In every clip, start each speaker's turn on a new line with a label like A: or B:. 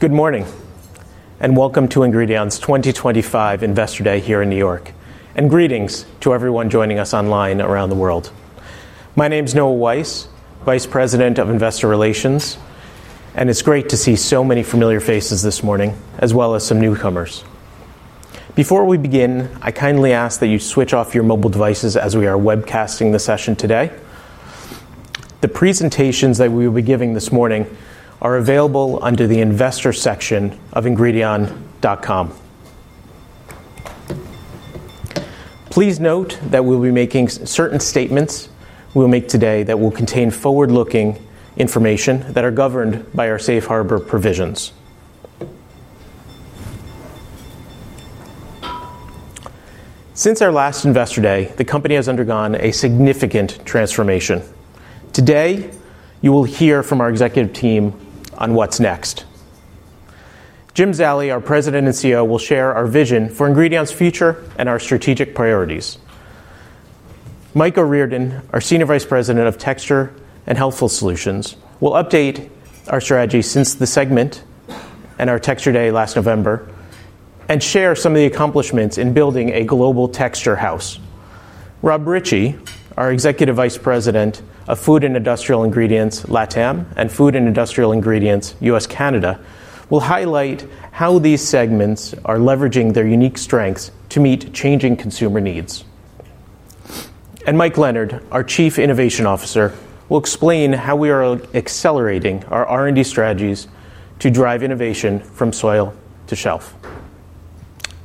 A: Good morning and welcome to Ingredion's 2025 Investor Day here in New York, and greetings to everyone joining us online around the world. My name is Noah Weiss, Vice President of Investor Relations, and it's great to see so many familiar faces this morning, as well as some newcomers. Before we begin, I kindly ask that you switch off your mobile devices as we are webcasting the session today. The presentations that we will be giving this morning are available under the Investor section of Ingredion.com. Please note that we'll be making certain statements today that will contain forward-looking information that are governed by our safe harbor provisions. Since our last Investor Day, the company has undergone a significant transformation. Today, you will hear from our executive team on what's next. Jim Zallie, our President and CEO, will share our vision for Ingredion's future and our strategic priorities. Michael Reardon, our Senior Vice President of Texture and Healthful Solutions, will update our strategy since the segment and our Texture Day last November and share some of the accomplishments in building a global texture house. Rob Ritchie, our Executive Vice President of Food and Industrial Ingredients LATAM and Food and Industrial Ingredients US-Canada, will highlight how these segments are leveraging their unique strengths to meet changing consumer needs. Mike Leonard, our Chief Innovation Officer, will explain how we are accelerating our R&D strategies to drive innovation from soil to shelf.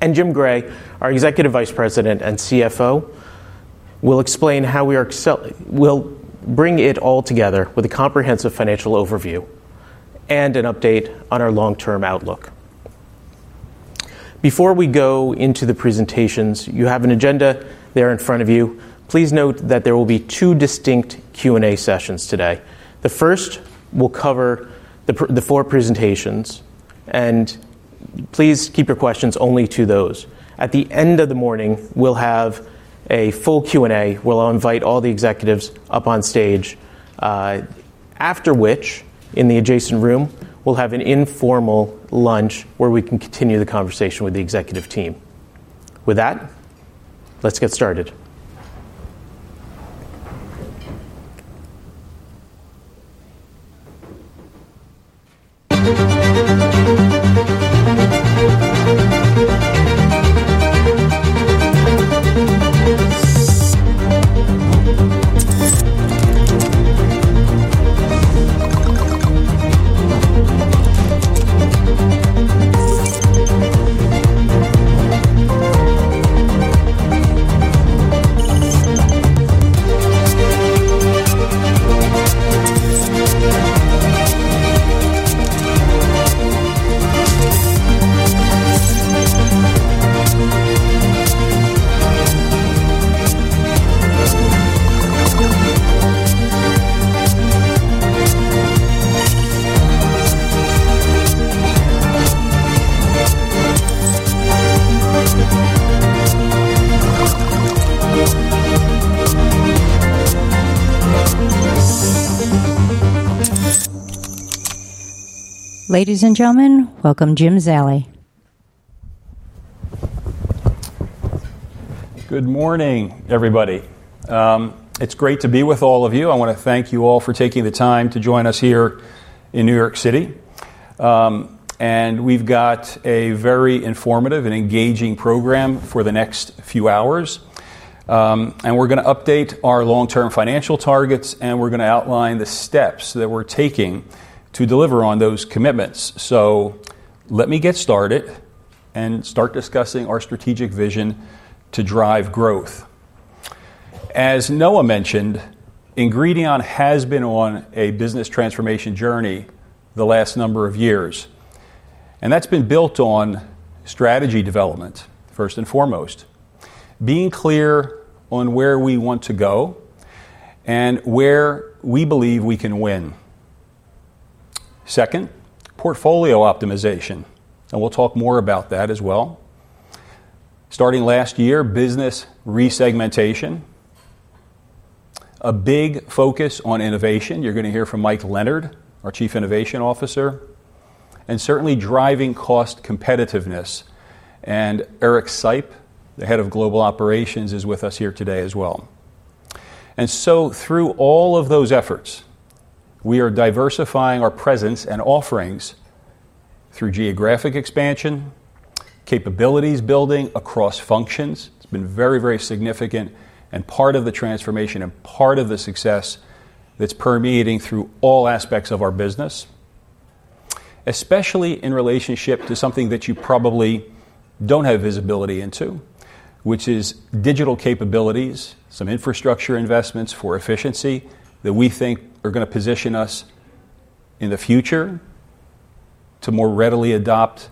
A: Jim Gray, our Executive Vice President and CFO, will explain how we will bring it all together with a comprehensive financial overview and an update on our long-term outlook. Before we go into the presentations, you have an agenda there in front of you. Please note that there will be two distinct Q&A sessions today. The first will cover the four presentations, and please keep your questions only to those. At the end of the morning, we'll have a full Q&A where I'll invite all the executives up on stage. After which, in the adjacent room, we'll have an informal lunch where we can continue the conversation with the executive team. With that, let's get started.
B: Ladies and gentlemen, welcome Jim Zallie.
C: Good morning, everybody. It's great to be with all of you. I want to thank you all for taking the time to join us here in New York. We've got a very informative and engaging program for the next few hours. We're going to update our long-term financial targets, and we're going to outline the steps that we're taking to deliver on those commitments. Let me get started and start discussing our strategic vision to drive growth. As Noah mentioned, Ingredion has been on a business transformation journey the last number of years. That's been built on strategy development, first and foremost, being clear on where we want to go and where we believe we can win. Second, portfolio optimization, and we'll talk more about that as well. Starting last year, business resegmentation, a big focus on innovation. You're going to hear from Mike Leonard, our Chief Innovation Officer, and certainly driving cost competitiveness. Eric Sype, the Head of Global Operations, is with us here today as well. Through all of those efforts, we are diversifying our presence and offerings through geographic expansion, capabilities building across functions. It's been very, very significant and part of the transformation and part of the success that's permeating through all aspects of our business, especially in relationship to something that you probably don't have visibility into, which is digital capabilities, some infrastructure investments for efficiency that we think are going to position us in the future to more readily adopt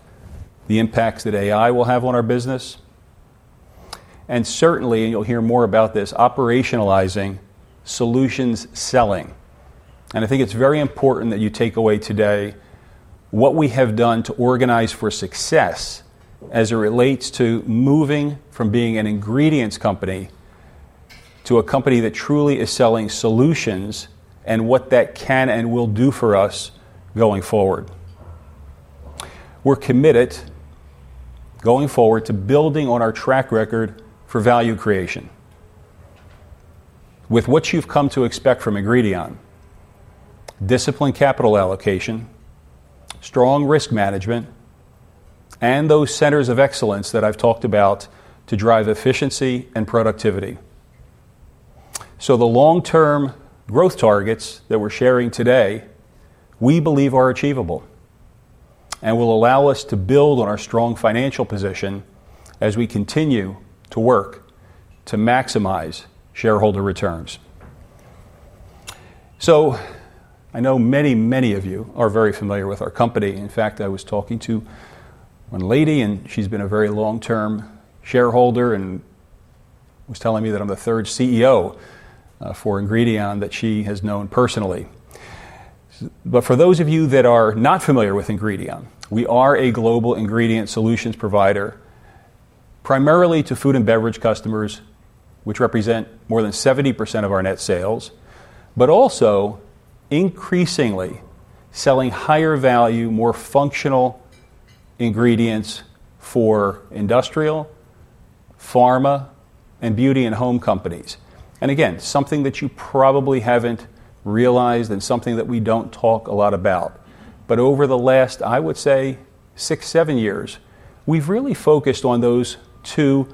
C: the impacts that AI will have on our business. Certainly, and you'll hear more about this, operationalizing solution selling. I think it's very important that you take away today what we have done to organize for success as it relates to moving from being an ingredients company to a company that truly is selling solutions and what that can and will do for us going forward. We're committed going forward to building on our track record for value creation. With what you've come to expect from Ingredion, disciplined capital allocation, strong risk management, and those centers of excellence that I've talked about to drive efficiency and productivity. The long-term growth targets that we're sharing today, we believe are achievable and will allow us to build on our strong financial position as we continue to work to maximize shareholder returns. I know many, many of you are very familiar with our company. In fact, I was talking to one lady, and she's been a very long-term shareholder and was telling me that I'm the third CEO for Ingredion that she has known personally. For those of you that are not familiar with Ingredion, we are a global ingredient solutions provider primarily to food and beverage customers, which represent more than 70% of our net sales, but also increasingly selling higher value, more functional ingredients for industrial, pharma, and beauty and home companies. Something that you probably haven't realized and something that we don't talk a lot about is that over the last, I would say, six, seven years, we've really focused on those two,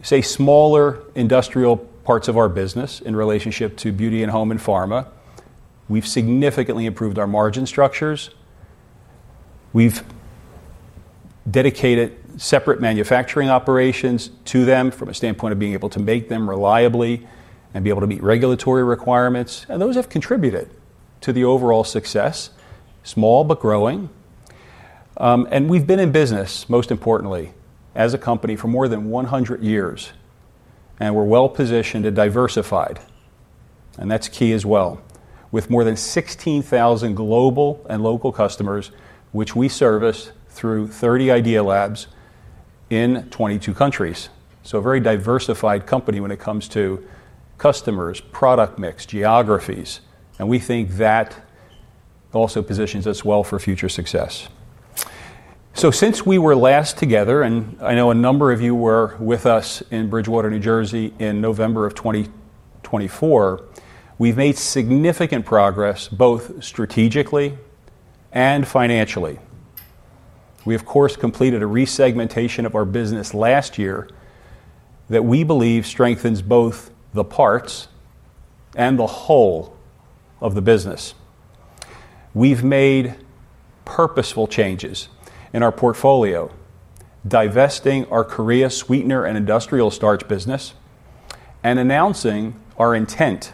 C: say, smaller industrial parts of our business in relationship to beauty and home and pharma. We've significantly improved our margin structures. We've dedicated separate manufacturing operations to them from a standpoint of being able to make them reliably and be able to meet regulatory requirements. Those have contributed to the overall success, small but growing. We've been in business, most importantly, as a company for more than 100 years. We're well positioned and diversified, and that's key as well, with more than 16,000 global and local customers, which we service through 30 Idea Labs in 22 countries. A very diversified company when it comes to customers, product mix, geographies, and we think that also positions us well for future success. Since we were last together, and I know a number of you were with us in Bridgewater, New Jersey, in November of 2024, we've made significant progress both strategically and financially. We, of course, completed a resegmentation of our business last year that we believe strengthens both the parts and the whole of the business. We've made purposeful changes in our portfolio, divesting our Korea sweetener and industrial starch business, and announcing our intent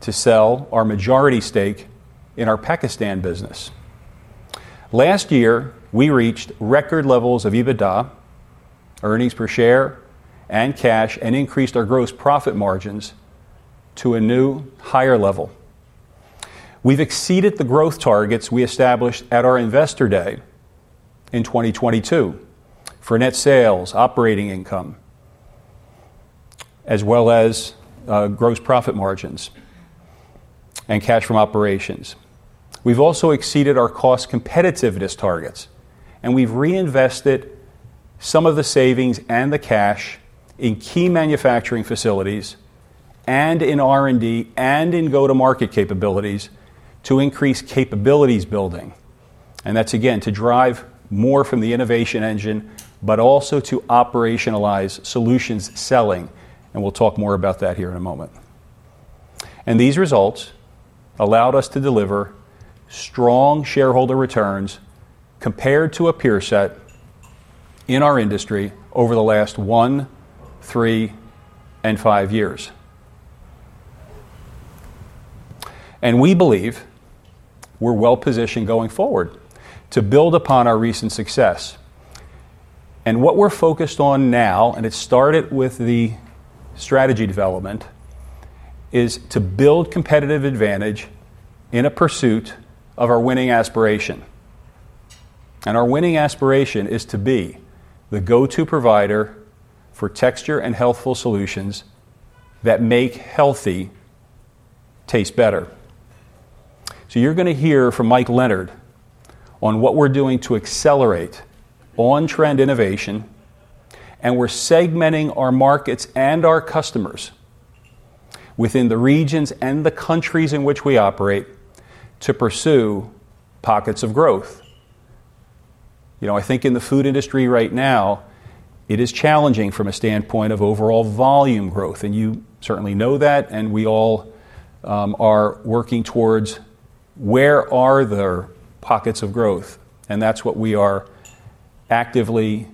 C: to sell our majority stake in our Pakistan business. Last year, we reached record levels of EBITDA, earnings per share, and cash, and increased our gross profit margins to a new higher level. We've exceeded the growth targets we established at our Investor Day in 2022 for net sales, operating income, as well as gross profit margins and cash from operations. We've also exceeded our cost competitiveness targets, and we've reinvested some of the savings and the cash in key manufacturing facilities and in R&D and in go-to-market capabilities to increase capabilities building. That's, again, to drive more from the innovation engine, but also to operationalize solution selling. We'll talk more about that here in a moment. These results allowed us to deliver strong shareholder returns compared to a peer set in our industry over the last one, three, and five years. We believe we're well positioned going forward to build upon our recent success. What we're focused on now, and it started with the strategy development, is to build competitive advantage in a pursuit of our winning aspiration. Our winning aspiration is to be the go-to provider for texture and healthful solutions that make healthy taste better. You're going to hear from Mike Leonard on what we're doing to accelerate on-trend innovation, and we're segmenting our markets and our customers within the regions and the countries in which we operate to pursue pockets of growth. I think in the food industry right now, it is challenging from a standpoint of overall volume growth. You certainly know that, and we all are working towards where are the pockets of growth. That's what we are actively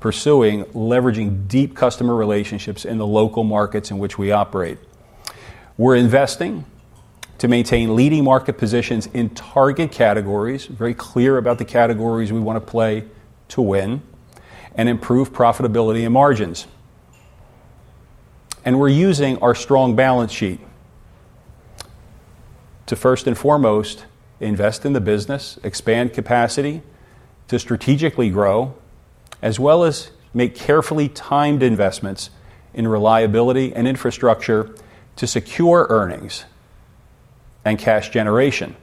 C: pursuing, leveraging deep customer relationships in the local markets in which we operate. We're investing to maintain leading market positions in target categories, very clear about the categories we want to play to win, and improve profitability and margins. We're using our strong balance sheet to, first and foremost, invest in the business, expand capacity to strategically grow, as well as make carefully timed investments in reliability and infrastructure to secure earnings and cash generation.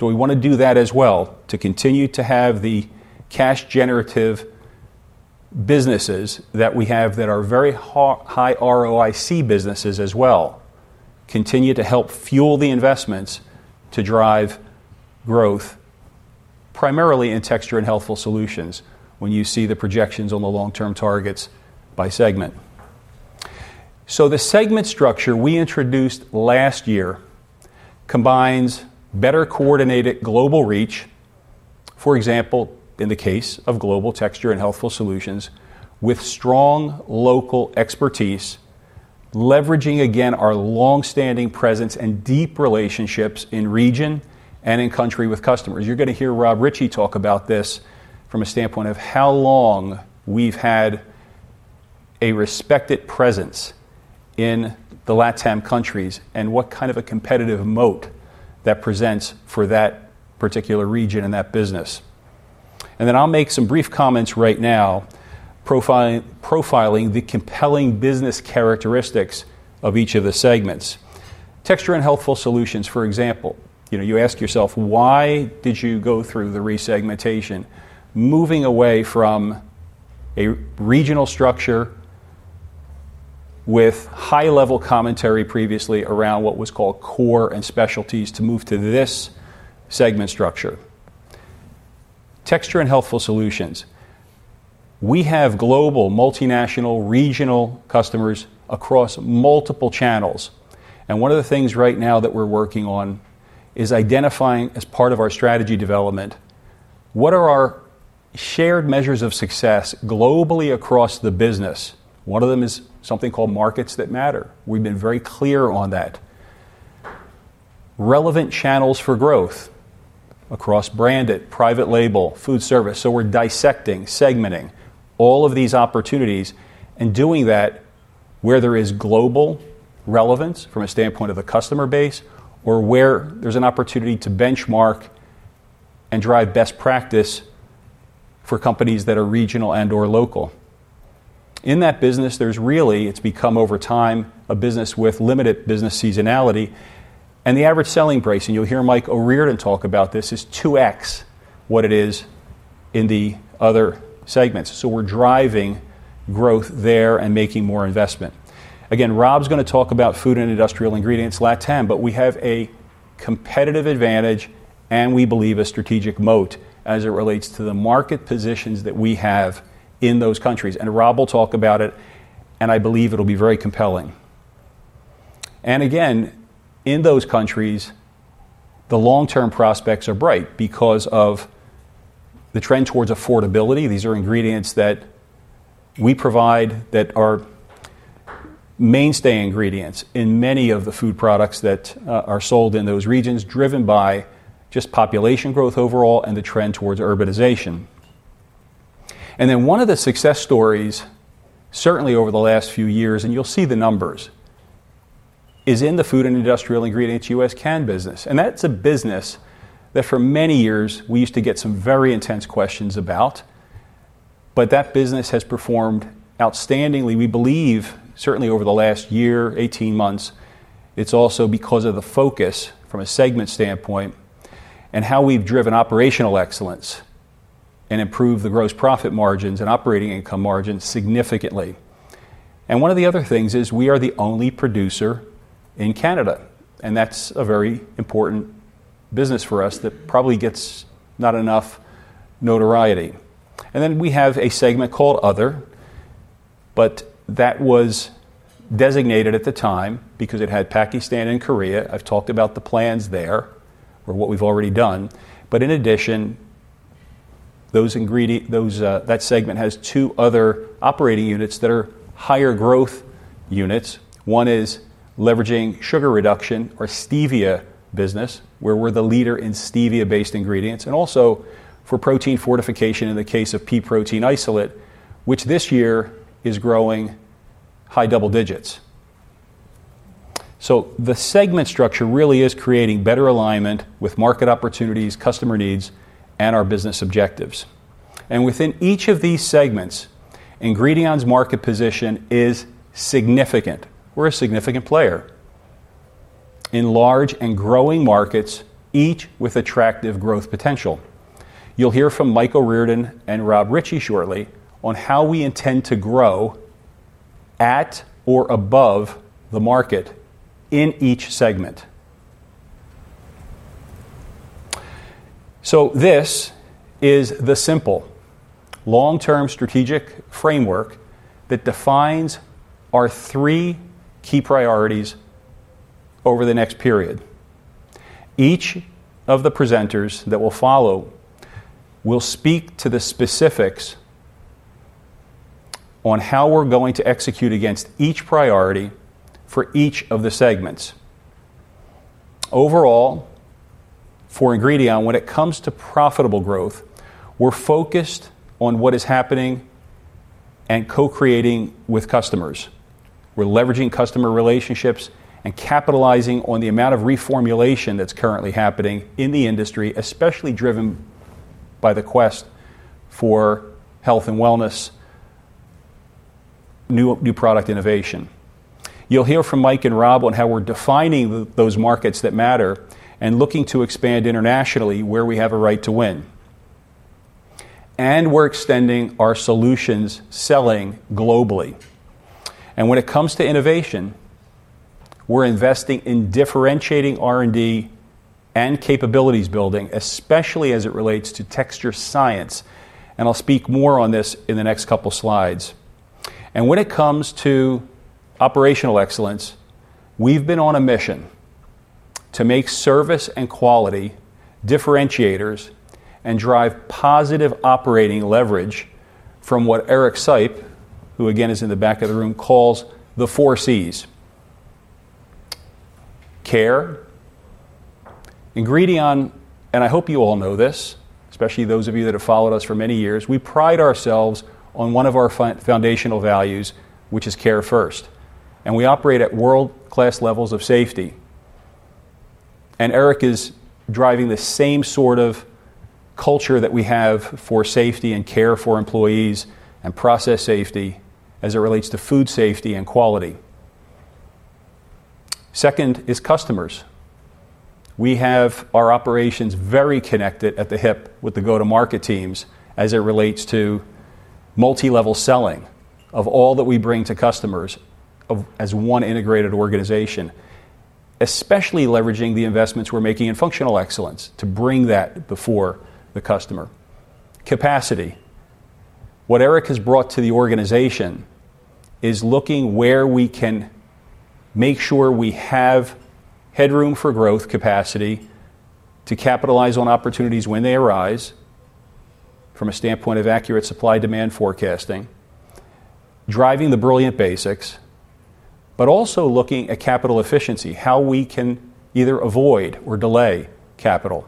C: We want to do that as well to continue to have the cash-generative businesses that we have that are very high ROIC businesses as well, continue to help fuel the investments to drive growth primarily in texture and healthful solutions when you see the projections on the long-term targets by segment. The segment structure we introduced last year combines better coordinated global reach, for example, in the case of global texture and healthful solutions, with strong local expertise, leveraging again our longstanding presence and deep relationships in region and in country with customers. You're going to hear Rob Ritchie talk about this from a standpoint of how long we've had a respected presence in the LATAM countries and what kind of a competitive moat that presents for that particular region and that business. I'll make some brief comments right now, profiling the compelling business characteristics of each of the segments. Texture and healthful solutions, for example, you ask yourself, why did you go through the resegmentation, moving away from a regional structure with high-level commentary previously around what was called core and specialties to move to this segment structure? Texture and healthful solutions, we have global, multinational, regional customers across multiple channels. One of the things right now that we're working on is identifying, as part of our strategy development, what are our shared measures of success globally across the business. One of them is something called markets that matter. We've been very clear on that. Relevant channels for growth across branded, private label, food service. We're dissecting, segmenting all of these opportunities and doing that where there is global relevance from a standpoint of the customer base or where there's an opportunity to benchmark and drive best practice for companies that are regional and/or local. In that business, it's become over time a business with limited business seasonality. The average selling price, and you'll hear Michael Reardon talk about this, is 2x what it is in the other segments. We're driving growth there and making more investment. Rob's going to talk about food and industrial ingredients LATAM, we have a competitive advantage and we believe a strategic moat as it relates to the market positions that we have in those countries. Rob will talk about it, and I believe it'll be very compelling. In those countries, the long-term prospects are bright because of the trend towards affordability. These are ingredients that we provide that are mainstay ingredients in many of the food products that are sold in those regions, driven by just population growth overall and the trend towards urbanization. One of the success stories, certainly over the last few years, and you'll see the numbers, is in the food and industrial ingredients US-Canada business. That's a business that for many years we used to get some very intense questions about, but that business has performed outstandingly. We believe, certainly over the last year, 18 months, it's also because of the focus from a segment standpoint and how we've driven operational excellence and improved the gross profit margins and operating income margins significantly. One of the other things is we are the only producer in Canada, and that's a very important business for us that probably gets not enough notoriety. We have a segment called Other, but that was designated at the time because it had Pakistan and Korea. I've talked about the plans there or what we've already done. In addition, that segment has two other operating units that are higher growth units. One is leveraging sugar reduction or stevia business, where we're the leader in stevia-based ingredients, and also for protein fortification in the case of pea protein isolate, which this year is growing high double digits. The segment structure really is creating better alignment with market opportunities, customer needs, and our business objectives. Within each of these segments, Ingredion's market position is significant. We're a significant player in large and growing markets, each with attractive growth potential. You'll hear from Michael Reardon and Rob Ritchie shortly on how we intend to grow at or above the market in each segment. This is the simple long-term strategic framework that defines our three key priorities over the next period. Each of the presenters that will follow will speak to the specifics on how we're going to execute against each priority for each of the segments. Overall, for Ingredion, when it comes to profitable growth, we're focused on what is happening and co-creating with customers. We're leveraging customer relationships and capitalizing on the amount of reformulation that's currently happening in the industry, especially driven by the quest for health and wellness, new product innovation. You'll hear from Mike and Rob on how we're defining those markets that matter and looking to expand internationally where we have a right to win. We're extending our solution selling globally. When it comes to innovation, we're investing in differentiating R&D and capabilities building, especially as it relates to texture science. I'll speak more on this in the next couple of slides. When it comes to operational excellence, we've been on a mission to make service and quality differentiators and drive positive operating leverage from what Eric Sype, who again is in the back of the room, calls the four Cs. Care, Ingredion, and I hope you all know this, especially those of you that have followed us for many years, we pride ourselves on one of our foundational values, which is care first. We operate at world-class levels of safety. Eric is driving the same sort of culture that we have for safety and care for employees and process safety as it relates to food safety and quality. Second is customers. We have our operations very connected at the hip with the go-to-market teams as it relates to multi-level selling of all that we bring to customers as one integrated organization, especially leveraging the investments we're making in functional excellence to bring that before the customer. Capacity. What Eric has brought to the organization is looking where we can make sure we have headroom for growth capacity to capitalize on opportunities when they arise from a standpoint of accurate supply-demand forecasting, driving the brilliant basics, but also looking at capital efficiency, how we can either avoid or delay capital.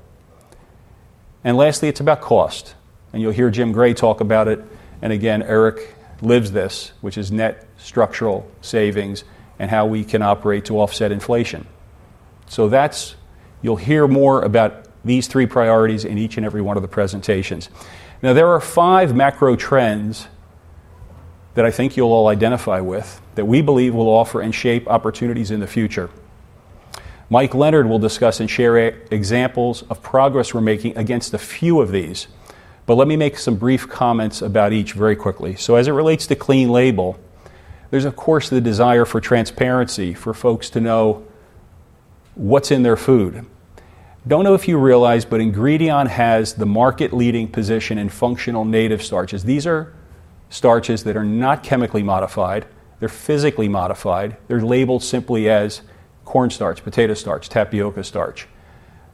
C: Lastly, it's about cost. You'll hear Jim Gray talk about it. Again, Eric lives this, which is net structural savings and how we can operate to offset inflation. You'll hear more about these three priorities in each and every one of the presentations. There are five macro trends that I think you'll all identify with that we believe will offer and shape opportunities in the future. Mike Leonard will discuss and share examples of progress we're making against a few of these. Let me make some brief comments about each very quickly. As it relates to clean label, there's, of course, the desire for transparency for folks to know what's in their food. I don't know if you realize, but Ingredion has the market-leading position in functional native starches. These are starches that are not chemically modified. They're physically modified. They're labeled simply as corn starch, potato starch, tapioca starch.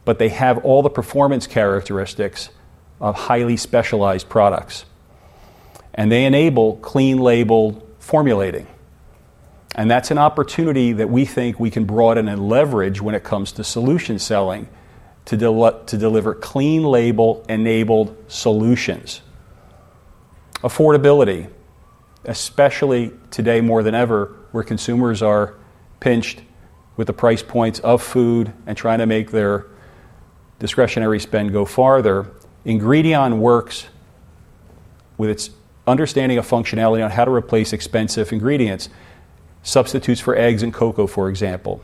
C: They have all the performance characteristics of highly specialized products. They enable clean label formulating. That's an opportunity that we think we can broaden and leverage when it comes to solution selling to deliver clean label enabled solutions. Affordability, especially today more than ever, where consumers are pinched with the price points of food and trying to make their discretionary spend go farther. Ingredion works with its understanding of functionality on how to replace expensive ingredients, substitutes for eggs and cocoa, for example.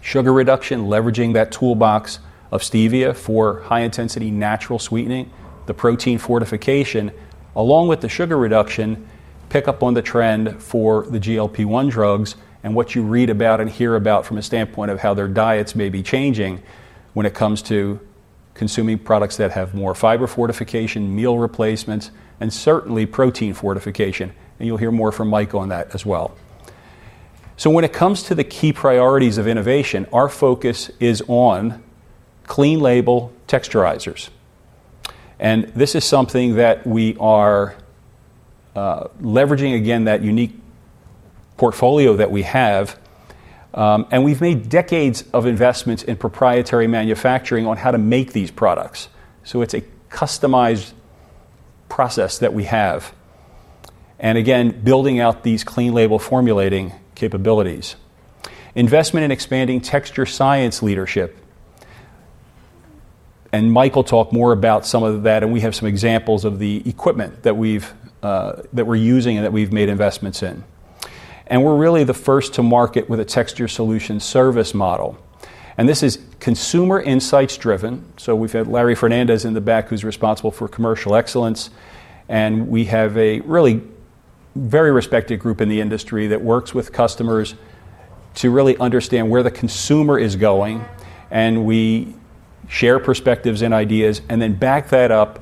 C: Sugar reduction, leveraging that toolbox of stevia for high-intensity natural sweetening, the protein fortification, along with the sugar reduction, pick up on the trend for the GLP-1 drugs and what you read about and hear about from a standpoint of how their diets may be changing when it comes to consuming products that have more fiber fortification, meal replacements, and certainly protein fortification. You will hear more from Michael on that as well. When it comes to the key priorities of innovation, our focus is on clean label texturizers. This is something that we are leveraging, again, that unique portfolio that we have. We have made decades of investments in proprietary manufacturing on how to make these products. It is a customized process that we have. Again, building out these clean label formulating capabilities. Investment in expanding texture science leadership. Michael talked more about some of that, and we have some examples of the equipment that we are using and that we have made investments in. We are really the first to market with a texture solution service model. This is consumer insights-driven. We have had Larry Fernandez in the back, who is responsible for commercial excellence. We have a really very respected group in the industry that works with customers to really understand where the consumer is going. We share perspectives and ideas and then back that up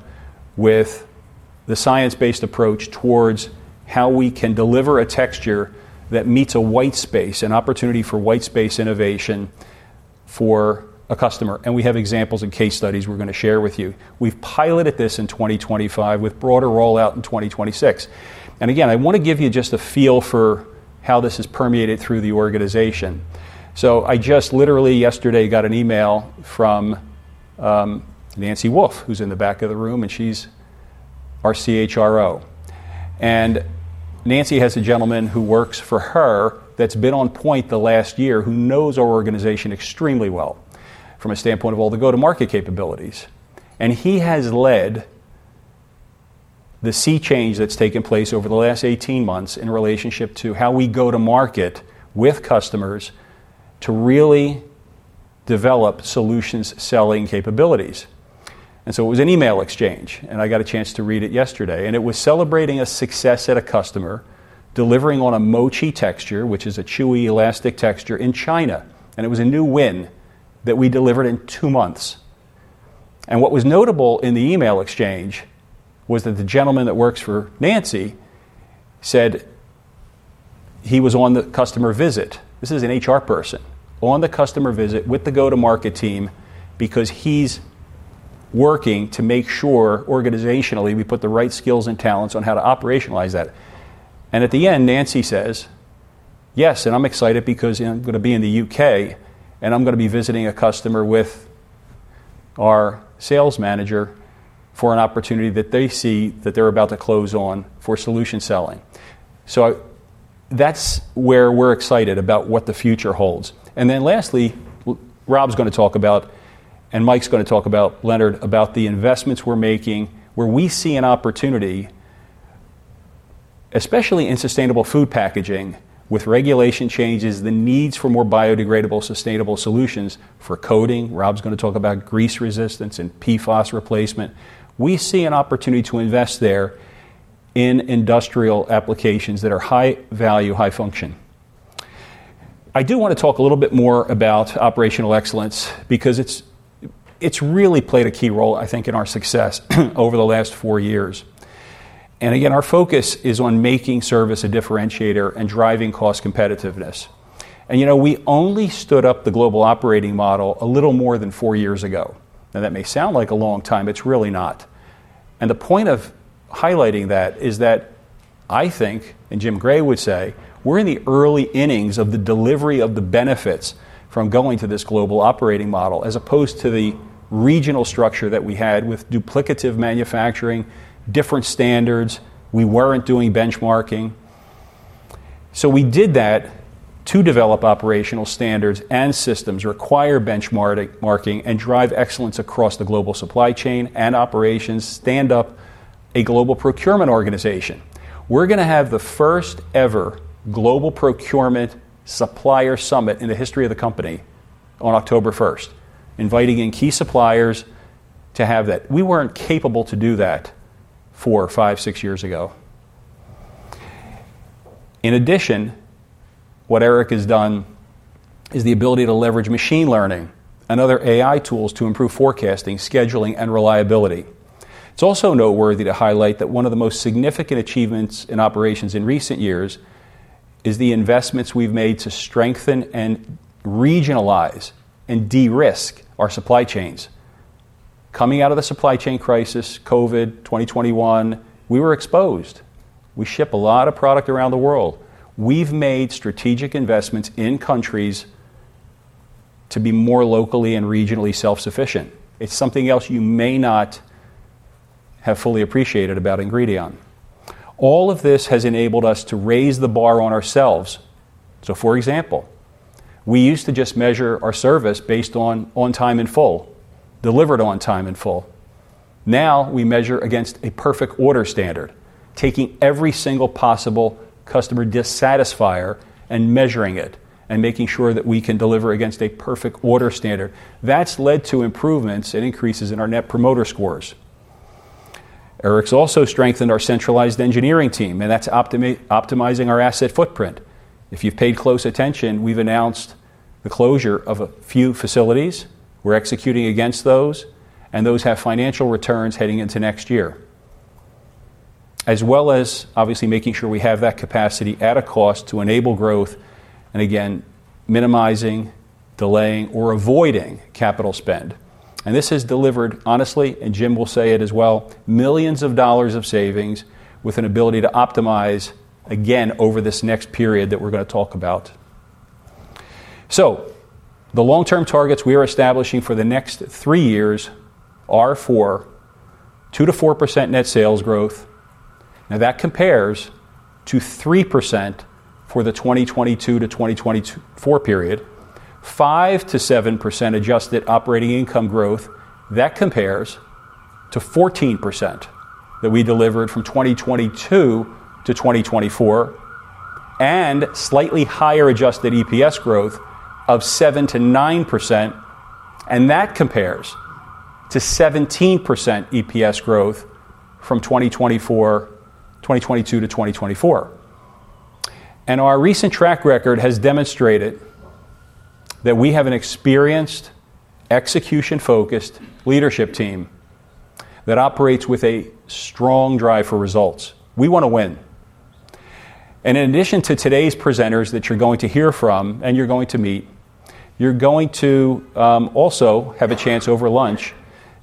C: with the science-based approach towards how we can deliver a texture that meets a white space, an opportunity for white space innovation for a customer. We have examples and case studies we are going to share with you. We have piloted this in 2025 with broader rollout in 2026. I want to give you just a feel for how this has permeated through the organization. I just literally yesterday got an email from Nancy Wolfe, who is in the back of the room, and she is our CHRO. Nancy has a gentleman who works for her that has been on point the last year, who knows our organization extremely well from a standpoint of all the go-to-market capabilities. He has led the sea change that's taken place over the last 18 months in relationship to how we go to market with customers to really develop solution selling capabilities. It was an email exchange, and I got a chance to read it yesterday. It was celebrating a success at a customer delivering on a mochi texture, which is a chewy elastic texture in China. It was a new win that we delivered in two months. What was notable in the email exchange was that the gentleman that works for Nancy said he was on the customer visit. This is an HR person on the customer visit with the go-to-market team because he's working to make sure organizationally we put the right skills and talents on how to operationalize that. At the end, Nancy says, "Yes, and I'm excited because I'm going to be in the U.K., and I'm going to be visiting a customer with our sales manager for an opportunity that they see that they're about to close on for solution selling." That's where we're excited about what the future holds. Lastly, Rob's going to talk about, and Mike's going to talk about, Leonard, about the investments we're making, where we see an opportunity, especially in sustainable food packaging with regulatory changes, the needs for more biodegradable, sustainable solutions for coating. Rob's going to talk about grease resistance and PFAS replacement. We see an opportunity to invest there in industrial applications that are high value, high function. I do want to talk a little bit more about operational excellence because it's really played a key role, I think, in our success over the last four years. Our focus is on making service a differentiator and driving cost competitiveness. We only stood up the global operating model a little more than four years ago. That may sound like a long time, it's really not. The point of highlighting that is that I think, and Jim Gray would say, we're in the early innings of the delivery of the benefits from going to this global operating model as opposed to the regional structure that we had with duplicative manufacturing, different standards. We weren't doing benchmarking. We did that to develop operational standards and systems, require benchmarking, and drive excellence across the global supply chain and operations, stand up a global procurement organization. We're going to have the first ever global procurement supplier summit in the history of the company on October 1st, inviting in key suppliers to have that. We weren't capable to do that four, five, six years ago. In addition, what Eric has done is the ability to leverage machine learning and other AI tools to improve forecasting, scheduling, and reliability. It's also noteworthy to highlight that one of the most significant achievements in operations in recent years is the investments we've made to strengthen and regionalize and de-risk our supply chains. Coming out of the supply chain crisis, COVID, 2021, we were exposed. We ship a lot of product around the world. We've made strategic investments in countries to be more locally and regionally self-sufficient. It's something else you may not have fully appreciated about Ingredion. All of this has enabled us to raise the bar on ourselves. For example, we used to just measure our service based on on time and full, delivered on time and full. Now we measure against a perfect order standard, taking every single possible customer dissatisfier and measuring it and making sure that we can deliver against a perfect order standard. That's led to improvements and increases in our net promoter scores. Eric's also strengthened our centralized engineering team, and that's optimizing our asset footprint. If you've paid close attention, we've announced the closure of a few facilities. We're executing against those, and those have financial returns heading into next year, as well as obviously making sure we have that capacity at a cost to enable growth and again minimizing, delaying, or avoiding capital spend. This has delivered, honestly, and Jim will say it as well, millions of dollars of savings with an ability to optimize again over this next period that we're going to talk about. The long-term targets we are establishing for the next three years are for 2%-4% net sales growth. That compares to 3% for the 2022 to 2024 period, 5%-7% adjusted operating income growth. That compares to 14% that we delivered from 2022 to 2024 and slightly higher adjusted EPS growth of 7%-9%. That compares to 17% EPS growth from 2022 to 2024. Our recent track record has demonstrated that we have an experienced, execution-focused leadership team that operates with a strong drive for results. We want to win. In addition to today's presenters that you're going to hear from and you're going to meet, you'll also have a chance over lunch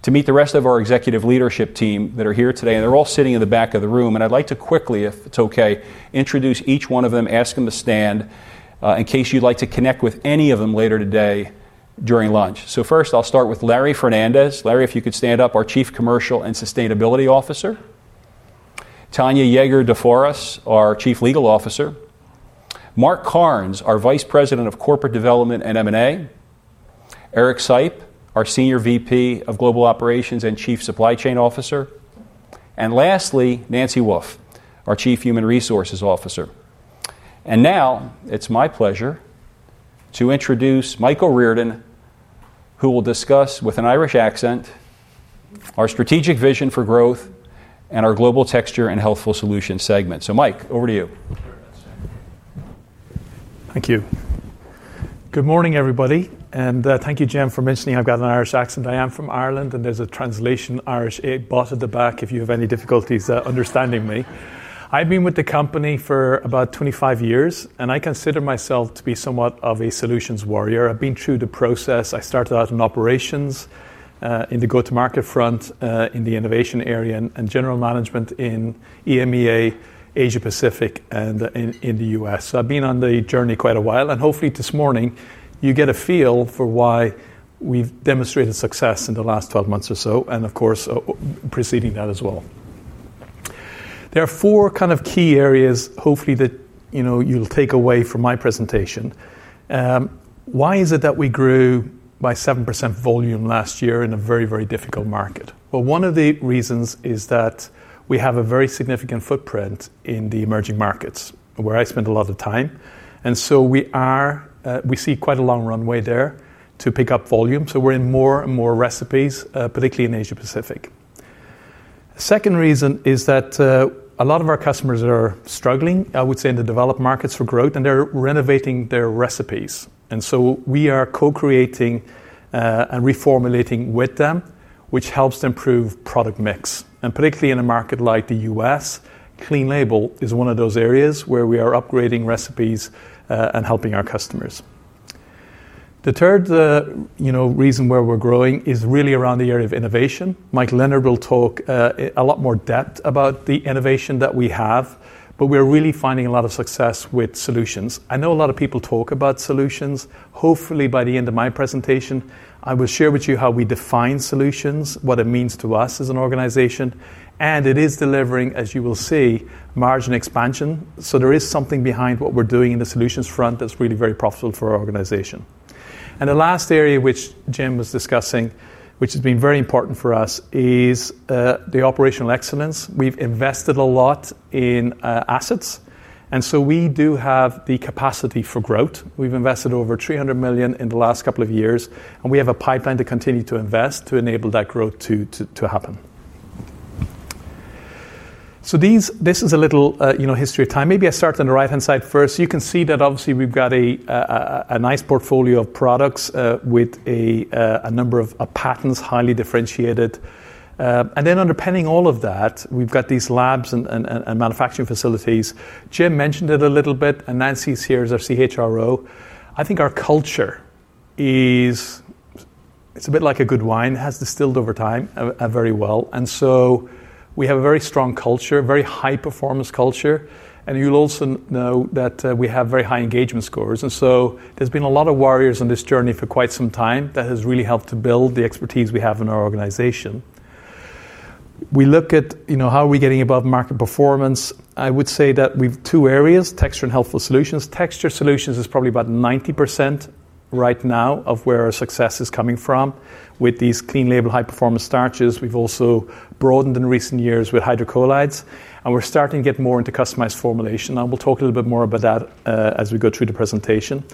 C: to meet the rest of our Executive Leadership Team that are here today. They're all sitting in the back of the room. I'd like to quickly, if it's okay, introduce each one of them and ask them to stand in case you'd like to connect with any of them later today during lunch. First, I'll start with Larry Fernandez. Larry, if you could stand up, our Chief Commercial and Sustainability Officer. Tanya Yeager de Foras, our Chief Legal Officer. Mark Carnes, our Vice President of Corporate Development and M&A. Eric Sype, our Senior Vice President of Global Operations and Chief Supply Chain Officer. Lastly, Nancy Wolfe, our Chief Human Resources Officer. Now it's my pleasure to introduce Michael Reardon, who will discuss with an Irish accent our strategic vision for growth and our global texture and healthful solution segment. Mike, over to you.
D: Thank you. Good morning, everybody. Thank you, Jim, for mentioning I've got an Irish accent. I am from Ireland, and there's a translation Irish bot at the back if you have any difficulties understanding me. I've been with the company for about 25 years, and I consider myself to be somewhat of a solutions warrior. I've been through the process. I started out in operations in the go-to-market front in the innovation area and general management in EMEA, Asia-Pacific, and in the U.S. I've been on the journey quite a while. Hopefully this morning you get a feel for why we've demonstrated success in the last 12 months or so, and of course preceding that as well. There are four kind of key areas hopefully that you'll take away from my presentation. Why is it that we grew by 7% volume last year in a very, very difficult market? One of the reasons is that we have a very significant footprint in the emerging markets where I spend a lot of time. We see quite a long runway there to pick up volume. We're in more and more recipes, particularly in Asia-Pacific. The second reason is that a lot of our customers are struggling, I would say, in the developed markets for growth, and they're renovating their recipes. We are co-creating and reformulating with them, which helps improve product mix. Particularly in a market like the U.S., clean label is one of those areas where we are upgrading recipes and helping our customers. The third reason why we're growing is really around the area of innovation. Mike Leonard will talk a lot more depth about the innovation that we have, but we're really finding a lot of success with solutions. I know a lot of people talk about solutions. Hopefully, by the end of my presentation, I will share with you how we define solutions, what it means to us as an organization. It is delivering, as you will see, margin expansion. There is something behind what we're doing in the solutions front that's really very profitable for our organization. The last area which Jim was discussing, which has been very important for us, is the operational excellence. We've invested a lot in assets. We do have the capacity for growth. We've invested over $300 million in the last couple of years, and we have a pipeline to continue to invest to enable that growth to happen. This is a little history of time. Maybe I start on the right-hand side first. You can see that obviously we've got a nice portfolio of products with a number of patents, highly differentiated. Underpinning all of that, we've got these labs and manufacturing facilities. Jim mentioned it a little bit, and Nancy's here as our CHRO. I think our culture is a bit like a good wine, has distilled over time very well. We have a very strong culture, a very high-performance culture. You'll also know that we have very high engagement scores. There's been a lot of warriors on this journey for quite some time that has really helped to build the expertise we have in our organization. We look at how are we getting above market performance. I would say that we have two areas: texture and healthful solutions. Texture solutions is probably about 90% right now of where our success is coming from with these clean label, high-performance starches. We've also broadened in recent years with hydrocolloids, and we're starting to get more into customized formulation. We'll talk a little bit more about that as we go through the presentation.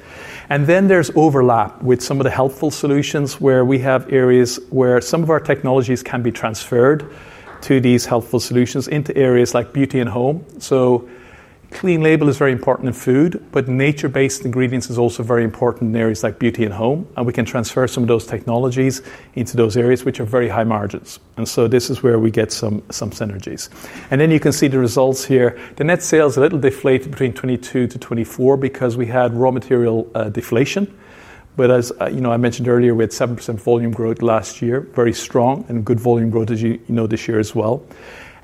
D: There's overlap with some of the healthful solutions where we have areas where some of our technologies can be transferred to these healthful solutions into areas like beauty and home. Clean label is very important in food, but nature-based ingredients are also very important in areas like beauty and home. We can transfer some of those technologies into those areas which are very high margins. This is where we get some synergies. You can see the results here. The net sales are a little deflated between 2022 to 2024 because we had raw material deflation. As I mentioned earlier, we had 7% volume growth last year, very strong and good volume growth, as you know, this year as well,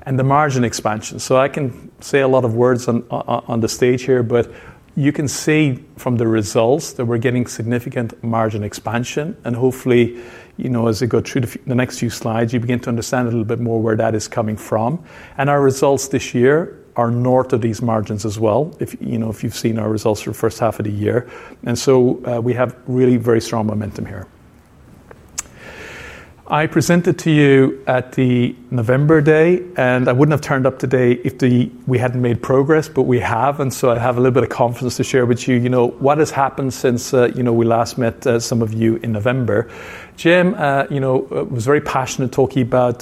D: and the margin expansion. I can say a lot of words on the stage here, but you can see from the results that we're getting significant margin expansion. Hopefully, as I go through the next few slides, you begin to understand a little bit more where that is coming from. Our results this year are north of these margins as well, if you've seen our results for the first half of the year. We have really very strong momentum here. I presented to you at the November Day, and I wouldn't have turned up today if we hadn't made progress, but we have. I have a little bit of confidence to share with you what has happened since we last met some of you in November. Jim was very passionate talking about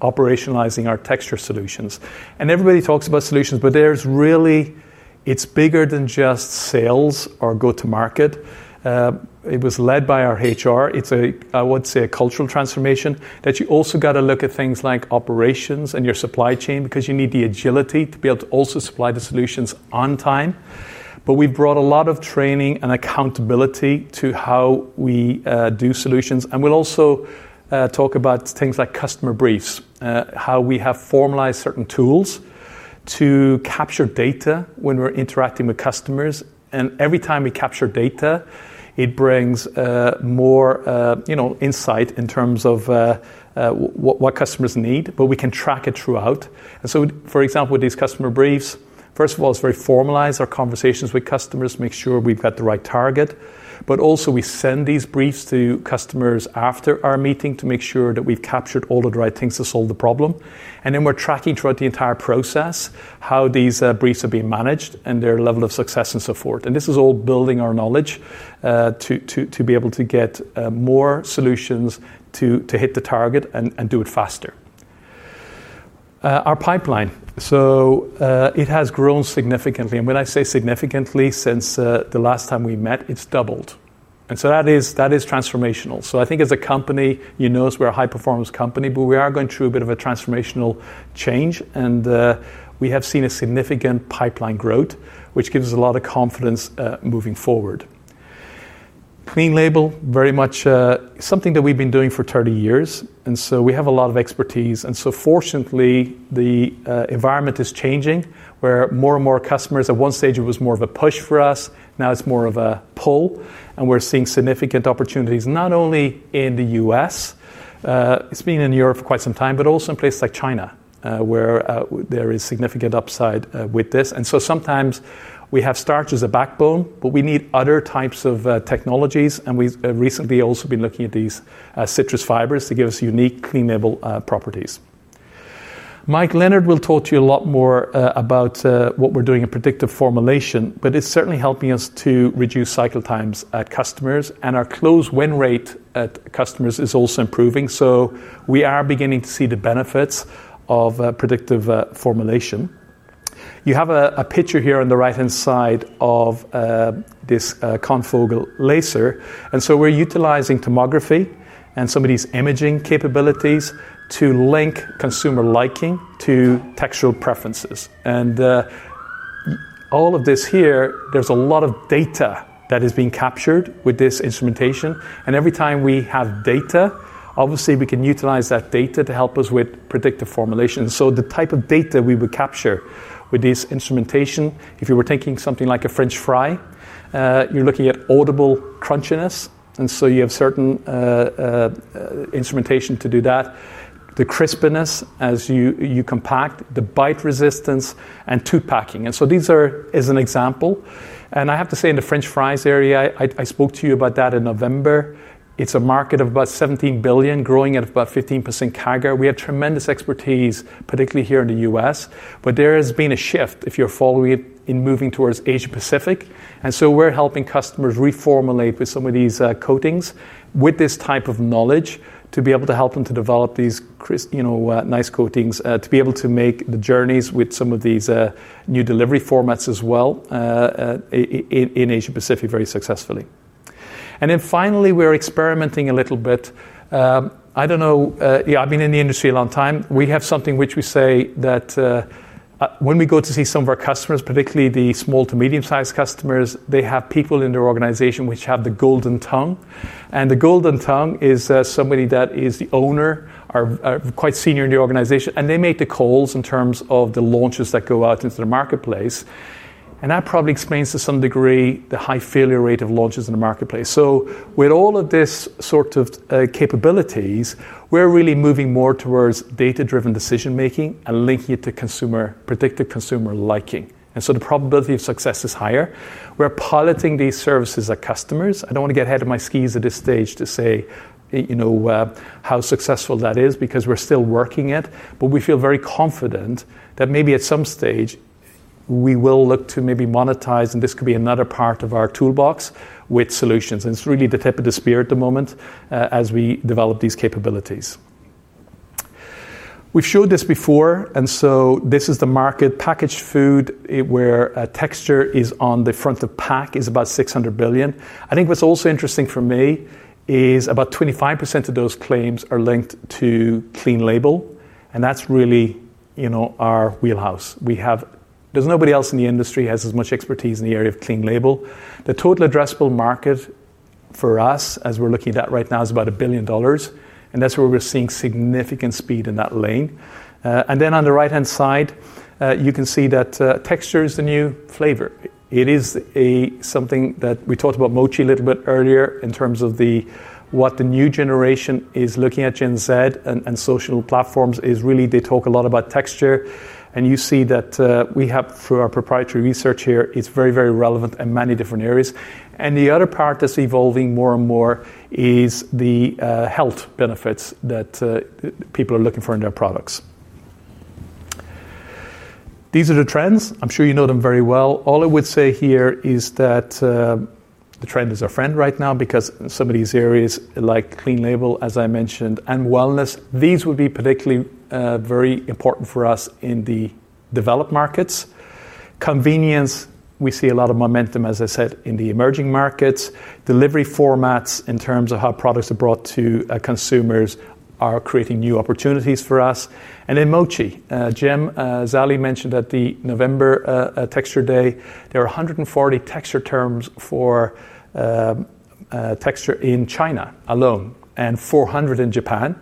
D: operationalizing our texture solutions. Everybody talks about solutions, but it's bigger than just sales or go-to-market. It was led by our HR. It's a, I would say, a cultural transformation that you also got to look at things like operations and your supply chain because you need the agility to be able to also supply the solutions on time. We've brought a lot of training and accountability to how we do solutions. We'll also talk about things like customer briefs, how we have formalized certain tools to capture data when we're interacting with customers. Every time we capture data, it brings more insight in terms of what customers need, but we can track it throughout. For example, with these customer briefs, first of all, it's very formalized. Our conversations with customers make sure we've got the right target. We send these briefs to customers after our meeting to make sure that we've captured all of the right things to solve the problem. We're tracking throughout the entire process how these briefs are being managed and their level of success and so forth. This is all building our knowledge to be able to get more solutions to hit the target and do it faster. Our pipeline has grown significantly. When I say significantly, since the last time we met, it's doubled. That is transformational. I think as a company, you know us, we're a high-performance company, but we are going through a bit of a transformational change. We have seen a significant pipeline growth, which gives us a lot of confidence moving forward. Clean label, very much something that we've been doing for 30 years. We have a lot of expertise. Fortunately, the environment is changing where more and more customers at one stage, it was more of a push for us. Now it's more of a pull. We're seeing significant opportunities, not only in the U.S., it's been in Europe for quite some time, but also in places like China where there is significant upside with this. Sometimes we have starch as a backbone, but we need other types of technologies. We've recently also been looking at these citrus fibers to give us unique clean label properties. Mike Leonard will talk to you a lot more about what we're doing in predictive formulation, but it's certainly helping us to reduce cycle times at customers. Our close win rate at customers is also improving. We are beginning to see the benefits of predictive formulation. You have a picture here on the right-hand side of this confocal laser. We're utilizing tomography and some of these imaging capabilities to link consumer liking to textural preferences. All of this here, there's a lot of data that is being captured with this instrumentation. Every time we have data, obviously we can utilize that data to help us with predictive formulation. The type of data we would capture with this instrumentation, if you were thinking something like a French fry, you're looking at audible crunchiness. You have certain instrumentation to do that. The crispiness as you compact, the bite resistance, and toothpacking. These are an example. I have to say in the French fries area, I spoke to you about that in November. It's a market of about $17 billion, growing at about 15% CAGR. We have tremendous expertise, particularly here in the U.S. There has been a shift, if you're following it, in moving towards Asia-Pacific. We're helping customers reformulate with some of these coatings with this type of knowledge to be able to help them to develop these nice coatings to be able to make the journeys with some of these new delivery formats as well in Asia-Pacific very successfully. Finally, we're experimenting a little bit. I don't know. I've been in the industry a long time. We have something which we say that when we go to see some of our customers, particularly the small to medium-sized customers, they have people in their organization which have the golden tongue. The golden tongue is somebody that is the owner or quite senior in the organization. They make the calls in terms of the launches that go out into the marketplace. That probably explains to some degree the high failure rate of launches in the marketplace. With all of this sort of capabilities, we're really moving more towards data-driven decision-making and linking it to predictive consumer liking. The probability of success is higher. We're piloting these services at customers. I don't want to get ahead of my skis at this stage to say, you know, how successful that is because we're still working it. We feel very confident that maybe at some stage we will look to maybe monetize. This could be another part of our toolbox with solutions. It's really the tip of the spear at the moment as we develop these capabilities. We've showed this before. This is the market packaged food where texture is on the front of pack, is about $600 billion. I think what's also interesting for me is about 25% of those claims are linked to clean label. That's really, you know, our wheelhouse. We have, nobody else in the industry has as much expertise in the area of clean label. The total addressable market for us, as we're looking at that right now, is about $1 billion. That's where we're seeing significant speed in that lane. On the right-hand side, you can see that texture is the new flavor. It is something that we talked about, mochi a little bit earlier in terms of what the new generation is looking at, Gen Z and social platforms. They talk a lot about texture. You see that we have, through our proprietary research here, it's very, very relevant in many different areas. The other part that's evolving more and more is the health benefits that people are looking for in their products. These are the trends. I'm sure you know them very well. All I would say here is that the trend is our friend right now because some of these areas like clean label, as I mentioned, and wellness, these would be particularly very important for us in the developed markets. Convenience, we see a lot of momentum, as I said, in the emerging markets. Delivery formats in terms of how products are brought to consumers are creating new opportunities for us. In mochi, Jim Zallie mentioned at the November Texture Day, there are 140 texture terms for texture in China alone and 400 in Japan.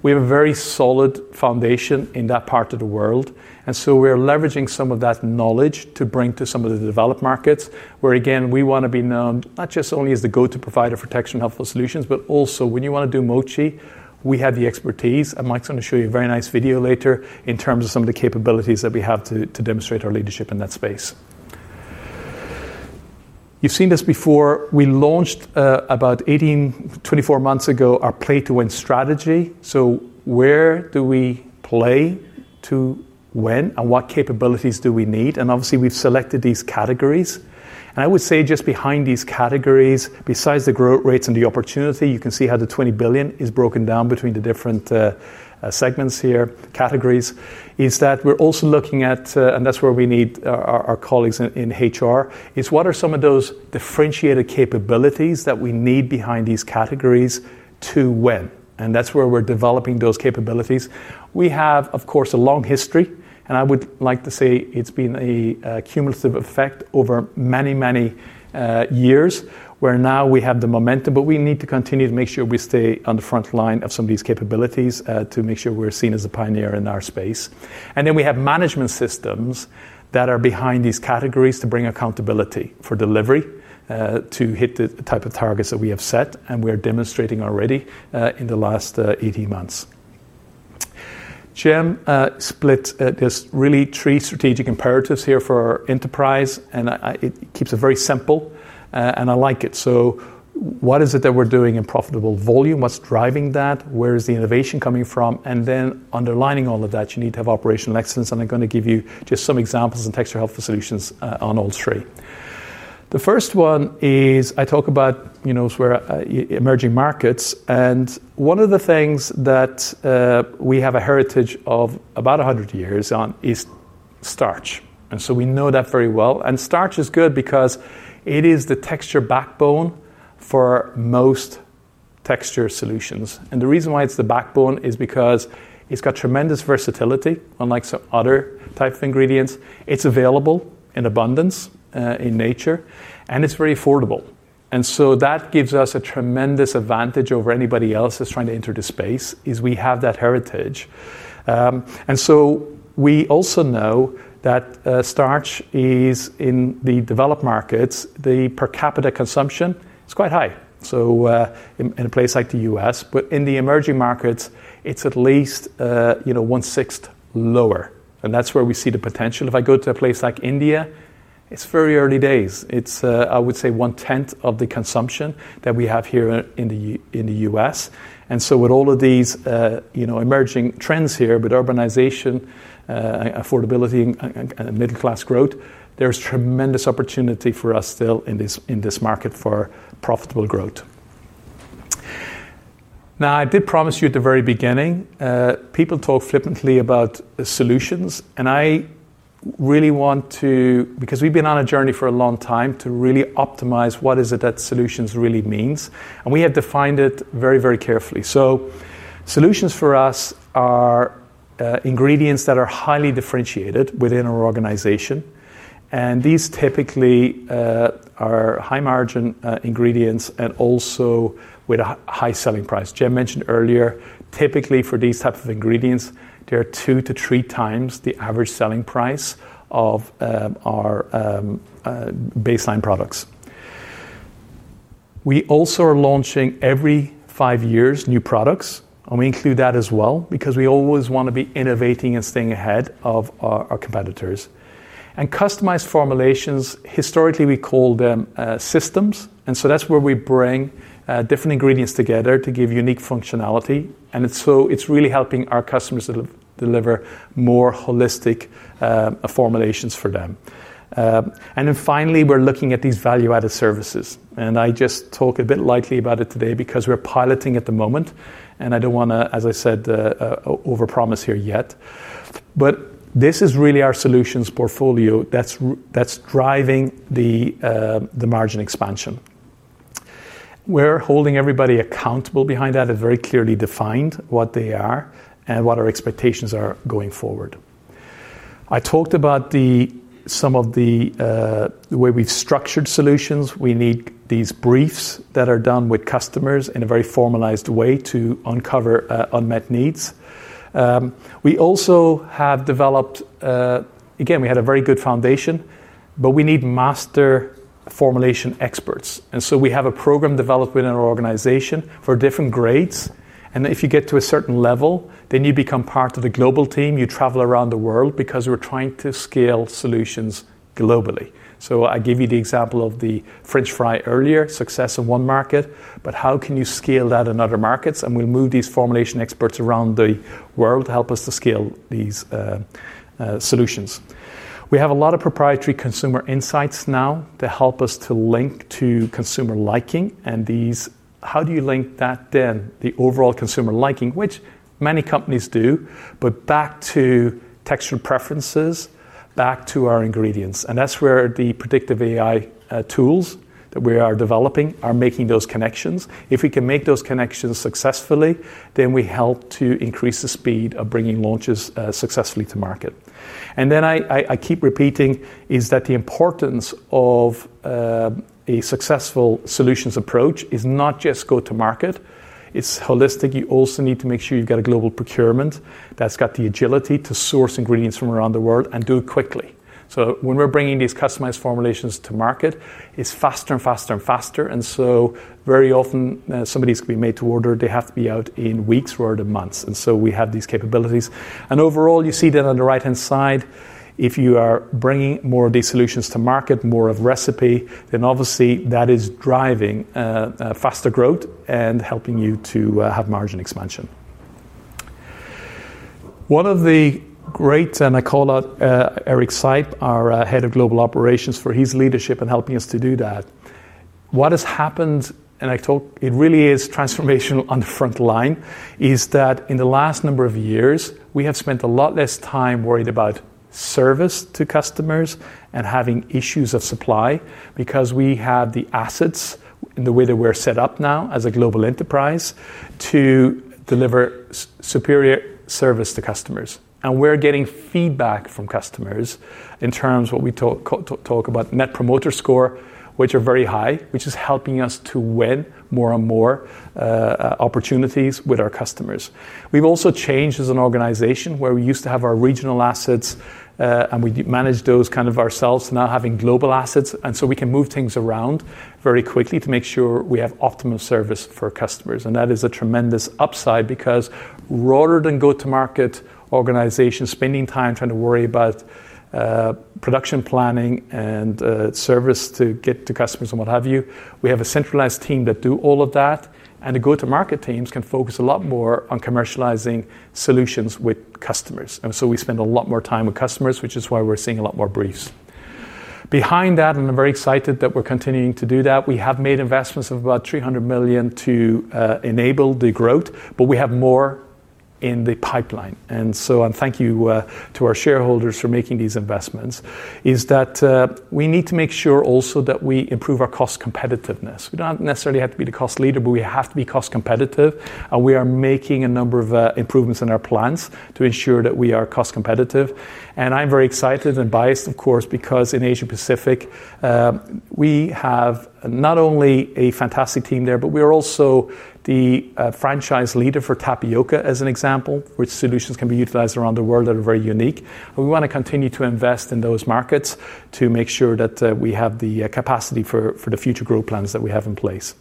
D: We have a very solid foundation in that part of the world. We're leveraging some of that knowledge to bring to some of the developed markets where, again, we want to be known not just only as the go-to provider for texture and healthful solutions, but also when you want to do mochi, we have the expertise. Mike's going to show you a very nice video later in terms of some of the capabilities that we have to demonstrate our leadership in that space. You've seen this before. We launched about 18, 24 months ago our play-to-win strategy. Where do we play to win and what capabilities do we need? Obviously, we've selected these categories. I would say just behind these categories, besides the growth rates and the opportunity, you can see how the $20 billion is broken down between the different segments here, categories. Is that we're also looking at, and that's where we need our colleagues in HR, is what are some of those differentiated capabilities that we need behind these categories to win? That's where we're developing those capabilities. We have, of course, a long history. I would like to say it's been a cumulative effect over many, many years where now we have the momentum, but we need to continue to make sure we stay on the front line of some of these capabilities to make sure we're seen as a pioneer in our space. We have management systems that are behind these categories to bring accountability for delivery to hit the type of targets that we have set, and we're demonstrating already in the last 18 months. Jim split this really three strategic imperatives here for our enterprise, and it keeps it very simple, and I like it. What is it that we're doing in profitable volume? What's driving that? Where is the innovation coming from? Underlining all of that, you need to have operational excellence. I'm going to give you just some examples in texture healthful solutions on all three. The first one is I talk about, you know, it's where emerging markets. One of the things that we have a heritage of about 100 years on is starch. We know that very well. Starch is good because it is the texture backbone for most texture solutions. The reason why it's the backbone is because it's got tremendous versatility, unlike some other types of ingredients. It's available in abundance in nature, and it's very affordable. That gives us a tremendous advantage over anybody else that's trying to enter the space, is we have that heritage. We also know that starch is in the developed markets, the per capita consumption is quite high. In a place like the U.S., but in the emerging markets, it's at least one-sixth lower. That's where we see the potential. If I go to a place like India, it's very early days. It's, I would say, one-tenth of the consumption that we have here in the U.S. With all of these emerging trends here with urbanization, affordability, and middle-class growth, there's tremendous opportunity for us still in this market for profitable growth. I did promise you at the very beginning, people talk flippantly about solutions. I really want to, because we've been on a journey for a long time, to really optimize what is it that solutions really mean. We have defined it very, very carefully. Solutions for us are ingredients that are highly differentiated within our organization. These typically are high-margin ingredients and also with a high selling price. Jim mentioned earlier, typically for these types of ingredients, they're two to three times the average selling price of our baseline products. We also are launching every five years new products. We include that as well because we always want to be innovating and staying ahead of our competitors. Customized formulations, historically we call them systems. That's where we bring different ingredients together to give unique functionality. It's really helping our customers deliver more holistic formulations for them. Finally, we're looking at these value-added services. I just talk a bit lightly about it today because we're piloting at the moment. I don't want to, as I said, overpromise here yet. This is really our solutions portfolio that's driving the margin expansion. We're holding everybody accountable behind that. It's very clearly defined what they are and what our expectations are going forward. I talked about some of the way we structured solutions. We need these briefs that are done with customers in a very formalized way to uncover unmet needs. We also have developed, again, we had a very good foundation, but we need master formulation experts. We have a program developed within our organization for different grades. If you get to a certain level, then you become part of the global team. You travel around the world because we're trying to scale solutions globally. I gave you the example of the French fry earlier, success in one market, but how can you scale that in other markets? We'll move these formulation experts around the world to help us to scale these solutions. We have a lot of proprietary consumer insights now to help us to link to consumer liking. How do you link that then? The overall consumer liking, which many companies do, but back to texture preferences, back to our ingredients. That's where the predictive AI tools that we are developing are making those connections. If we can make those connections successfully, then we help to increase the speed of bringing launches successfully to market. I keep repeating the importance of a successful solutions approach is not just go-to-market. It's holistic. You also need to make sure you've got a global procurement that's got the agility to source ingredients from around the world and do it quickly. When we're bringing these customized formulations to market, it's faster and faster and faster. Very often somebody's going to be made to order. They have to be out in weeks rather than months. We have these capabilities. Overall, you see that on the right-hand side, if you are bringing more of these solutions to market, more of a recipe, then obviously that is driving faster growth and helping you to have margin expansion. One of the great, and I call out Eric Sype, our Head of Global Operations, for his leadership in helping us to do that. What has happened, and I talked, it really is transformational on the front line, is that in the last number of years, we have spent a lot less time worried about service to customers and having issues of supply because we have the assets in the way that we're set up now as a global enterprise to deliver superior service to customers. We're getting feedback from customers in terms of what we talk about, net promoter score, which are very high, which is helping us to win more and more opportunities with our customers. We've also changed as an organization where we used to have our regional assets and we managed those kind of ourselves, now having global assets. We can move things around very quickly to make sure we have optimal service for customers. That is a tremendous upside because rather than go-to-market organizations spending time trying to worry about production planning and service to get to customers and what have you, we have a centralized team that do all of that. The go-to-market teams can focus a lot more on commercializing solutions with customers. We spend a lot more time with customers, which is why we're seeing a lot more briefs. Behind that, and I'm very excited that we're continuing to do that, we have made investments of about $300 million to enable the growth, but we have more in the pipeline. Thank you to our shareholders for making these investments, is that we need to make sure also that we improve our cost competitiveness. We don't necessarily have to be the cost leader, but we have to be cost competitive. We are making a number of improvements in our plans to ensure that we are cost competitive. I am very excited and biased, of course, because in Asia-Pacific, we have not only a fantastic team there, but we are also the franchise leader for tapioca as an example, which solutions can be utilized around the world that are very unique. We want to continue to invest in those markets to make sure that we have the capacity for the future growth plans that we have in place.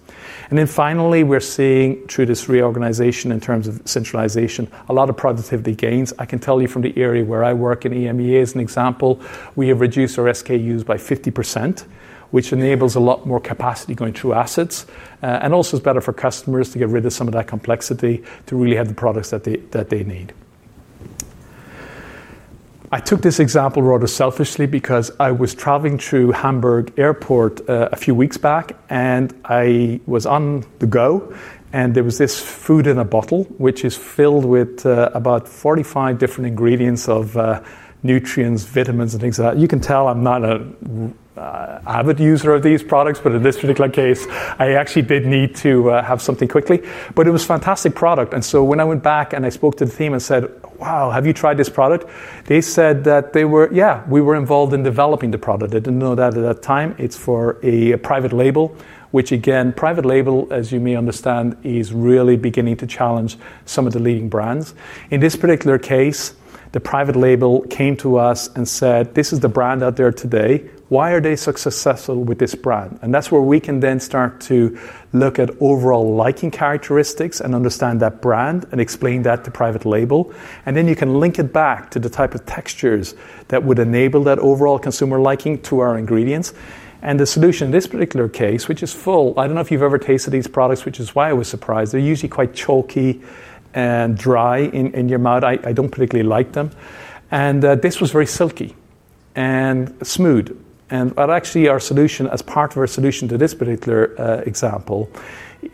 D: Finally, we're seeing through this reorganization in terms of centralization, a lot of productivity gains. I can tell you from the area where I work in EMEA as an example, we have reduced our SKUs by 50%, which enables a lot more capacity going through assets. Also, it's better for customers to get rid of some of that complexity to really have the products that they need. I took this example rather selfishly because I was traveling through Hamburg Airport a few weeks back, and I was on the go, and there was this food in a bottle which is filled with about 45 different ingredients of nutrients, vitamins, and things like that. You can tell I'm not an avid user of these products, but in this particular case, I actually did need to have something quickly. It was a fantastic product. When I went back and I spoke to the team and said, "Wow, have you tried this product?" They said that they were, yeah, we were involved in developing the product. They didn't know that at that time. It's for a private label, which again, private label, as you may understand, is really beginning to challenge some of the leading brands. In this particular case, the private label came to us and said, "This is the brand out there today. Why are they so successful with this brand?" That is where we can then start to look at overall liking characteristics and understand that brand and explain that to private label. You can link it back to the type of textures that would enable that overall consumer liking through our ingredients. The solution in this particular case, which is full, I don't know if you've ever tasted these products, which is why I was surprised. They're usually quite chalky and dry in your mouth. I don't particularly like them. This was very silky and smooth. Actually, our solution, as part of our solution to this particular example,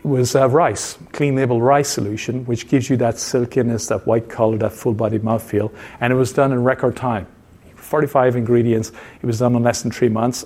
D: was a rice, clean label rice solution, which gives you that silkiness, that white color, that full-body mouthfeel. It was done in record time. 45 ingredients. It was done in less than three months.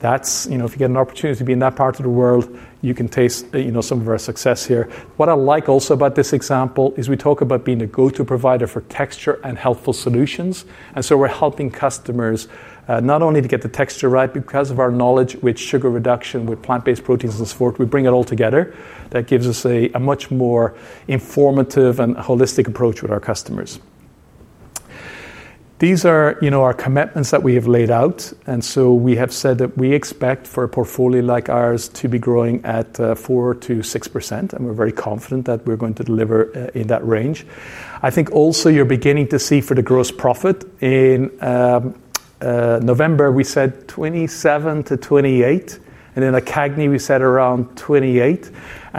D: That's, you know, if you get an opportunity to be in that part of the world, you can taste some of our success here. What I like also about this example is we talk about being a go-to provider for texture and healthful solutions. We're helping customers not only to get the texture right because of our knowledge with sugar reduction, with plant-based proteins, and so forth. We bring it all together. That gives us a much more informative and holistic approach with our customers. These are our commitments that we have laid out. We have said that we expect for a portfolio like ours to be growing at 4%-6%, and we're very confident that we're going to deliver in that range. I think also you're beginning to see for the gross profit in November, we said 27%-28%, and in a CAGNI, we said around 28%.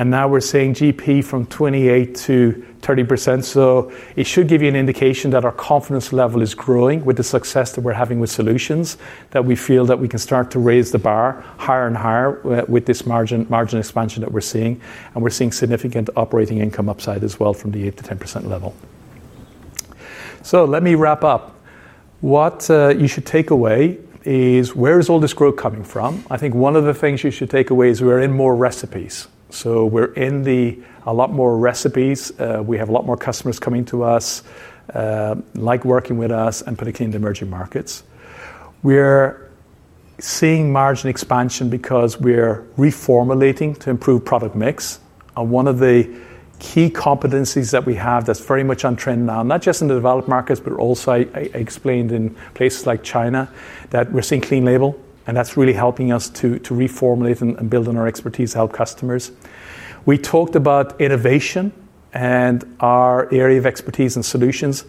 D: Now we're seeing GP from 28%-30%. It should give you an indication that our confidence level is growing with the success that we're having with solutions, that we feel that we can start to raise the bar higher and higher with this margin expansion that we're seeing. We're seeing significant operating income upside as well from the 8% to 10% level. Let me wrap up. What you should take away is where is all this growth coming from? I think one of the things you should take away is we're in more recipes. We're in a lot more recipes. We have a lot more customers coming to us, like working with us, and particularly in the emerging markets. We're seeing margin expansion because we're reformulating to improve product mix. One of the key competencies that we have that's very much on trend now, not just in the developed markets, but also I explained in places like China, that we're seeing clean label. That's really helping us to reformulate and build on our expertise to help customers. We talked about innovation and our area of expertise and solutions.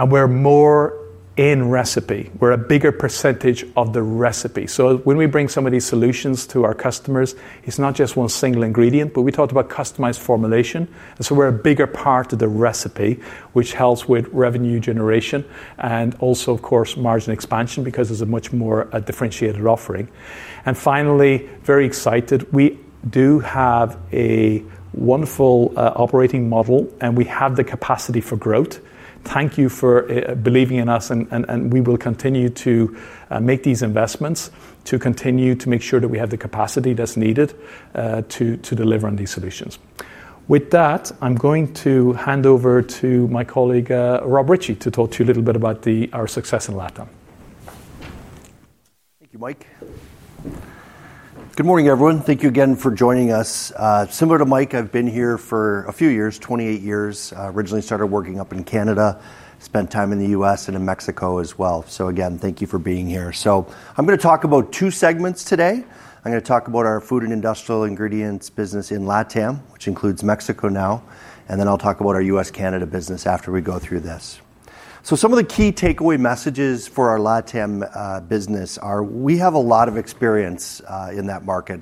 D: We're more in recipe. We're a bigger percentage of the recipe. When we bring some of these solutions to our customers, it's not just one single ingredient, but we talked about customized formulation. We're a bigger part of the recipe, which helps with revenue generation and also, of course, margin expansion because it's a much more differentiated offering. Finally, very excited, we do have a wonderful operating model, and we have the capacity for growth. Thank you for believing in us, and we will continue to make these investments to continue to make sure that we have the capacity that's needed to deliver on these solutions. With that, I'm going to hand over to my colleague, Rob Ritchie, to talk to you a little bit about our success in LATAM.
E: Thank you, Mike. Good morning, everyone. Thank you again for joining us. Similar to Mike, I've been here for a few years, 28 years. Originally started working up in Canada, spent time in the U.S. and in Mexico as well. Thank you for being here. I'm going to talk about two segments today. I'm going to talk about our food and industrial ingredients business in LATAM, which includes Mexico now. I'll talk about our U.S.-Canada business after we go through this. Some of the key takeaway messages for our LATAM business are we have a lot of experience in that market.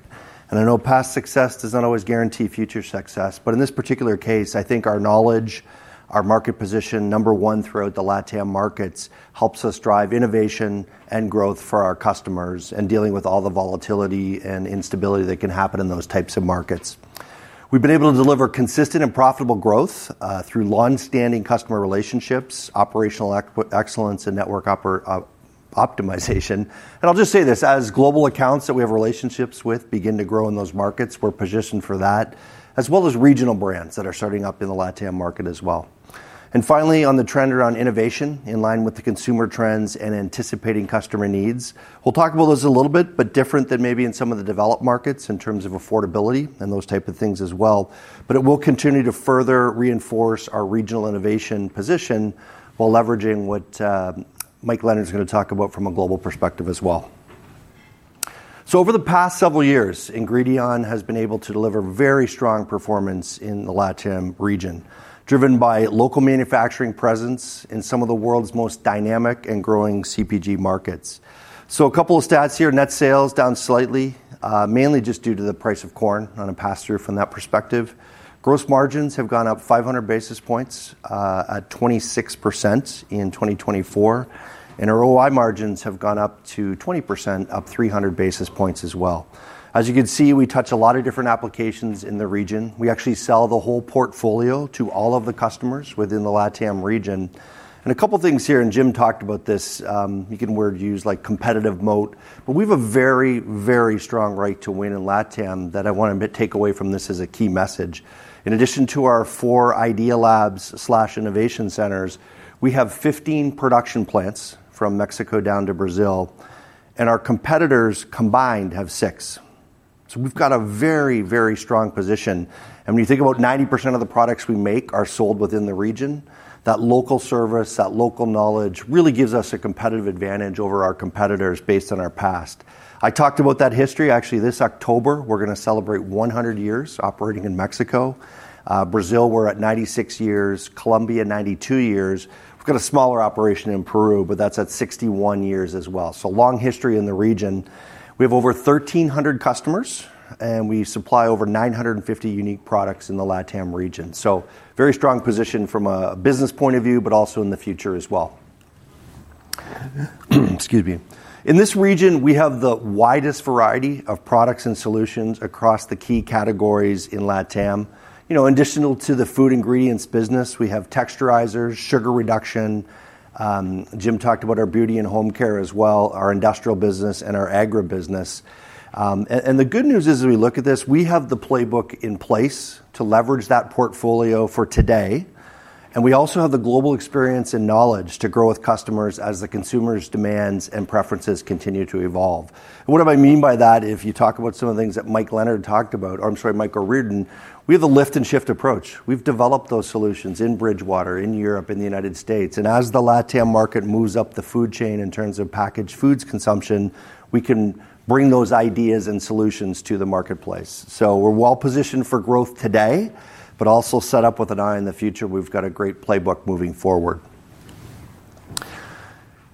E: I know past success does not always guarantee future success. In this particular case, I think our knowledge, our market position, number one throughout the LATAM markets, helps us drive innovation and growth for our customers and dealing with all the volatility and instability that can happen in those types of markets. We've been able to deliver consistent and profitable growth through longstanding customer relationships, operational excellence, and network optimization. I'll just say this, as global accounts that we have relationships with begin to grow in those markets, we're positioned for that, as well as regional brands that are starting up in the LATAM market as well. Finally, on the trend around innovation in line with the consumer trends and anticipating customer needs, we'll talk about this a little bit, but different than maybe in some of the developed markets in terms of affordability and those types of things as well. It will continue to further reinforce our regional innovation position while leveraging what Mike Leonard is going to talk about from a global perspective as well. Over the past several years, Ingredion has been able to deliver very strong performance in the LATAM region, driven by local manufacturing presence in some of the world's most dynamic and growing CPG markets. A couple of stats here, net sales down slightly, mainly just due to the price of corn on a past year from that perspective. Gross margins have gone up 500 basis points at 26% in 2024. Our OI margins have gone up to 20%, up 300 basis points as well. As you can see, we touch a lot of different applications in the region. We actually sell the whole portfolio to all of the customers within the LATAM region. A couple of things here, and Jim talked about this, you can use words like competitive moat, but we have a very, very strong right to win in LATAM that I want to take away from this as a key message. In addition to our four Idea Labs/innovation centers, we have 15 production plants from Mexico down to Brazil, and our competitors combined have six. We have a very, very strong position. When you think about 90% of the products we make are sold within the region, that local service, that local knowledge really gives us a competitive advantage over our competitors based on our past. I talked about that history. Actually, this October, we're going to celebrate 100 years operating in Mexico. Brazil, we're at 96 years. Colombia, 92 years. We've got a smaller operation in Peru, but that's at 61 years as well. A long history in the region. We have over 1,300 customers, and we supply over 950 unique products in the LATAM region. Very strong position from a business point of view, but also in the future as well. In this region, we have the widest variety of products and solutions across the key categories in LATAM. In addition to the food ingredients business, we have texturizers, sugar reduction. Jim talked about our beauty and home care as well, our industrial business, and our agribusiness. The good news is, as we look at this, we have the playbook in place to leverage that portfolio for today. We also have the global experience and knowledge to grow with customers as the consumer's demands and preferences continue to evolve. What do I mean by that? If you talk about some of the things that Mike Leonard talked about, or, I'm sorry, Michael Reardon, we have a lift and shift approach. We've developed those solutions in Bridgewater, in Europe, in the United States. As the LATAM market moves up the food chain in terms of packaged foods consumption, we can bring those ideas and solutions to the marketplace. We're well positioned for growth today, but also set up with an eye in the future. We've got a great playbook moving forward.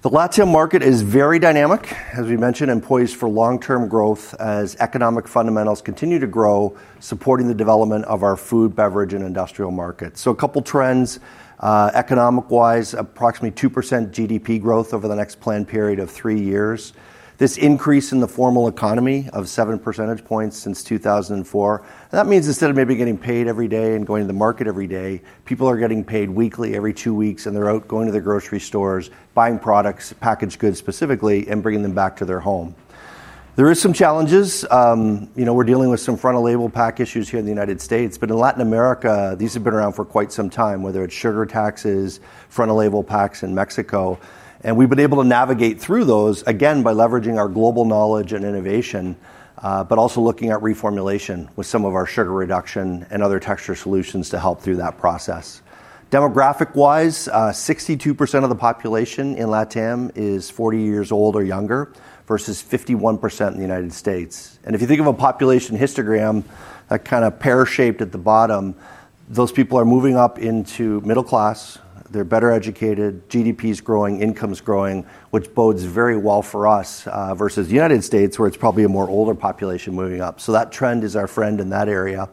E: The LATAM market is very dynamic, as we mentioned, and poised for long-term growth as economic fundamentals continue to grow, supporting the development of our food, beverage, and industrial markets. A couple of trends, economic-wise, approximately 2% GDP growth over the next planned period of three years. This increase in the formal economy of 7 percentage points since 2004. That means instead of maybe getting paid every day and going to the market every day, people are getting paid weekly, every two weeks, and they're out going to the grocery stores, buying products, packaged goods specifically, and bringing them back to their home. There are some challenges. You know, we're dealing with some front-of-label pack issues here in the U.S., but in LATAM, these have been around for quite some time, whether it's sugar taxes, front-of-label packs in Mexico. We've been able to navigate through those, again, by leveraging our global knowledge and innovation, but also looking at reformulation with some of our sugar reduction and other texture solutions to help through that process. Demographic-wise, 62% of the population in LATAM is 40 years old or younger versus 51% in the U.S. If you think of a population histogram, that kind of pear-shaped at the bottom, those people are moving up into middle class. They're better educated. GDP is growing, income is growing, which bodes very well for us versus the U.S., where it's probably a more older population moving up. That trend is our friend in that area.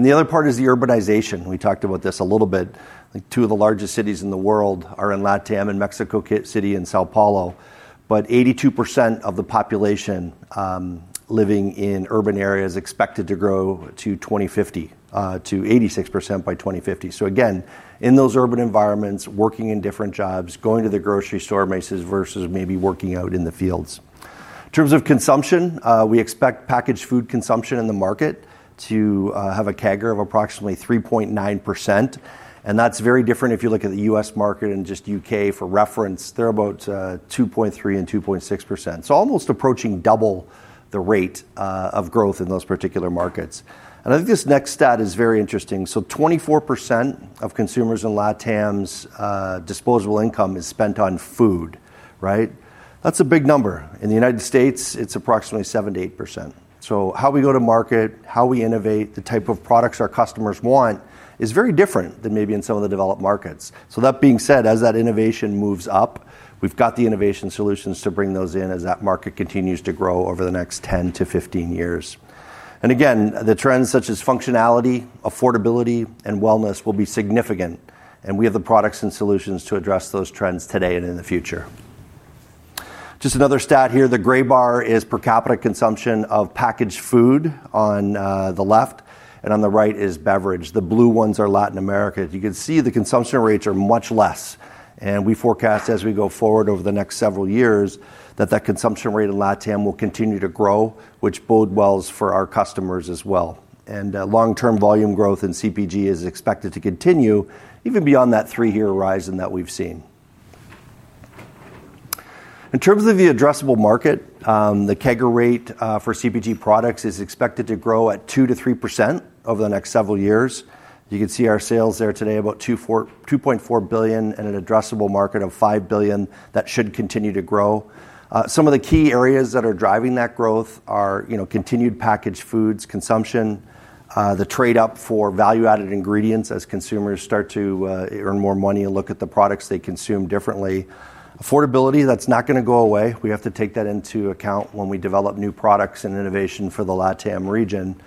E: The other part is the urbanization. We talked about this a little bit. Two of the largest cities in the world are in LATAM, in Mexico City and São Paulo. 82% of the population living in urban areas is expected to grow to 2050, to 86% by 2050. Again, in those urban environments, working in different jobs, going to the grocery store places versus maybe working out in the fields. In terms of consumption, we expect packaged food consumption in the market to have a CAGR of approximately 3.9%. That's very different if you look at the U.S. market and just U.K. for reference. They're about 2.3% and 2.6%. Almost approaching double the rate of growth in those particular markets. I think this next stat is very interesting. 24% of consumers in LATAM's disposable income is spent on food, right? That's a big number. In the U.S., it's approximately 7%-8%. How we go to market, how we innovate, the type of products our customers want is very different than maybe in some of the developed markets. That being said, as that innovation moves up, we've got the innovation solutions to bring those in as that market continues to grow over the next 10-15 years. Again, the trends such as functionality, affordability, and wellness will be significant. We have the products and solutions to address those trends today and in the future. Just another stat here. The gray bar is per capita consumption of packaged food on the left, and on the right is beverage. The blue ones are Latin America. You can see the consumption rates are much less. We forecast as we go forward over the next several years that that consumption rate in LATAM will continue to grow, which bodes well for our customers as well. Long-term volume growth in CPG is expected to continue even beyond that three-year horizon that we've seen. terms of the addressable market, the CAGR rate for CPG products is expected to grow at 2%-3% over the next several years. You can see our sales there today about $2.4 billion and an addressable market of $5 billion that should continue to grow. Some of the key areas that are driving that growth are continued packaged foods consumption, the trade up for value-added ingredients as consumers start to earn more money and look at the products they consume differently. Affordability, that's not going to go away. We have to take that into account when we develop new products and innovation for the LATAM region.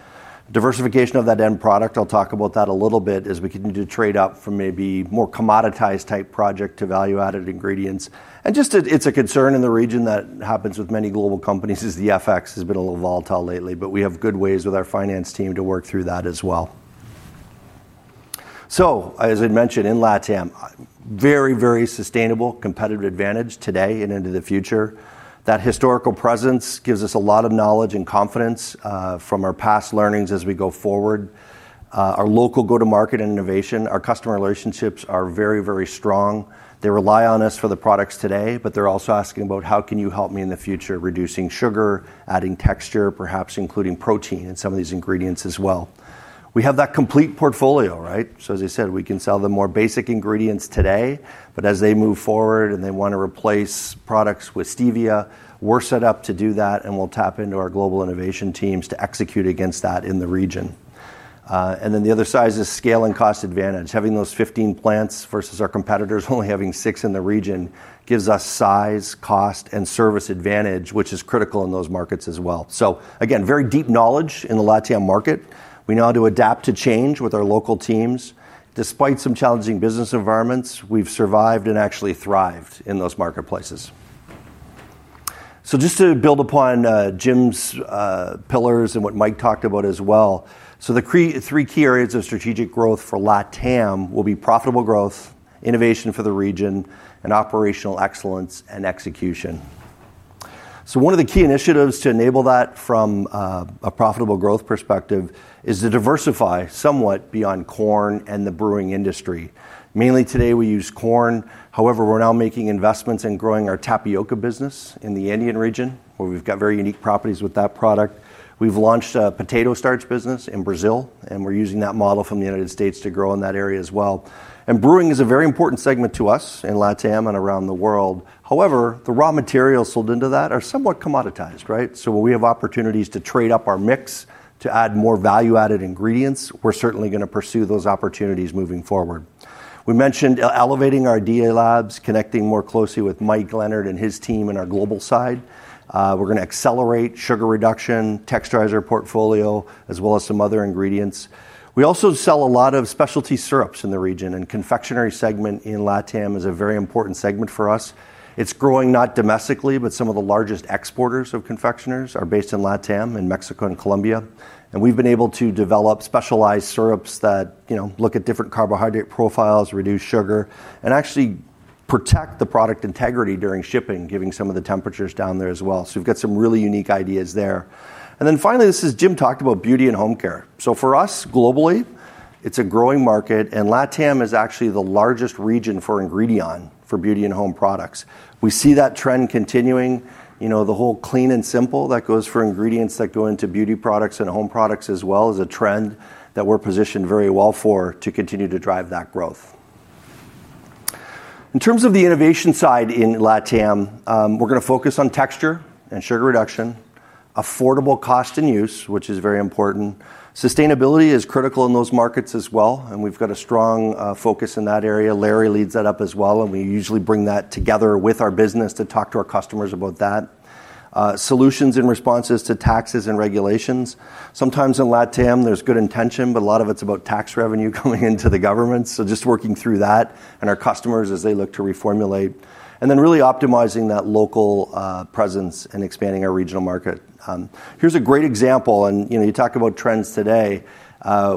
E: Diversification of that end product, I'll talk about that a little bit, as we continue to trade up from maybe more commoditized type project to value-added ingredients. It's a concern in the region that happens with many global companies as the FX has been a little volatile lately, but we have good ways with our finance team to work through that as well. As I mentioned, in LATAM, very, very sustainable competitive advantage today and into the future. That historical presence gives us a lot of knowledge and confidence from our past learnings as we go forward. Our local go-to-market and innovation, our customer relationships are very, very strong. They rely on us for the products today, but they're also asking about how can you help me in the future, reducing sugar, adding texture, perhaps including protein in some of these ingredients as well. We have that complete portfolio, right? As I said, we can sell the more basic ingredients today, but as they move forward and they want to replace products with stevia, we're set up to do that and we'll tap into our global innovation teams to execute against that in the region. The other size is scale and cost advantage. Having those 15 plants versus our competitors only having six in the region gives us size, cost, and service advantage, which is critical in those markets as well. Again, very deep knowledge in the LATAM market. We know how to adapt to change with our local teams. Despite some challenging business environments, we've survived and actually thrived in those marketplaces. Just to build upon Jim's pillars and what Mike talked about as well, the three key areas of strategic growth for LATAM will be profitable growth, innovation for the region, and operational excellence and execution. One of the key initiatives to enable that from a profitable growth perspective is to diversify somewhat beyond corn and the brewing industry. Mainly today we use corn. However, we're now making investments in growing our tapioca business in the Andean region, where we've got very unique properties with that product. We've launched a potato starch business in Brazil, and we're using that model from the United States to grow in that area as well. Brewing is a very important segment to us in LATAM and around the world. However, the raw materials sold into that are somewhat commoditized, right? When we have opportunities to trade up our mix to add more value-added ingredients, we're certainly going to pursue those opportunities moving forward. We mentioned elevating our Idea Labs, connecting more closely with Mike Leonard and his team in our global side. We're going to accelerate sugar reduction, texturizer portfolio, as well as some other ingredients. We also sell a lot of specialty syrups in the region, and the confectionery segment in LATAM is a very important segment for us. It's growing not domestically, but some of the largest exporters of confectioneries are based in LATAM in Mexico and Colombia. We've been able to develop specialized syrups that look at different carbohydrate profiles, reduce sugar, and actually protect the product integrity during shipping, given some of the temperatures down there as well. We've got some really unique ideas there. Finally, as Jim talked about beauty and home care, for us globally, it's a growing market, and LATAM is actually the largest region for Ingredion for beauty and home products. We see that trend continuing. The whole clean and simple that goes for ingredients that go into beauty products and home products as well is a trend that we're positioned very well for to continue to drive that growth. In terms of the innovation side in LATAM, we're going to focus on texture and sugar reduction, affordable cost and use, which is very important. Sustainability is critical in those markets as well, and we've got a strong focus in that area. Larry leads that up as well, and we usually bring that together with our business to talk to our customers about that. Solutions and responses to taxes and regulations. Sometimes in LATAM, there's good intention, but a lot of it's about tax revenue coming into the government. Just working through that and our customers as they look to reformulate, and then really optimizing that local presence and expanding our regional market. Here's a great example, and you know, you talk about trends today.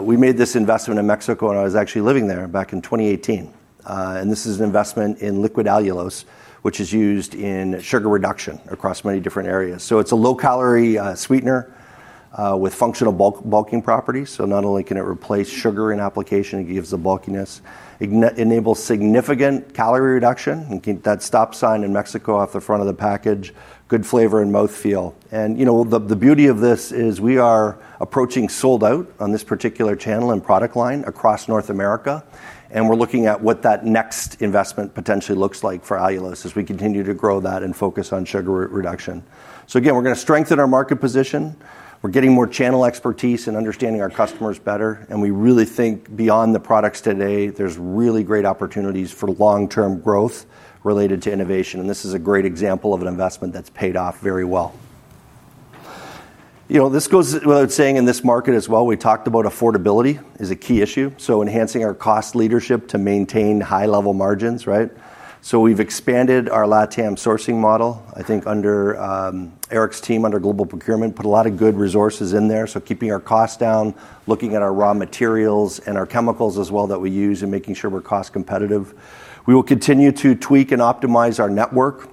E: We made this investment in Mexico, and I was actually living there back in 2018. This is an investment in liquid allulose, which is used in sugar reduction across many different areas. It's a low-calorie sweetener with functional bulking properties. Not only can it replace sugar in application, it gives the bulkiness, enables significant calorie reduction, and keeps that stop sign in Mexico off the front of the package, good flavor and mouthfeel. The beauty of this is we are approaching sold out on this particular channel and product line across North America, and we're looking at what that next investment potentially looks like for allulose as we continue to grow that and focus on sugar reduction. Again, we're going to strengthen our market position. We're getting more channel expertise and understanding our customers better, and we really think beyond the products today, there's really great opportunities for long-term growth related to innovation, and this is a great example of an investment that's paid off very well. This goes without saying in this market as well, we talked about affordability is a key issue. Enhancing our cost leadership to maintain high-level margins, right? We've expanded our LATAM sourcing model. I think under Eric's team under global procurement put a lot of good resources in there. Keeping our costs down, looking at our raw materials and our chemicals as well that we use and making sure we're cost competitive. We will continue to tweak and optimize our network.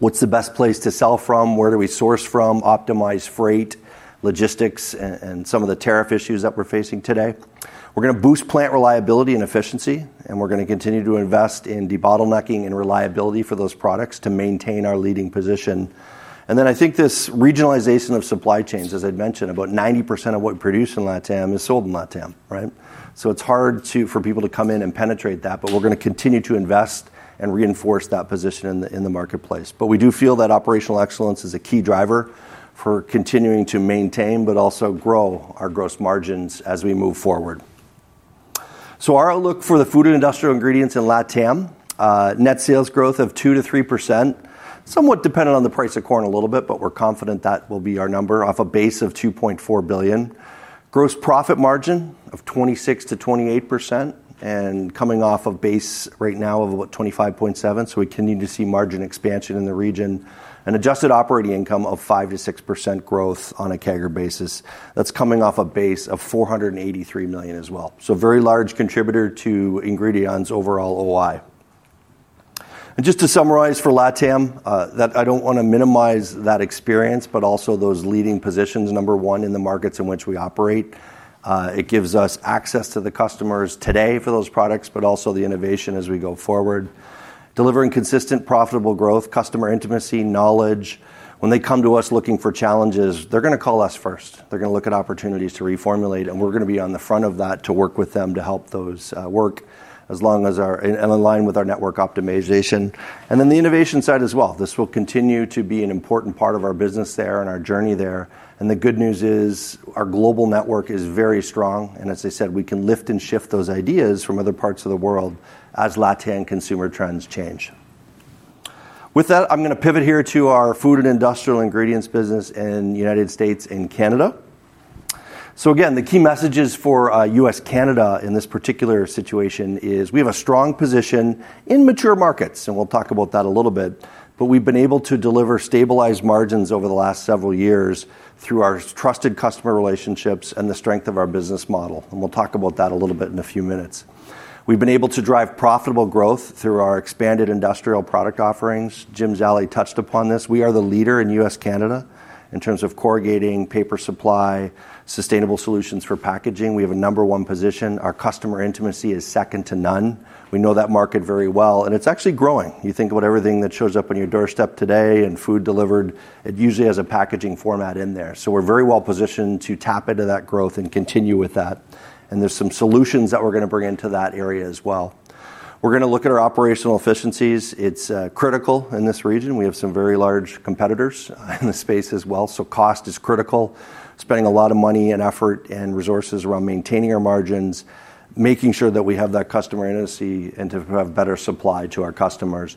E: What's the best place to sell from? Where do we source from? Optimize freight, logistics, and some of the tariff issues that we're facing today. We're going to boost plant reliability and efficiency, and we're going to continue to invest in bottlenecking and reliability for those products to maintain our leading position. I think this regionalization of supply chains, as I'd mentioned, about 90% of what we produce in LATAM is sold in LATAM, right? It's hard for people to come in and penetrate that, but we're going to continue to invest and reinforce that position in the marketplace. We do feel that operational excellence is a key driver for continuing to maintain, but also grow our gross margins as we move forward. Our outlook for the food and industrial ingredients in LATAM is net sales growth of 2%-3%, somewhat dependent on the price of corn a little bit, but we're confident that will be our number off a base of $2.4 billion. Gross profit margin of 26%-28% and coming off a base right now of about 25.7%. We continue to see margin expansion in the region and adjusted operating income of 5%-6% growth on a CAGR basis. That's coming off a base of $483 million as well. Very large contributor to Ingredion's overall OI. Just to summarize for LATAM, I don't want to minimize that experience, but also those leading positions, number one in the markets in which we operate. It gives us access to the customers today for those products, but also the innovation as we go forward, delivering consistent profitable growth, customer intimacy, knowledge. When they come to us looking for challenges, they're going to call us first. They're going to look at opportunities to reformulate, and we're going to be on the front of that to work with them to help those work as long as our and in line with our network optimization. The innovation side as well. This will continue to be an important part of our business there and our journey there. The good news is our global network is very strong. As I said, we can lift and shift those ideas from other parts of the world as LATAM consumer trends change. With that, I'm going to pivot here to our food and industrial ingredients business in the United States and Canada. Again, the key messages for US-Canada in this particular situation is we have a strong position in mature markets, and we'll talk about that a little bit, but we've been able to deliver stabilized margins over the last several years through our trusted customer relationships and the strength of our business model. We'll talk about that a little bit in a few minutes. We've been able to drive profitable growth through our expanded industrial product offerings. Jim Zallie touched upon this. We are the leader in US-Canada in terms of corrugating paper supply, sustainable solutions for packaging. We have a number one position. Our customer intimacy is second to none. We know that market very well, and it's actually growing. You think about everything that shows up on your doorstep today and food delivered, it usually has a packaging format in there. We are very well positioned to tap into that growth and continue with that. There are some solutions that we are going to bring into that area as well. We are going to look at our operational efficiencies. It is critical in this region. We have some very large competitors in the space as well. Cost is critical, spending a lot of money and effort and resources around maintaining our margins, making sure that we have that customer intimacy and to have better supply to our customers.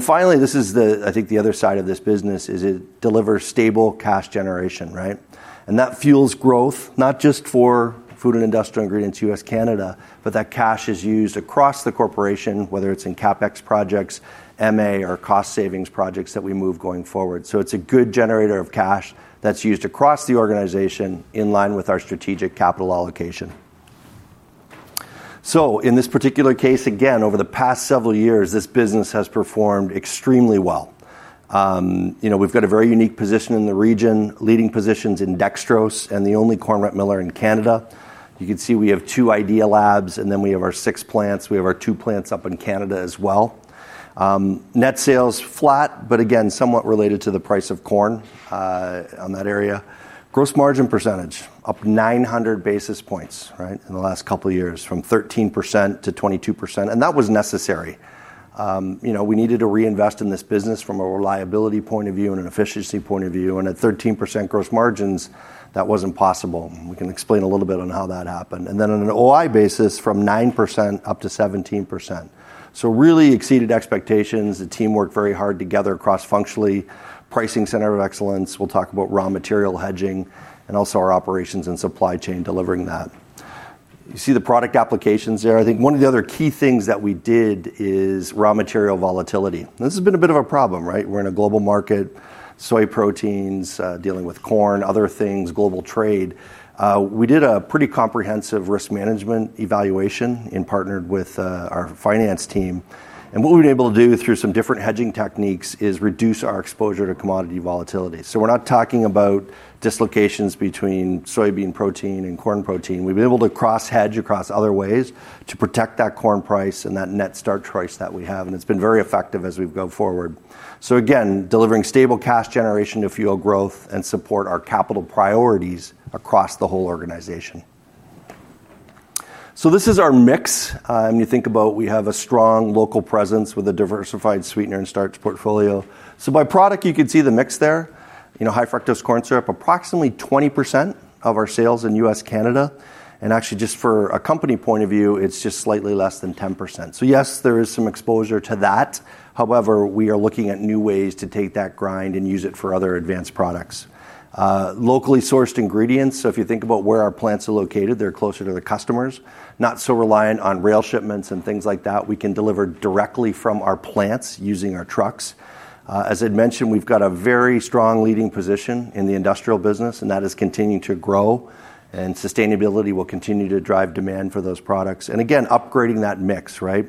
E: Finally, this is the, I think, the other side of this business is it delivers stable cash generation, right? That fuels growth not just for food and industrial ingredients US-Canada, but that cash is used across the corporation, whether it is in CapEx projects, M&A, or cost savings projects that we move going forward. It is a good generator of cash that is used across the organization in line with our strategic capital allocation. In this particular case, again, over the past several years, this business has performed extremely well. We have got a very unique position in the region, leading positions in Dextrose and the only corn wet miller in Canada. You can see we have two Idea Labs and then we have our six plants. We have our two plants up in Canada as well. Net sales flat, but again, somewhat related to the price of corn in that area. Gross margin percentage up 900 basis points, right, in the last couple of years from 13% to 22%. That was necessary. We needed to reinvest in this business from a reliability point of view and an efficiency point of view. At 13% gross margins, that was not possible. We can explain a little bit on how that happened. On an OI basis, from 9% up to 17%. Really exceeded expectations. The team worked very hard together cross-functionally, pricing center of excellence. We will talk about raw material hedging and also our operations and supply chain delivering that. You see the product applications there. I think one of the other key things that we did is raw material volatility. This has been a bit of a problem, right? We are in a global market, soy proteins, dealing with corn, other things, global trade. We did a pretty comprehensive risk management evaluation in partnering with our finance team. What we've been able to do through some different hedging techniques is reduce our exposure to commodity volatility. We're not talking about dislocations between soybean protein and corn protein. We've been able to cross hedge across other ways to protect that corn price and that net starch price that we have. It's been very effective as we go forward. Delivering stable cash generation to fuel growth and support our capital priorities across the whole organization. This is our mix. You think about we have a strong local presence with a diversified sweetener and starch portfolio. By product, you can see the mix there. High-fructose corn syrup, approximately 20% of our sales in US-Canada. Actually, just for a company point of view, it's just slightly less than 10%. There is some exposure to that. However, we are looking at new ways to take that grind and use it for other advanced products. Locally sourced ingredients. If you think about where our plants are located, they're closer to the customers, not so reliant on rail shipments and things like that. We can deliver directly from our plants using our trucks. As I'd mentioned, we've got a very strong leading position in the industrial business, and that is continuing to grow. Sustainability will continue to drive demand for those products. Upgrading that mix, right?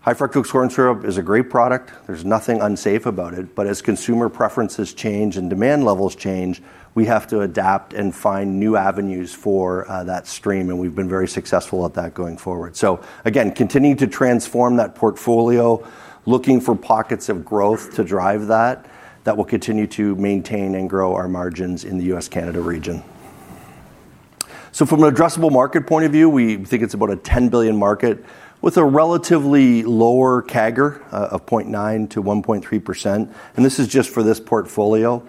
E: High-fructose corn syrup is a great product. There's nothing unsafe about it. As consumer preferences change and demand levels change, we have to adapt and find new avenues for that stream. We've been very successful at that going forward. Continuing to transform that portfolio, looking for pockets of growth to drive that, that will continue to maintain and grow our margins in the US-Canada region. From an addressable market point of view, we think it's about a $10 billion market with a relatively lower CAGR of 0.9%-1.3%. This is just for this portfolio.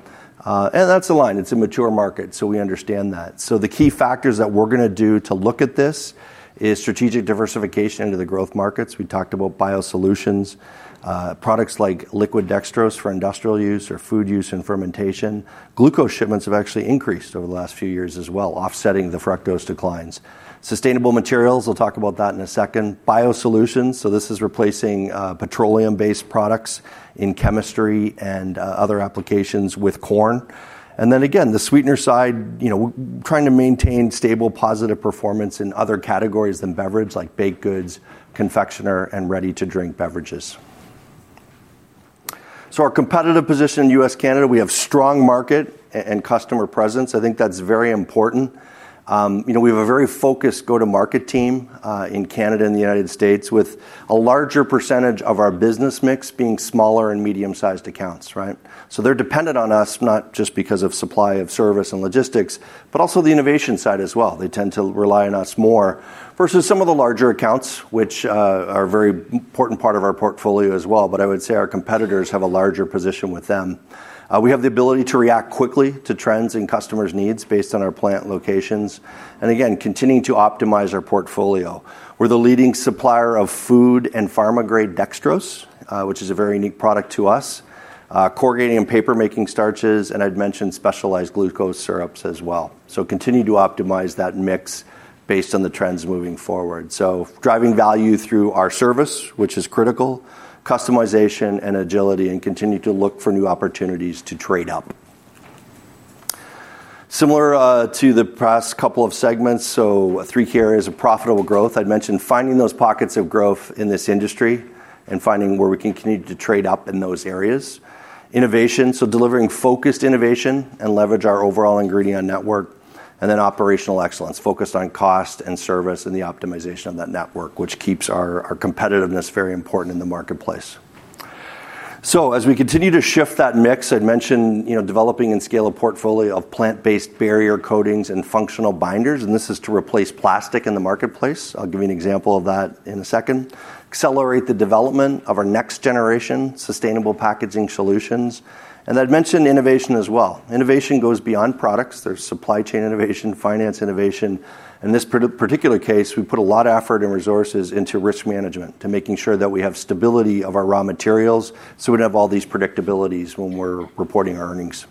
E: That's a line. It's a mature market. We understand that. The key factors that we're going to do to look at this is strategic diversification into the growth markets. We talked about biosolutions, products like liquid dextrose for industrial use or food use and fermentation. Glucose shipments have actually increased over the last few years as well, offsetting the fructose declines. Sustainable materials, we'll talk about that in a second. Biosolutions, this is replacing petroleum-based products in chemistry and other applications with corn. The sweetener side, trying to maintain stable positive performance in other categories than beverage like baked goods, confectionery, and ready-to-drink beverages. Our competitive position in US-Canada, we have strong market and customer presence. I think that's very important. We have a very focused go-to-market team in Canada and the United States with a larger percentage of our business mix being smaller and medium-sized accounts, right? They're dependent on us not just because of supply of service and logistics, but also the innovation side as well. They tend to rely on us more versus some of the larger accounts, which are a very important part of our portfolio as well. I would say our competitors have a larger position with them. We have the ability to react quickly to trends and customers' needs based on our plant locations. Continuing to optimize our portfolio. We're the leading supplier of food and pharma-grade dextrose, which is a very unique product to us, corrugated paper making starches, and I'd mentioned specialized glucose syrups as well. Continue to optimize that mix based on the trends moving forward. Driving value through our service, which is critical, customization and agility, and continue to look for new opportunities to trade up. Similar to the past couple of segments, three key areas of profitable growth. I'd mentioned finding those pockets of growth in this industry and finding where we can continue to trade up in those areas. Innovation, delivering focused innovation and leverage our overall Ingredion network, and then operational excellence focused on cost and service and the optimization of that network, which keeps our competitiveness very important in the marketplace. As we continue to shift that mix, I'd mentioned, developing and scale a portfolio of plant-based barrier coatings and functional binders, and this is to replace plastic in the marketplace. I'll give you an example of that in a second. Accelerate the development of our next generation sustainable packaging solutions. I'd mention innovation as well. Innovation goes beyond products. There's supply chain innovation, finance innovation. In this particular case, we put a lot of effort and resources into risk management to making sure that we have stability of our raw materials so we don't have all these predictabilities when we're reporting our earnings.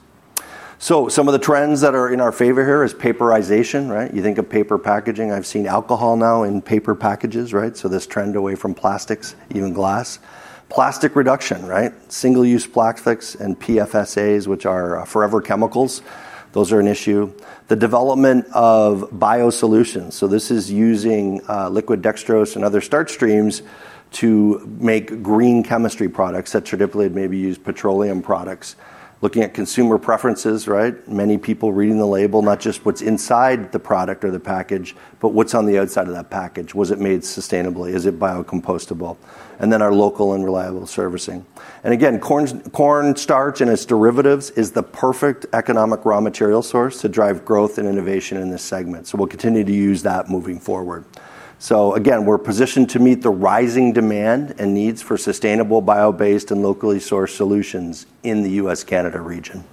E: Some of the trends that are in our favor here is paperization, right? You think of paper packaging. I've seen alcohol now in paper packages, right? This trend away from plastics, even glass. Plastic reduction, right? Single-use plastics and PFAS, which are forever chemicals. Those are an issue. The development of biosolutions. This is using liquid dextrose and other starch streams to make green chemistry products that traditionally maybe use petroleum products. Looking at consumer preferences, right? Many people reading the label, not just what's inside the product or the package, but what's on the outside of that package. Was it made sustainably? Is it biocomposable? Our local and reliable servicing. Again, corn starch and its derivatives is the perfect economic raw material source to drive growth and innovation in this segment. We'll continue to use that moving forward. We're positioned to meet the rising demand and needs for sustainable, bio-based, and locally sourced solutions in the US-Canada region.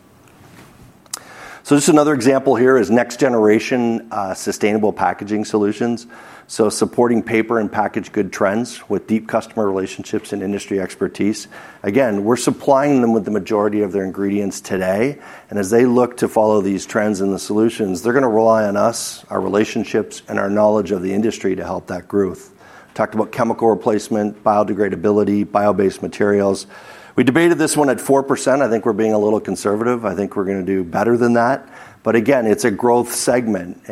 E: Just another example here is next generation sustainable packaging solutions. Supporting paper and packaged goods trends with deep customer relationships and industry expertise. We're supplying them with the majority of their ingredients today. As they look to follow these trends in the solutions, they're going to rely on us, our relationships, and our knowledge of the industry to help that growth. Talked about chemical replacement, biodegradability, bio-based materials. We debated this one at 4%. I think we're being a little conservative. I think we're going to do better than that. It's a growth segment.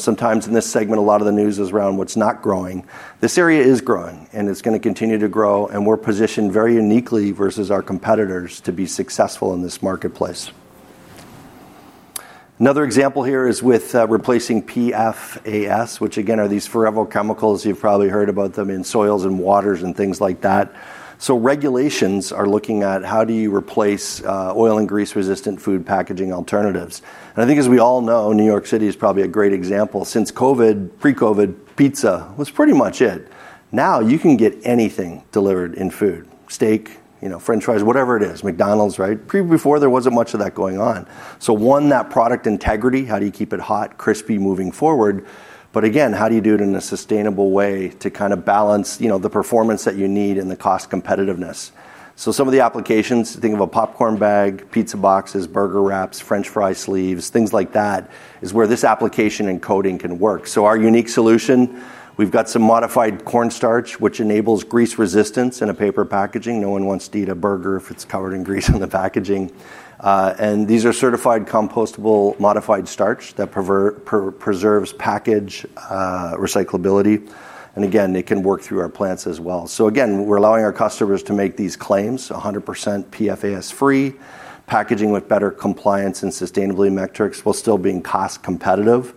E: Sometimes in this segment, a lot of the news is around what's not growing. This area is growing, and it's going to continue to grow. We're positioned very uniquely versus our competitors to be successful in this marketplace. Another example here is with replacing PFAS, which again are these forever chemicals. You've probably heard about them in soils and waters and things like that. Regulations are looking at how do you replace oil and grease-resistant food packaging alternatives. I think as we all know, New York is probably a great example. Since COVID, pre-COVID, pizza was pretty much it. Now you can get anything delivered in food, steak, French fries, whatever it is, McDonald's, right? Before, there wasn't much of that going on. One, that product integrity, how do you keep it hot, crispy moving forward? How do you do it in a sustainable way to kind of balance the performance that you need and the cost competitiveness? Some of the applications, think of a popcorn bag, pizza boxes, burger wraps, French fry sleeves, things like that, is where this application and coating can work. Our unique solution, we've got some modified corn starch, which enables grease resistance in a paper packaging. No one wants to eat a burger if it's covered in grease on the packaging. These are certified compostable modified starch that preserves package recyclability. They can work through our plants as well. We're allowing our customers to make these claims: 100% PFAS-free packaging with better compliance and sustainability metrics while still being cost competitive.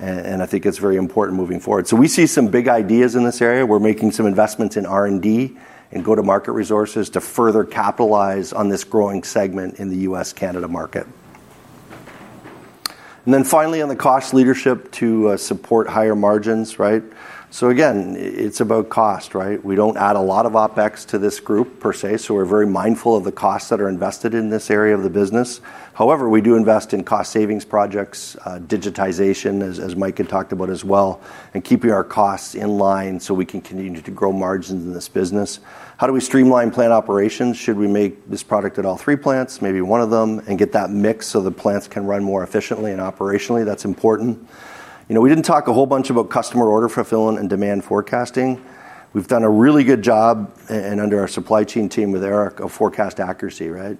E: I think it's very important moving forward. We see some big ideas in this area. We're making some investments in R&D and go-to-market resources to further capitalize on this growing segment in the US-Canada market. Finally, on the cost leadership to support higher margins, it's about cost, right? We don't add a lot of OpEx to this group per se. We're very mindful of the costs that are invested in this area of the business. However, we do invest in cost savings projects, digitization, as Mike had talked about as well, and keeping our costs in line so we can continue to grow margins in this business. How do we streamline plant operations? Should we make this product at all three plants, maybe one of them, and get that mix so the plants can run more efficiently and operationally? That's important. We didn't talk a whole bunch about customer order fulfillment and demand forecasting. We've done a really good job under our supply chain team with Eric of forecast accuracy, right?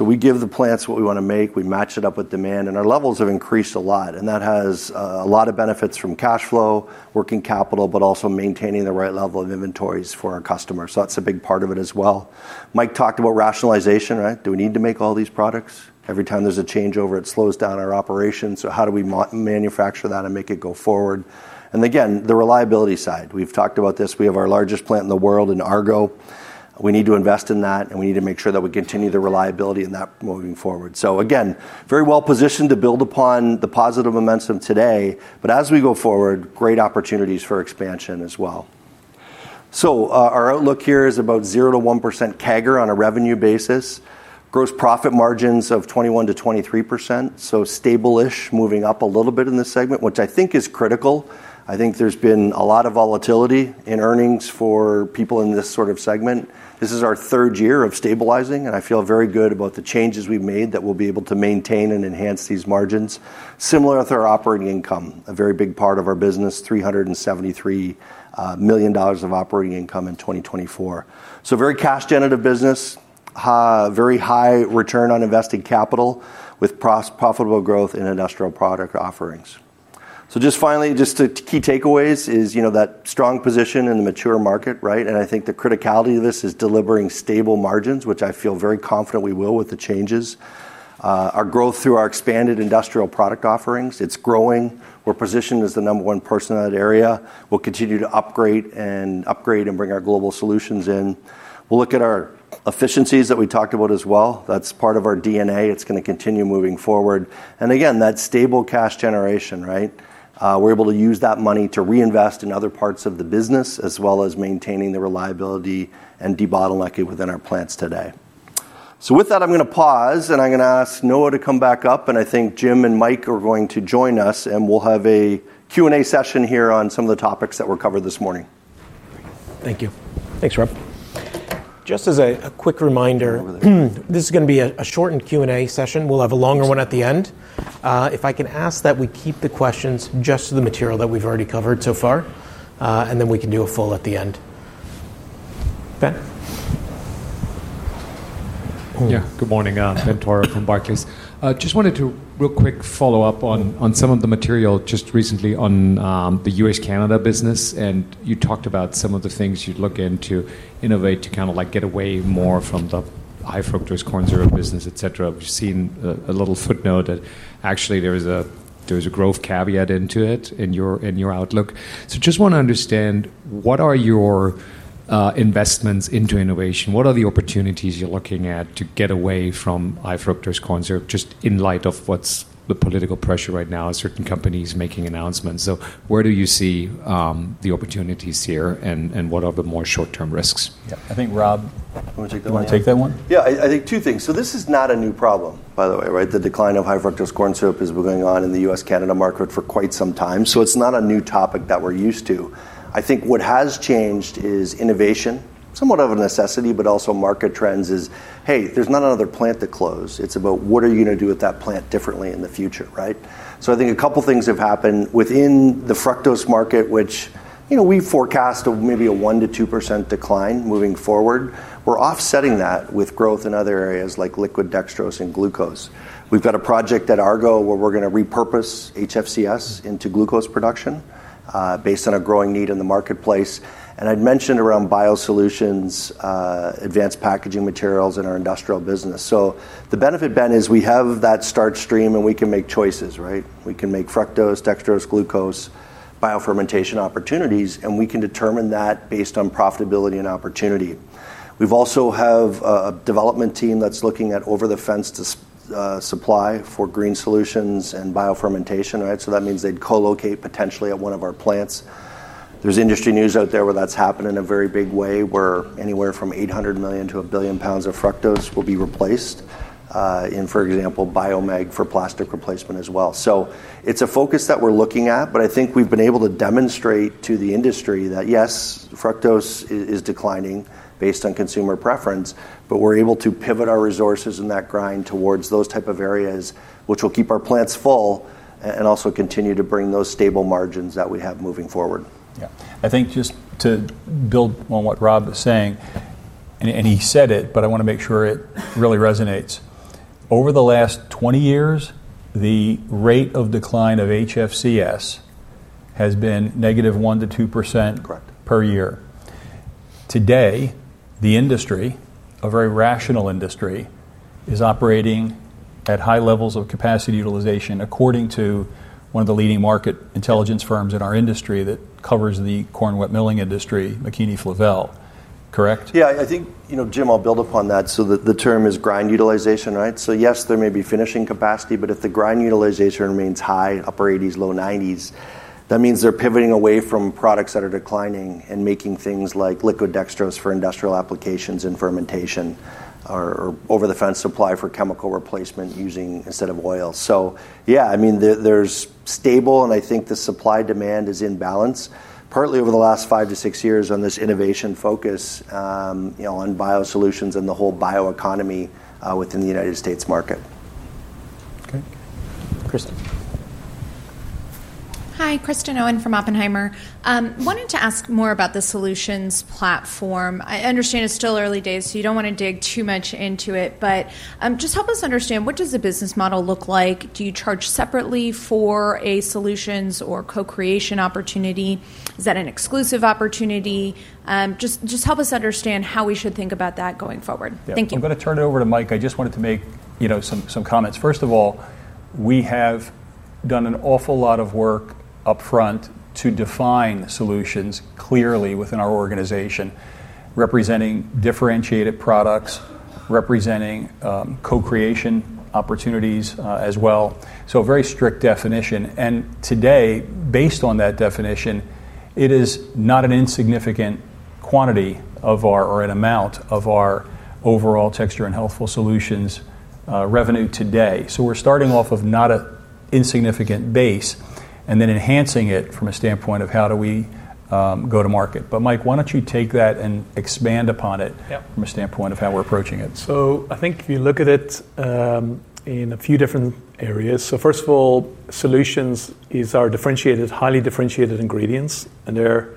E: We give the plants what we want to make. We match it up with demand, and our levels have increased a lot. That has a lot of benefits from cash flow, working capital, but also maintaining the right level of inventories for our customers. That's a big part of it as well. Mike talked about rationalization, right? Do we need to make all these products? Every time there's a changeover, it slows down our operations. How do we manufacture that and make it go forward? Again, the reliability side, we've talked about this. We have our largest plant in the world in Argo. We need to invest in that, and we need to make sure that we continue the reliability in that moving forward. Very well positioned to build upon the positive momentum today. As we go forward, great opportunities for expansion as well. Our outlook here is about 0%-1% CAGR on a revenue basis. Gross profit margins of 21%-23%. Stable-ish, moving up a little bit in this segment, which I think is critical. I think there's been a lot of volatility in earnings for people in this sort of segment. This is our third year of stabilizing, and I feel very good about the changes we've made that we'll be able to maintain and enhance these margins. Similar with our operating income, a very big part of our business, $373 million of operating income in 2024. Very cash-generative business, very high return on invested capital with profitable growth in industrial product offerings. Finally, just the key takeaways is, you know, that strong position in the mature market, right? I think the criticality of this is delivering stable margins, which I feel very confident we will with the changes. Our growth through our expanded industrial product offerings, it's growing. We're positioned as the number one person in that area. We'll continue to upgrade and upgrade and bring our global solutions in. We'll look at our efficiencies that we talked about as well. That's part of our DNA. It's going to continue moving forward. That stable cash generation, right? We're able to use that money to reinvest in other parts of the business as well as maintaining the reliability and de-bottlenecking within our plants today. With that, I'm going to pause and I'm going to ask Noah to come back up. I think Jim and Mike are going to join us and we'll have a Q&A session here on some of the topics that were covered this morning.
A: Thank you. Thanks, Rob. Just as a quick reminder, this is going to be a shortened Q&A session. We'll have a longer one at the end. If I can ask that we keep the questions just to the material that we've already covered so far, we can do a full at the end. Ben.
F: Yeah, good morning. Ben Tora from Barclays. Just wanted to real quick follow up on some of the material just recently on the US-Canada business. You talked about some of the things you'd look into to innovate to kind of like get away more from the high-fructose corn syrup business, et cetera. We've seen a little footnote that actually there's a growth caveat into it in your outlook. Just want to understand what are your investments into innovation. What are the opportunities you're looking at to get away from high-fructose corn syrup just in light of what's the political pressure right now. Certain companies making announcements. Where do you see the opportunities here and what are the more short-term risks?
C: Yeah, I think Rob, you want to take that one?
E: Yeah, I think two things. This is not a new problem, by the way, right? The decline of high-fructose corn syrup has been going on in the US-Canada market for quite some time. It's not a new topic that we're used to. I think what has changed is innovation, somewhat of a necessity, but also market trends. There's not another plant to close. It's about what are you going to do with that plant differently in the future, right? I think a couple of things have happened within the fructose market, which, you know, we forecast maybe a 1%-2% decline moving forward. We're offsetting that with growth in other areas like liquid dextrose and glucose. We've got a project at Argo where we're going to repurpose HFCS into glucose production based on a growing need in the marketplace. I'd mentioned around biosolutions, advanced packaging materials in our industrial business. The benefit, Ben, is we have that starch stream and we can make choices, right? We can make fructose, dextrose, glucose, biofermentation opportunities, and we can determine that based on profitability and opportunity. We've also got a development team that's looking at over-the-fence supply for green solutions and biofermentation, right? That means they'd co-locate potentially at one of our plants. There's industry news out there where that's happened in a very big way, where anywhere from $ 800 million-$1 billion pounds of fructose will be replaced in, for example, BioMag for plastic replacement as well. It's a focus that we're looking at, but I think we've been able to demonstrate to the industry that, yes, fructose is declining based on consumer preference, but we're able to pivot our resources in that grind towards those types of areas, which will keep our plants full and also continue to bring those stable margins that we have moving forward. Yeah.
C: I think just to build on what Rob Ritchie is saying, he said it, but I want to make sure it really resonates. Over the last 20 years, the rate of decline of HFCS has been -1% to 2% per year. Today, the industry, a very rational industry, is operating at high levels of capacity utilization according to one of the leading market intelligence firms in our industry that covers the corn wet milling industry, McKeany-Flavell. Correct?
E: Yeah, I think, you know, Jim, I'll build upon that. The term is grind utilization, right? Yes, there may be finishing capacity, but if the grind utilization remains high, upper 80s, low 90s, that means they're pivoting away from products that are declining and making things like liquid dextrose for industrial applications and fermentation or over-the-fence supply for chemical replacement using instead of oil. There's stable, and I think the supply-demand is in balance partly over the last five to six years on this innovation focus, on biosolutions and the whole bioeconomy within the United States market.
A: Okay. Kristen.
G: Hi, Kristen Owen from Oppenheimer. Wanted to ask more about the solutions platform. I understand it's still early days, so you don't want to dig too much into it, but just help us understand what does the business model look like? Do you charge separately for a solutions or co-creation opportunity? Is that an exclusive opportunity? Just help us understand how we should think about that going forward.
C: Yeah, I'm going to turn it over to Mike. I just wanted to make some comments. First of all, we have done an awful lot of work upfront to define the solutions clearly within our organization, representing differentiated products, representing co-creation opportunities as well. A very strict definition. Today, based on that definition, it is not an insignificant quantity of our, or an amount of our overall texture and healthful solutions revenue today. We're starting off with not an insignificant base and then enhancing it from a standpoint of how do we go to market. Mike, why don't you take that and expand upon it from a standpoint of how we're approaching it?
D: I think if you look at it in a few different areas. First of all, solutions are differentiated, highly differentiated ingredients, and they're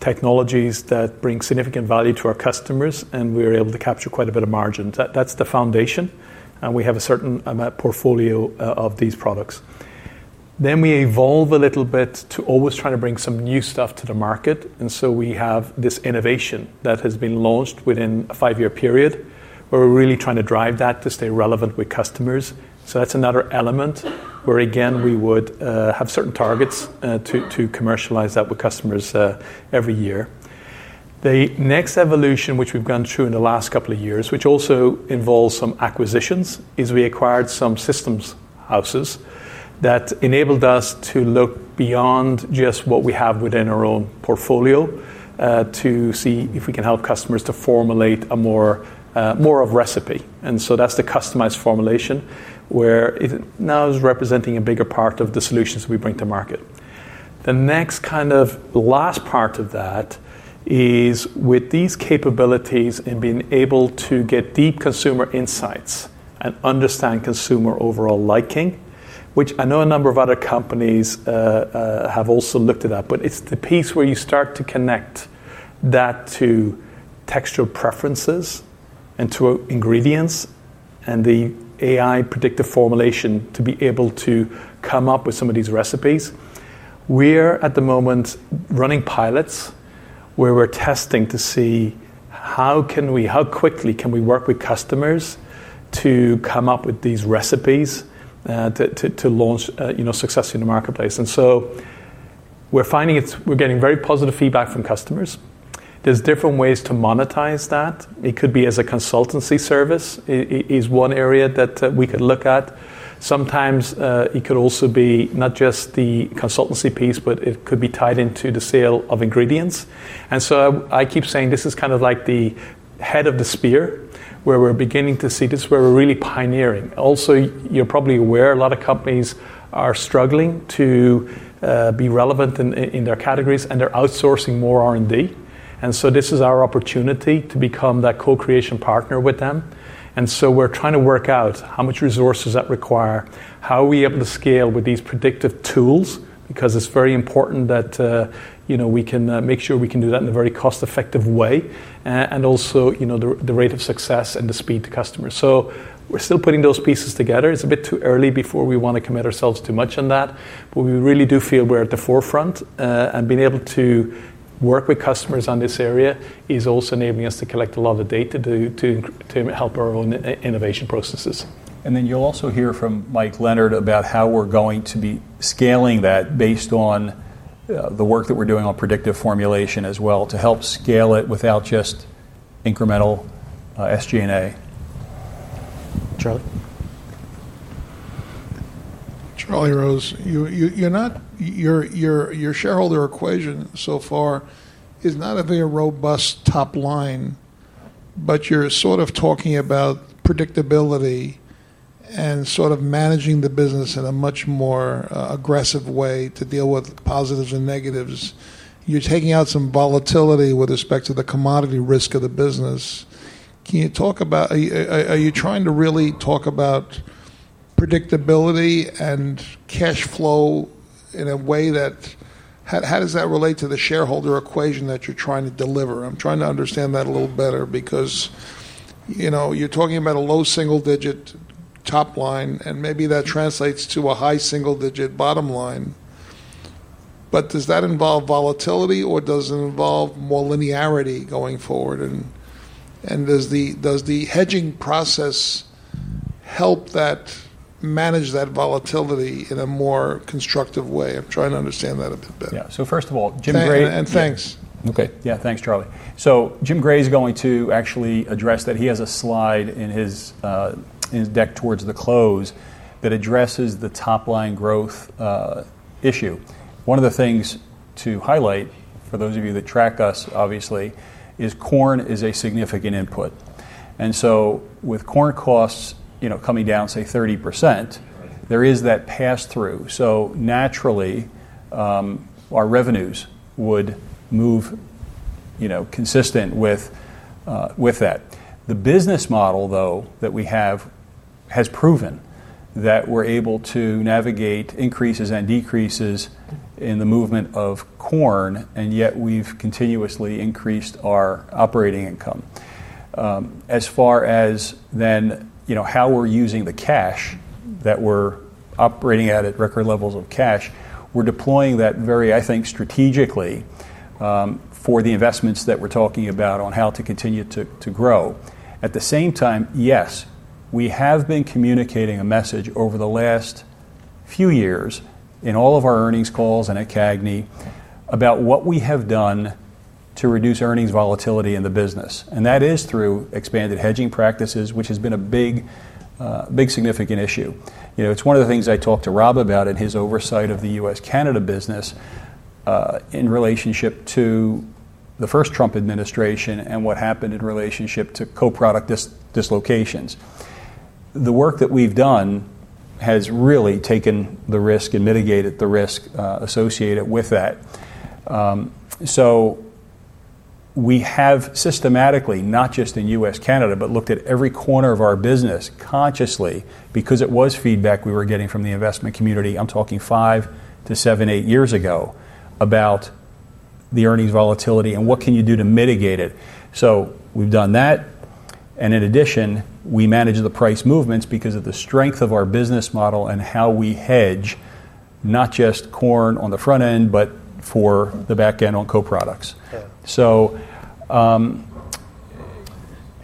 D: technologies that bring significant value to our customers, and we're able to capture quite a bit of margins. That's the foundation, and we have a certain amount of portfolio of these products. We evolve a little bit to always try to bring some new stuff to the market. We have this innovation that has been launched within a five-year period. We're really trying to drive that to stay relevant with customers. That's another element where, again, we would have certain targets to commercialize that with customers every year. The next evolution, which we've gone through in the last couple of years, which also involves some acquisitions, is we acquired some systems houses that enabled us to look beyond just what we have within our own portfolio to see if we can help customers to formulate more of a recipe. That's the customized formulation where it now is representing a bigger part of the solutions we bring to market. The next kind of last part of that is with these capabilities and being able to get deep consumer insights and understand consumer overall liking, which I know a number of other companies have also looked at that, but it's the piece where you start to connect that to texture preferences and to ingredients and the AI-driven predictive formulation to be able to come up with some of these recipes. We're at the moment running pilots where we're testing to see how can we, how quickly can we work with customers to come up with these recipes to launch success in the marketplace. We're finding we're getting very positive feedback from customers. There are different ways to monetize that. It could be as a consultancy service. It is one area that we could look at. Sometimes it could also be not just the consultancy piece, but it could be tied into the sale of ingredients. I keep saying this is kind of like the head of the spear where we're beginning to see this where we're really pioneering. Also, you're probably aware, a lot of companies are struggling to be relevant in their categories and they're outsourcing more R&D. This is our opportunity to become that co-creation partner with them. We are trying to work out how much resources that require, how are we able to scale with these predictive tools because it's very important that we can make sure we can do that in a very cost-effective way and also the rate of success and the speed to customers. We are still putting those pieces together. It's a bit too early before we want to commit ourselves too much on that, but we really do feel we're at the forefront and being able to work with customers on this area is also enabling us to collect a lot of data to help our own innovation processes.
C: You will also hear from Mike Leonard about how we're going to be scaling that based on the work that we're doing on AI-driven predictive formulation as well to help scale it without just incremental SG&A.
A: Charlie?
H: Your shareholder equation so far is not a very robust top line, but you're sort of talking about predictability and sort of managing the business in a much more aggressive way to deal with positives and negatives. You're taking out some volatility with respect to the commodity risk of the business. Can you talk about, are you trying to really talk about predictability and cash flow in a way that, how does that relate to the shareholder equation that you're trying to deliver? I'm trying to understand that a little better because, you know, you're talking about a low single-digit top line and maybe that translates to a high single-digit bottom line. Does that involve volatility or does it involve more linearity going forward? Does the hedging process help manage that volatility in a more constructive way? I'm trying to understand that a bit better.
C: Yeah, first of all, Jim Gray.
H: And thanks.
C: Okay, yeah, thanks, Charlie. Jim Gray is going to actually address that. He has a slide in his deck towards the close that addresses the top line growth issue. One of the things to highlight for those of you that track us, obviously, is corn is a significant input. With corn costs coming down, say 30%, there is that pass-through. Naturally, our revenues would move consistent with that. The business model, though, that we have has proven that we're able to navigate increases and decreases in the movement of corn, and yet we've continuously increased our operating income. As far as how we're using the cash, we're operating at record levels of cash. We're deploying that very, I think, strategically for the investments that we're talking about on how to continue to grow. At the same time, yes, we have been communicating a message over the last few years in all of our earnings calls and at CAGNY about what we have done to reduce earnings volatility in the business. That is through expanded hedging practices, which has been a big, significant issue. It's one of the things I talked to Rob about in his oversight of the US-Canada business in relationship to the first Trump administration and what happened in relationship to co-product dislocations. The work that we've done has really taken the risk and mitigated the risk associated with that. We have systematically, not just in US-Canada, but looked at every corner of our business consciously because it was feedback we were getting from the investment community. I'm talking five to seven, eight years ago about the earnings volatility and what can you do to mitigate it. We've done that. In addition, we manage the price movements because of the strength of our business model and how we hedge not just corn on the front end, but for the back end on co-products.
E: Yeah.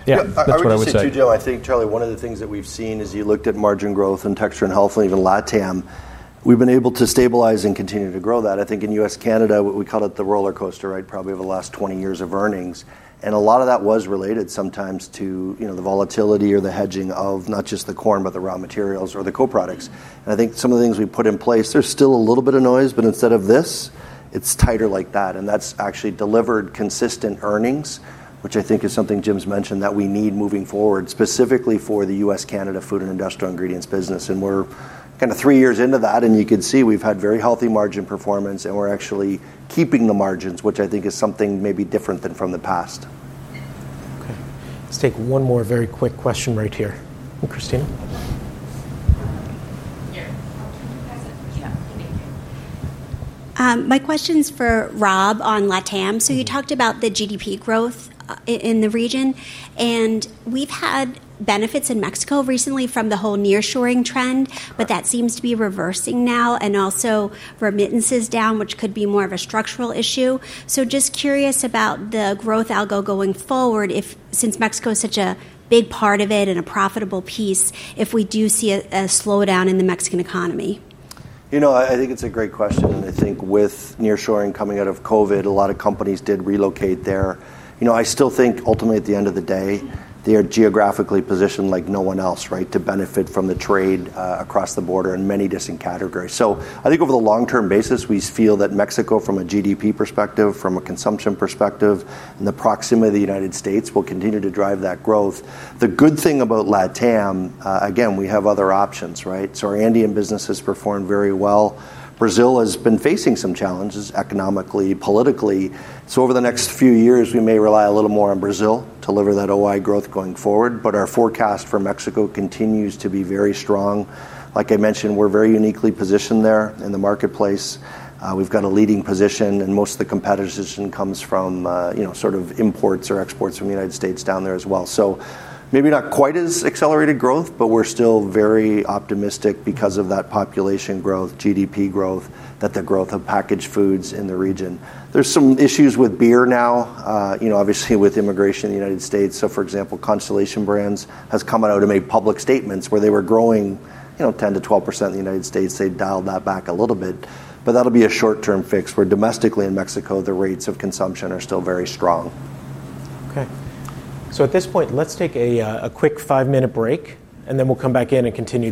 C: Yeah, I would say.
E: I think, Charlie, one of the things that we've seen is you looked at margin growth and texture and health and even LATAM. We've been able to stabilize and continue to grow that. I think in US-Canada, we call it the roller coaster, right? Probably over the last 20 years of earnings. A lot of that was related sometimes to the volatility or the hedging of not just the corn, but the raw materials or the co-products. I think some of the things we put in place, there's still a little bit of noise, but instead of this, it's tighter like that. That's actually delivered consistent earnings, which I think is something Jim's mentioned that we need moving forward specifically for the US-Canada food and industrial ingredients business. We're kind of three years into that. You can see we've had very healthy margin performance and we're actually keeping the margins, which I think is something maybe different than from the past.
A: Okay. Let's take one more very quick question right here. Kristen?
G: Yeah. My question is for Rob on LATAM. You talked about the GDP growth in the region. We've had benefits in Mexico recently from the whole nearshoring trend, but that seems to be reversing now. Also, remittances are down, which could be more of a structural issue. I'm just curious about the growth algo going forward since Mexico is such a big part of it and a profitable piece if we do see a slowdown in the Mexican economy.
E: I think it's a great question. I think with nearshoring coming out of COVID, a lot of companies did relocate there. I still think ultimately at the end of the day, they are geographically positioned like no one else, right, to benefit from the trade across the border in many distinct categories. I think over the long-term basis, we feel that Mexico from a GDP perspective, from a consumption perspective, and the proximity to the United States will continue to drive that growth. The good thing about LATAM, again, we have other options, right? Our Andean business has performed very well. Brazil has been facing some challenges economically, politically. Over the next few years, we may rely a little more on Brazil to deliver that OI growth going forward. Our forecast for Mexico continues to be very strong. Like I mentioned, we're very uniquely positioned there in the marketplace. We've got a leading position and most of the competition comes from, you know, sort of imports or exports from the United States down there as well. Maybe not quite as accelerated growth, but we're still very optimistic because of that population growth, GDP growth, the growth of packaged foods in the region. There's some issues with beer now, obviously with immigration in the United States. For example, Constellation Brands has come out and made public statements where they were growing 10%-12% in the United States. They dialed that back a little bit, but that'll be a short-term fix where domestically in Mexico, the rates of consumption are still very strong.
A: Okay. At this point, let's take a quick five-minute break, and then we'll come back in and continue.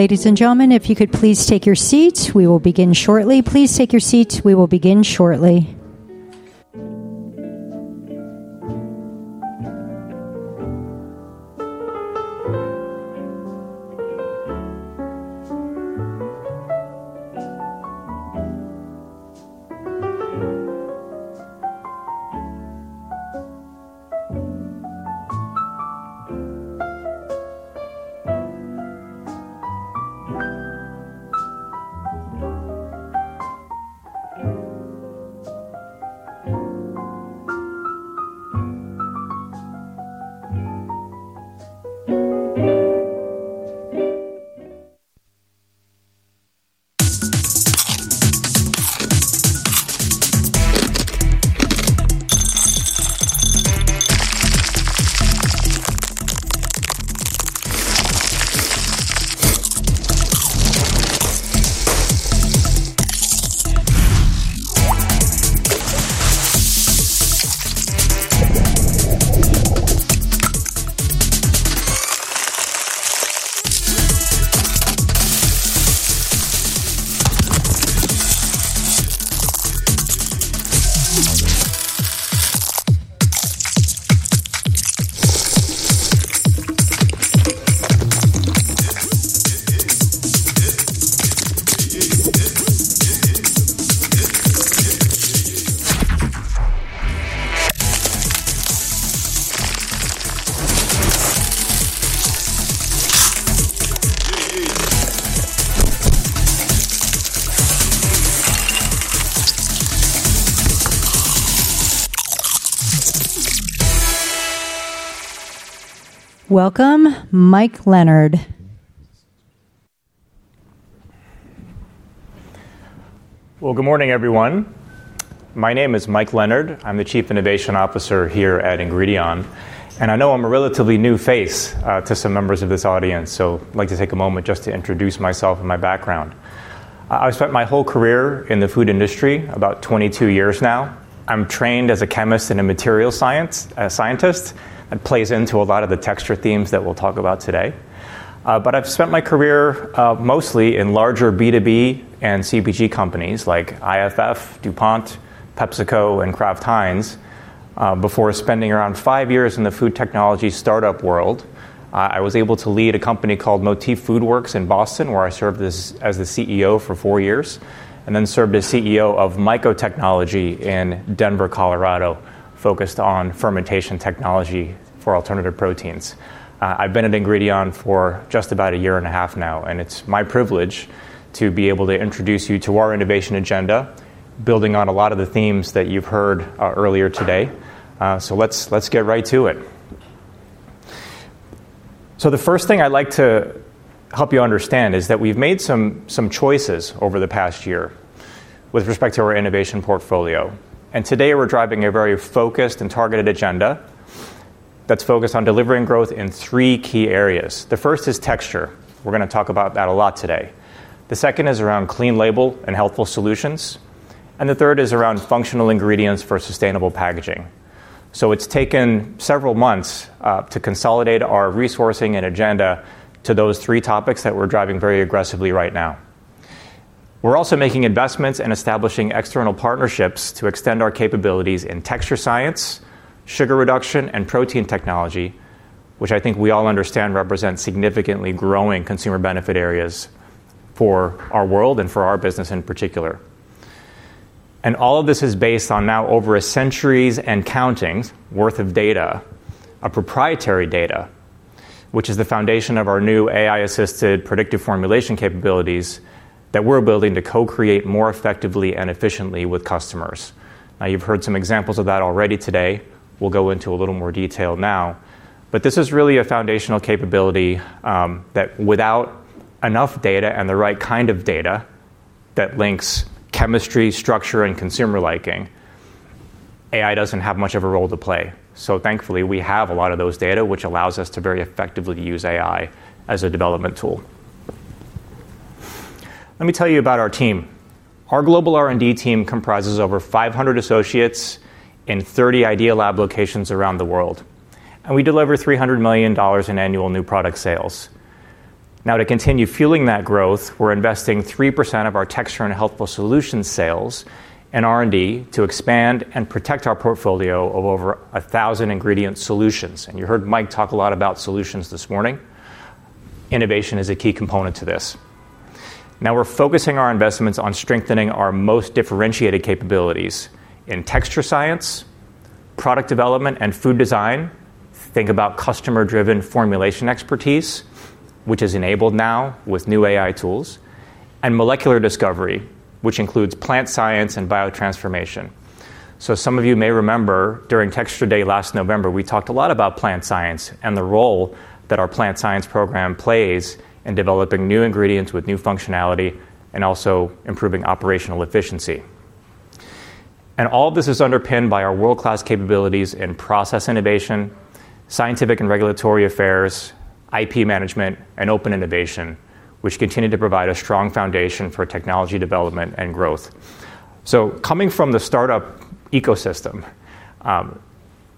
B: Ladies and gentlemen if you would please take your seats, we will begin shortly. Please take your seats we will begin shortly. Welcome, Mike Leonard.
I: Good morning, everyone. My name is Mike Leonard. I'm the Chief Innovation Officer here at Ingredion. I know I'm a relatively new face to some members of this audience. I'd like to take a moment just to introduce myself and my background. I've spent my whole career in the food industry, about 22 years now. I'm trained as a chemist and a material science scientist. It plays into a lot of the texture themes that we'll talk about today. I've spent my career mostly in larger B2B and CPG companies like IFF, DuPont, PepsiCo, and Kraft Heinz before spending around five years in the food technology startup world. I was able to lead a company called Motif FoodWorks in Boston, where I served as the CEO for four years, and then served as CEO of MycoTechnology in Denver, Colorado, focused on fermentation technology for alternative proteins. I've been at Ingredion for just about a year and a half now, and it's my privilege to be able to introduce you to our innovation agenda, building on a lot of the themes that you've heard earlier today. Let's get right to it. The first thing I'd like to help you understand is that we've made some choices over the past year with respect to our innovation portfolio. Today, we're driving a very focused and targeted agenda that's focused on delivering growth in three key areas. The first is texture. We're going to talk about that a lot today. The second is around clean label and healthful solutions. The third is around functional ingredients for sustainable packaging. It's taken several months to consolidate our resourcing and agenda to those three topics that we're driving very aggressively right now. We're also making investments and establishing external partnerships to extend our capabilities in texture science, sugar reduction, and protein technology, which I think we all understand represent significantly growing consumer benefit areas for our world and for our business in particular. All of this is based on now over a century's and counting's worth of data, proprietary data, which is the foundation of our new AI-driven predictive formulation capabilities that we're building to co-create more effectively and efficiently with customers. You've heard some examples of that already today. We'll go into a little more detail now. This is really a foundational capability that without enough data and the right kind of data that links chemistry, structure, and consumer liking, AI doesn't have much of a role to play. Thankfully, we have a lot of those data, which allows us to very effectively use AI as a development tool. Let me tell you about our team. Our global R&D team comprises over 500 associates in 30 Idea Labs locations around the world, and we deliver $300 million in annual new product sales. To continue fueling that growth, we're investing 3% of our Texture and Healthful Solutions sales and R&D to expand and protect our portfolio of over 1,000 ingredient solutions. You heard Mike talk a lot about solutions this morning. Innovation is a key component to this. We're focusing our investments on strengthening our most differentiated capabilities in texture science, product development, and food design. Think about customer-driven formulation expertise, which is enabled now with new AI tools, and molecular discovery, which includes plant science and biotransformation. Some of you may remember during Texture Day last November, we talked a lot about plant science and the role that our plant science program plays in developing new ingredients with new functionality and also improving operational efficiency. All of this is underpinned by our world-class capabilities in process innovation, scientific and regulatory affairs, IP management, and open innovation, which continue to provide a strong foundation for technology development and growth. Coming from the startup ecosystem,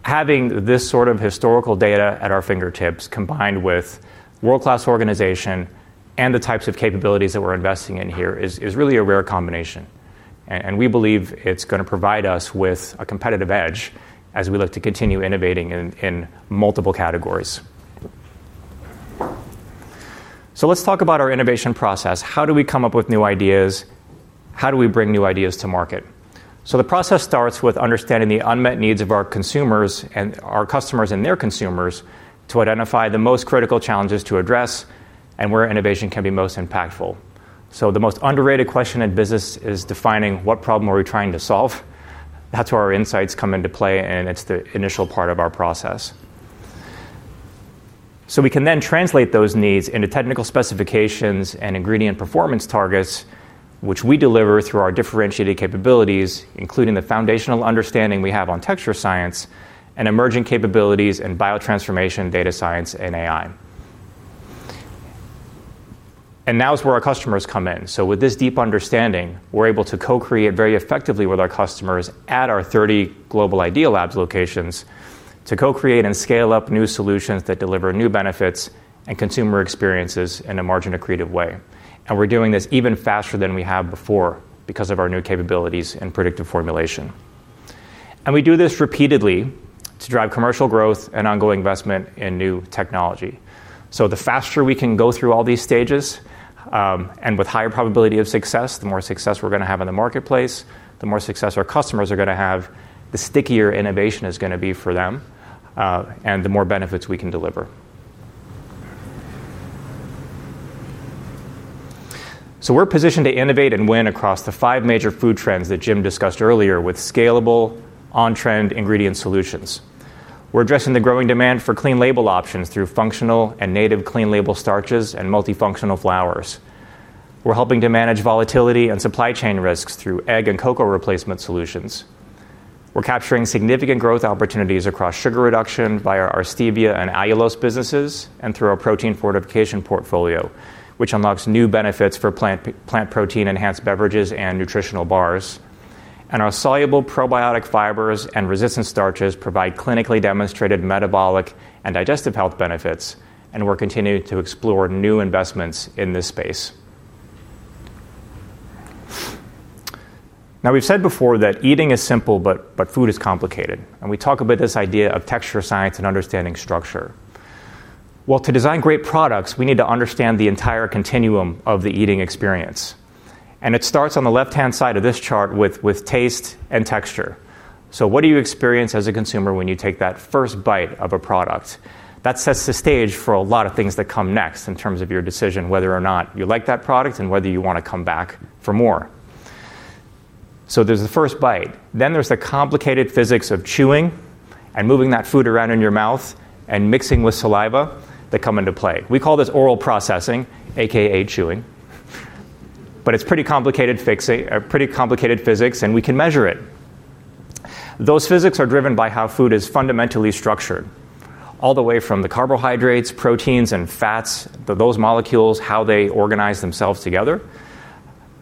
I: having this sort of historical data at our fingertips combined with world-class organization and the types of capabilities that we're investing in here is really a rare combination. We believe it's going to provide us with a competitive edge as we look to continue innovating in multiple categories. Let's talk about our innovation process. How do we come up with new ideas? How do we bring new ideas to market? The process starts with understanding the unmet needs of our consumers and our customers and their consumers to identify the most critical challenges to address and where innovation can be most impactful. The most underrated question in business is defining what problem are we trying to solve? That's where our insights come into play, and it's the initial part of our process. We can then translate those needs into technical specifications and ingredient performance targets, which we deliver through our differentiated capabilities, including the foundational understanding we have on texture science and emerging capabilities in biotransformation, data science, and AI. Now is where our customers come in. With this deep understanding, we're able to co-create very effectively with our customers at our 30 global Idea Labs locations to co-create and scale up new solutions that deliver new benefits and consumer experiences in a margin-accretive way. We're doing this even faster than we have before because of our new capabilities and predictive formulation. We do this repeatedly to drive commercial growth and ongoing investment in new technology. The faster we can go through all these stages and with higher probability of success, the more success we're going to have in the marketplace, the more success our customers are going to have, the stickier innovation is going to be for them, and the more benefits we can deliver. We're positioned to innovate and win across the five major food trends that Jim discussed earlier with scalable on-trend ingredient solutions. We're addressing the growing demand for clean label options through functional and native clean label starches and multifunctional flours. We're helping to manage volatility and supply chain risks through egg and cocoa replacement solutions. We're capturing significant growth opportunities across sugar reduction via our stevia and allulose businesses and through our protein fortification portfolio, which unlocks new benefits for plant protein-enhanced beverages and nutritional bars. Our soluble probiotic fibers and resistant starches provide clinically demonstrated metabolic and digestive health benefits, and we're continuing to explore new investments in this space. We've said before that eating is simple, but food is complicated. We talk about this idea of texture science and understanding structure. To design great products, we need to understand the entire continuum of the eating experience. It starts on the left-hand side of this chart with taste and texture. What do you experience as a consumer when you take that first bite of a product? That sets the stage for a lot of things that come next in terms of your decision whether or not you like that product and whether you want to come back for more. There's the first bite. There's the complicated physics of chewing and moving that food around in your mouth and mixing with saliva that come into play. We call this oral processing, also known as chewing. It's pretty complicated physics, and we can measure it. Those physics are driven by how food is fundamentally structured, all the way from the carbohydrates, proteins, and fats, those molecules, how they organize themselves together,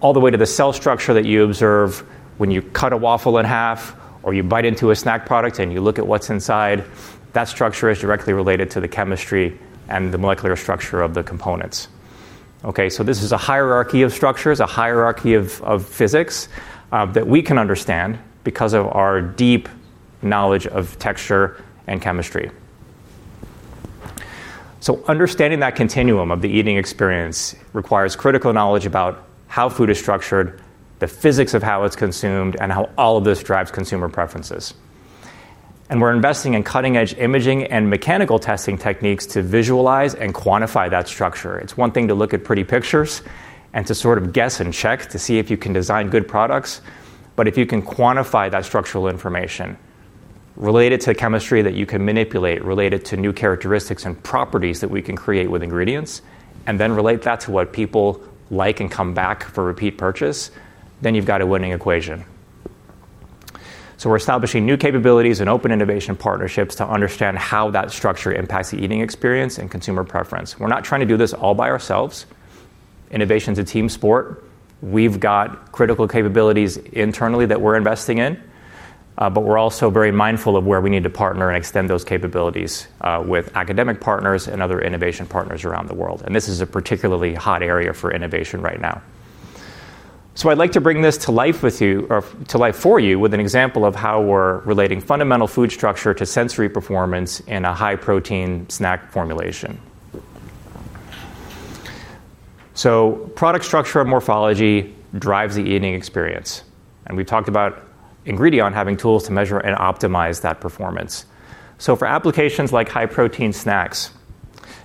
I: all the way to the cell structure that you observe when you cut a waffle in half or you bite into a snack product and you look at what's inside. That structure is directly related to the chemistry and the molecular structure of the components. This is a hierarchy of structures, a hierarchy of physics that we can understand because of our deep knowledge of texture and chemistry. Understanding that continuum of the eating experience requires critical knowledge about how food is structured, the physics of how it's consumed, and how all of this drives consumer preferences. We're investing in cutting-edge imaging and mechanical testing techniques to visualize and quantify that structure. It's one thing to look at pretty pictures and to sort of guess and check to see if you can design good products. If you can quantify that structural information related to chemistry that you can manipulate, related to new characteristics and properties that we can create with ingredients, and then relate that to what people like and come back for repeat purchase, then you've got a winning equation. We're establishing new capabilities and open innovation partnerships to understand how that structure impacts the eating experience and consumer preference. We're not trying to do this all by ourselves. Innovation is a team sport. We've got critical capabilities internally that we're investing in, but we're also very mindful of where we need to partner and extend those capabilities with academic partners and other innovation partners around the world. This is a particularly hot area for innovation right now. I'd like to bring this to life for you with an example of how we're relating fundamental food structure to sensory performance in a high protein snack formulation. Product structure and morphology drive the eating experience. We've talked about Ingredion having tools to measure and optimize that performance. For applications like high protein snacks,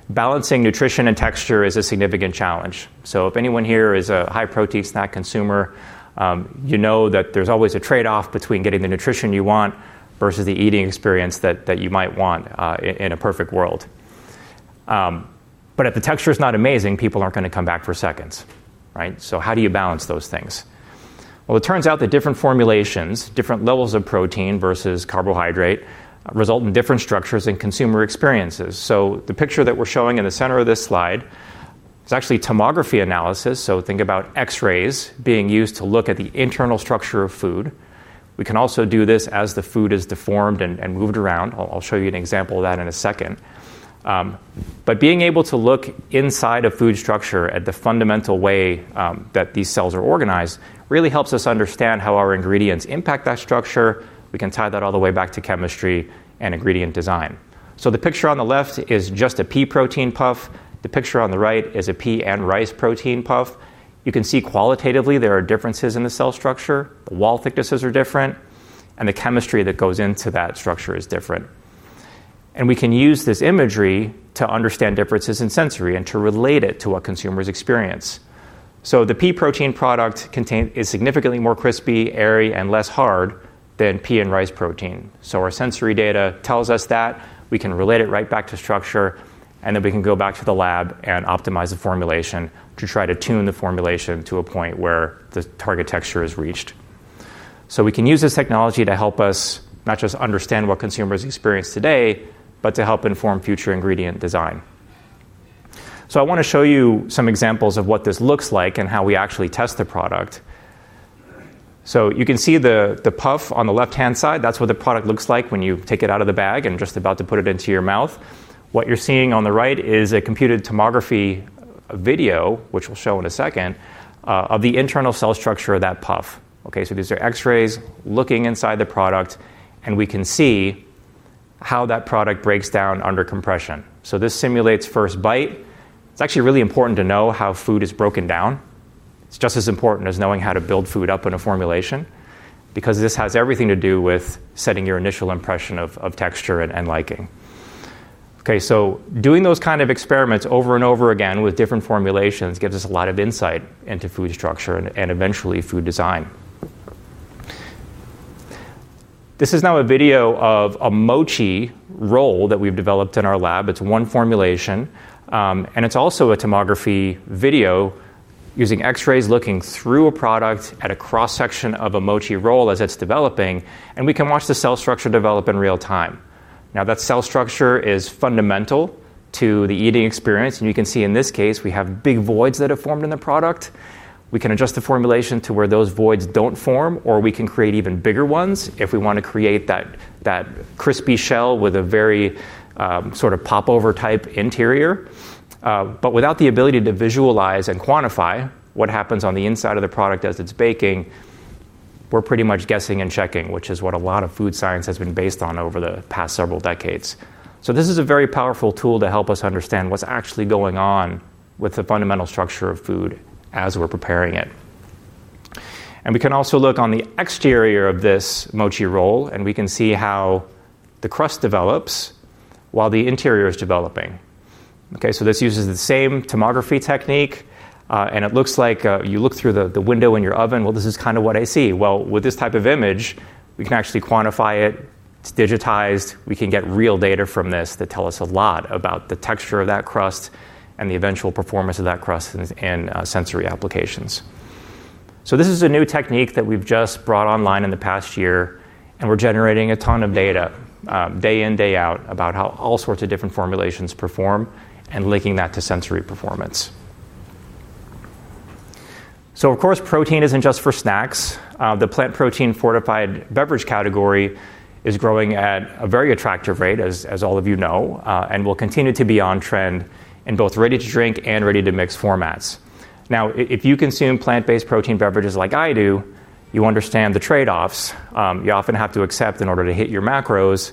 I: balancing nutrition and texture is a significant challenge. If anyone here is a high protein snack consumer, you know that there's always a trade-off between getting the nutrition you want versus the eating experience that you might want in a perfect world. If the texture is not amazing, people aren't going to come back for seconds, right? How do you balance those things? It turns out that different formulations, different levels of protein versus carbohydrate, result in different structures and consumer experiences. The picture that we're showing in the center of this slide is actually tomography analysis. Think about X-rays being used to look at the internal structure of food. We can also do this as the food is deformed and moved around. I'll show you an example of that in a second. Being able to look inside a food structure at the fundamental way that these cells are organized really helps us understand how our ingredients impact that structure. We can tie that all the way back to chemistry and ingredient design. The picture on the left is just a pea protein puff. The picture on the right is a pea and rice protein puff. You can see qualitatively there are differences in the cell structure. The wall thicknesses are different, and the chemistry that goes into that structure is different. We can use this imagery to understand differences in sensory and to relate it to what consumers experience. The pea protein product is significantly more crispy, airy, and less hard than pea and rice protein. Our sensory data tells us that we can relate it right back to structure, and then we can go back to the lab and optimize the formulation to try to tune the formulation to a point where the target texture is reached. We can use this technology to help us not just understand what consumers experience today, but to help inform future ingredient design. I want to show you some examples of what this looks like and how we actually test the product. You can see the puff on the left-hand side. That's what the product looks like when you take it out of the bag and just about to put it into your mouth. What you're seeing on the right is a computed tomography video, which we'll show in a second, of the internal cell structure of that puff. These are X-rays looking inside the product, and we can see how that product breaks down under compression. This simulates first bite. It's actually really important to know how food is broken down. It's just as important as knowing how to build food up in a formulation because this has everything to do with setting your initial impression of texture and liking. Doing those kinds of experiments over and over again with different formulations gives us a lot of insight into food structure and eventually food design. This is now a video of a mochi roll that we've developed in our lab. It's one formulation, and it's also a tomography video using X-rays looking through a product at a cross-section of a mochi roll as it's developing, and we can watch the cell structure develop in real time. That cell structure is fundamental to the eating experience, and you can see in this case, we have big voids that have formed in the product. We can adjust the formulation to where those voids don't form, or we can create even bigger ones if we want to create that crispy shell with a very sort of popover type interior. Without the ability to visualize and quantify what happens on the inside of the product as it's baking, we're pretty much guessing and checking, which is what a lot of food science has been based on over the past several decades. This is a very powerful tool to help us understand what's actually going on with the fundamental structure of food as we're preparing it. We can also look on the exterior of this mochi roll, and we can see how the crust develops while the interior is developing. This uses the same tomography technique, and it looks like you look through the window in your oven. This is kind of what I see. With this type of image, we can actually quantify it. It's digitized. We can get real data from this that tells us a lot about the texture of that crust and the eventual performance of that crust in sensory applications. This is a new technique that we've just brought online in the past year, and we're generating a ton of data day in, day out about how all sorts of different formulations perform and linking that to sensory performance. Of course, protein isn't just for snacks. The plant protein fortified beverage category is growing at a very attractive rate, as all of you know, and will continue to be on trend in both ready-to-drink and ready-to-mix formats. Now, if you consume plant-based protein beverages like I do, you understand the trade-offs you often have to accept in order to hit your macros.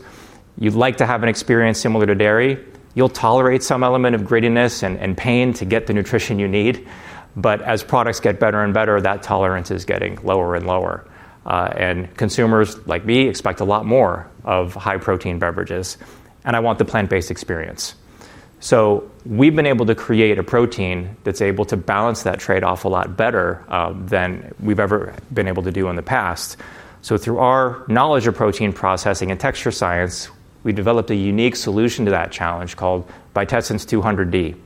I: You'd like to have an experience similar to dairy. You tolerate some element of grittiness and pain to get the nutrition you need. As products get better and better, that tolerance is getting lower and lower. Consumers like me expect a lot more of high protein beverages, and I want the plant-based experience. We've been able to create a protein that's able to balance that trade-off a lot better than we've ever been able to do in the past. Through our knowledge of protein processing and texture science, we developed a unique solution to that challenge called VITESSENCE 200D.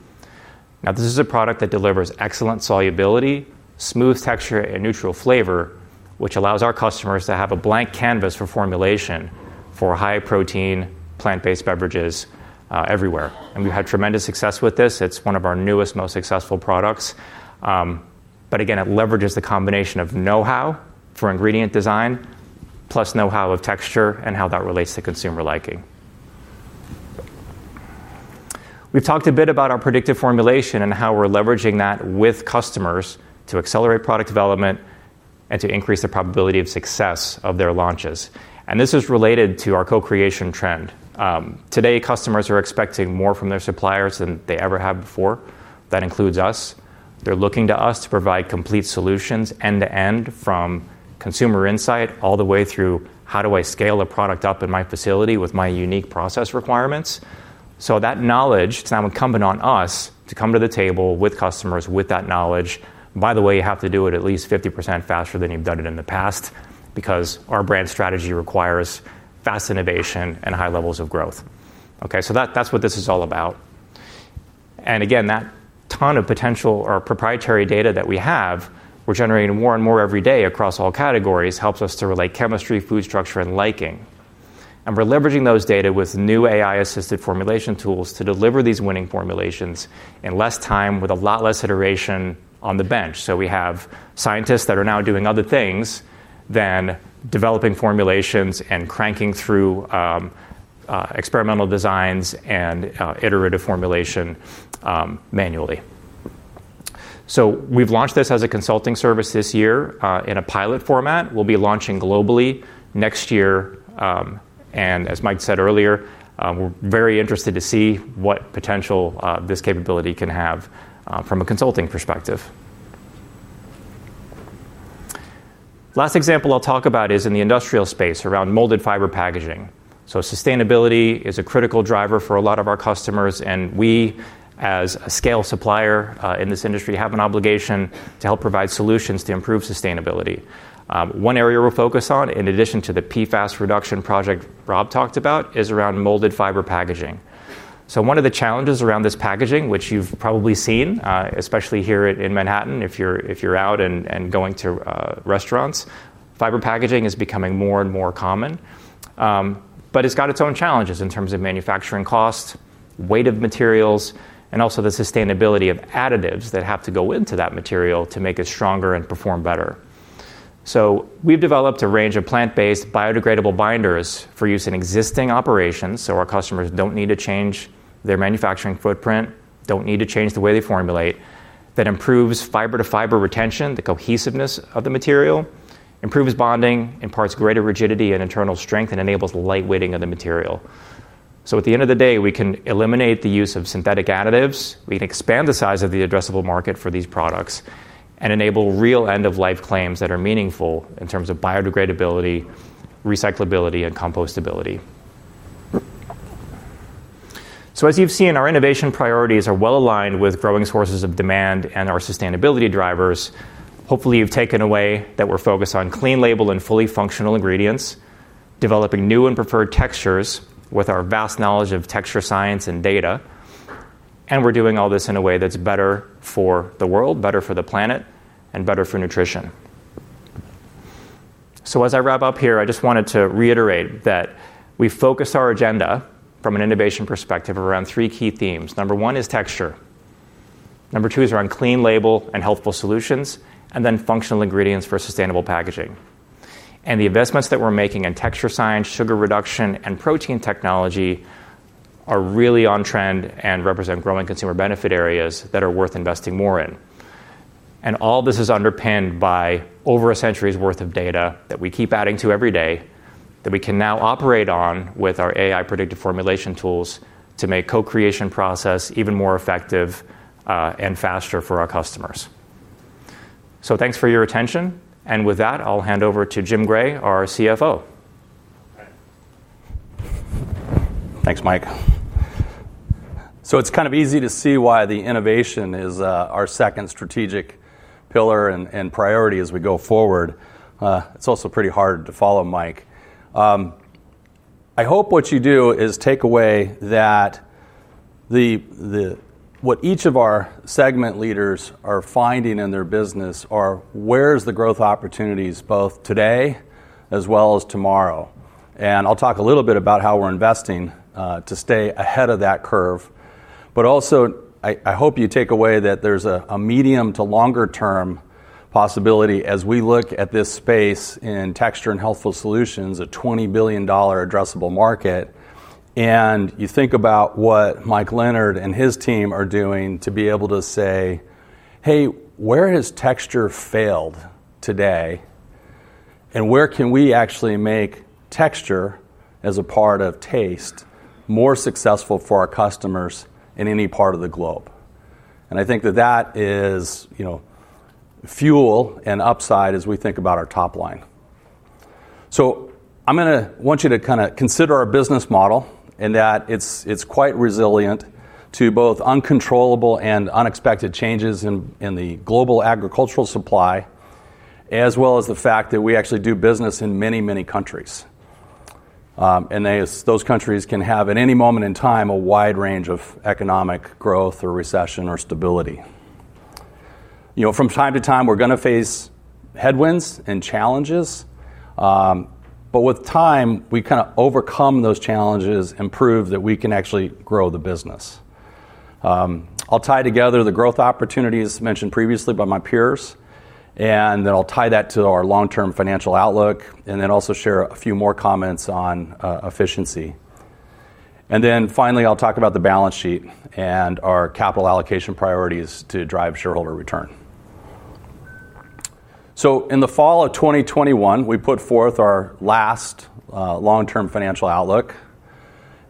I: This is a product that delivers excellent solubility, smooth texture, and neutral flavor, which allows our customers to have a blank canvas for formulation for high protein plant-based beverages everywhere. We've had tremendous success with this. It's one of our newest, most successful products. It leverages the combination of know-how for ingredient design plus know-how of texture and how that relates to consumer liking. We've talked a bit about our predictive formulation and how we're leveraging that with customers to accelerate product development and to increase the probability of success of their launches. This is related to our co-creation trend. Today, customers are expecting more from their suppliers than they ever have before. That includes us. They're looking to us to provide complete solutions end-to-end from consumer insight all the way through how do I scale a product up in my facility with my unique process requirements. That knowledge, it's now incumbent on us to come to the table with customers with that knowledge. By the way, you have to do it at least 50% faster than you've done it in the past because our brand strategy requires fast innovation and high levels of growth. That's what this is all about. That ton of potential or proprietary data that we have, we're generating more and more every day across all categories, helps us to relate chemistry, food structure, and liking. We're leveraging those data with new AI-assisted formulation tools to deliver these winning formulations in less time with a lot less iteration on the bench. We have scientists that are now doing other things than developing formulations and cranking through experimental designs and iterative formulation manually. We've launched this as a consulting service this year in a pilot format. We'll be launching globally next year. As Mike said earlier, we're very interested to see what potential this capability can have from a consulting perspective. Last example I'll talk about is in the industrial space around molded fiber packaging. Sustainability is a critical driver for a lot of our customers, and we as a scale supplier in this industry have an obligation to help provide solutions to improve sustainability. One area we'll focus on, in addition to the PFAS reduction project Rob talked about, is around molded fiber packaging. One of the challenges around this packaging, which you've probably seen, especially here in Manhattan, if you're out and going to restaurants, fiber packaging is becoming more and more common. It's got its own challenges in terms of manufacturing cost, weight of materials, and also the sustainability of additives that have to go into that material to make it stronger and perform better. We've developed a range of plant-based biodegradable binders for use in existing operations, so our customers don't need to change their manufacturing footprint, don't need to change the way they formulate, that improves fiber-to-fiber retention, the cohesiveness of the material, improves bonding, imparts greater rigidity and internal strength, and enables lightweighting of the material. At the end of the day, we can eliminate the use of synthetic additives, we can expand the size of the addressable market for these products, and enable real end-of-life claims that are meaningful in terms of biodegradability, recyclability, and compostability. As you've seen, our innovation priorities are well aligned with growing sources of demand and our sustainability drivers. Hopefully, you've taken away that we're focused on clean label and fully functional ingredients, developing new and preferred textures with our vast knowledge of texture science and data, and we're doing all this in a way that's better for the world, better for the planet, and better for nutrition. As I wrap up here, I just wanted to reiterate that we focus our agenda from an innovation perspective around three key themes. Number one is texture. Number two is around clean label and healthful solutions, and then functional ingredients for sustainable packaging. The investments that we're making in texture science, sugar reduction, and protein technology are really on trend and represent growing consumer benefit areas that are worth investing more in. All this is underpinned by over a century's worth of data that we keep adding to every day that we can now operate on with our AI-driven predictive formulation tools to make the co-creation process even more effective and faster for our customers. Thanks for your attention. With that, I'll hand over to Jim Gray, our CFO.
J: Thanks, Mike. It's kind of easy to see why innovation is our second strategic pillar and priority as we go forward. It's also pretty hard to follow, Mike. I hope what you do is take away that what each of our segment leaders are finding in their business are where the growth opportunities are both today as well as tomorrow. I'll talk a little bit about how we're investing to stay ahead of that curve, but I also hope you take away that there's a medium to longer term possibility as we look at this space in texture and healthful solutions, a $20 billion addressable market. You think about what Mike Leonard and his team are doing to be able to say, hey, where has texture failed today? Where can we actually make texture as a part of taste more successful for our customers in any part of the globe? I think that is fuel and upside as we think about our top line. I want you to consider our business model and that it's quite resilient to both uncontrollable and unexpected changes in the global agricultural supply, as well as the fact that we actually do business in many, many countries. Those countries can have at any moment in time a wide range of economic growth or recession or stability. From time to time, we're going to face headwinds and challenges. With time, we overcome those challenges and prove that we can actually grow the business. I'll tie together the growth opportunities mentioned previously by my peers, and then I'll tie that to our long-term financial outlook and also share a few more comments on efficiency. Finally, I'll talk about the balance sheet and our capital allocation priorities to drive shareholder return. In the fall of 2021, we put forth our last long-term financial outlook.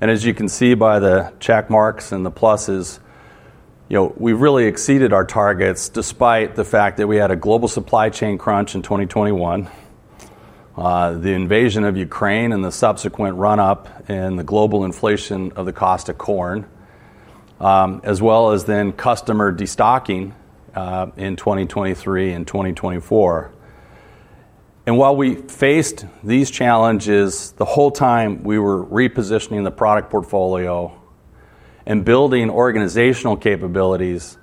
J: As you can see by the check marks and the pluses, we really exceeded our targets despite the fact that we had a global supply chain crunch in 2021, the invasion of Ukraine and the subsequent run-up in the global inflation of the cost of corn, as well as customer destocking in 2023 and 2024. While we faced these challenges the whole time, we were repositioning the product portfolio and building organizational capabilities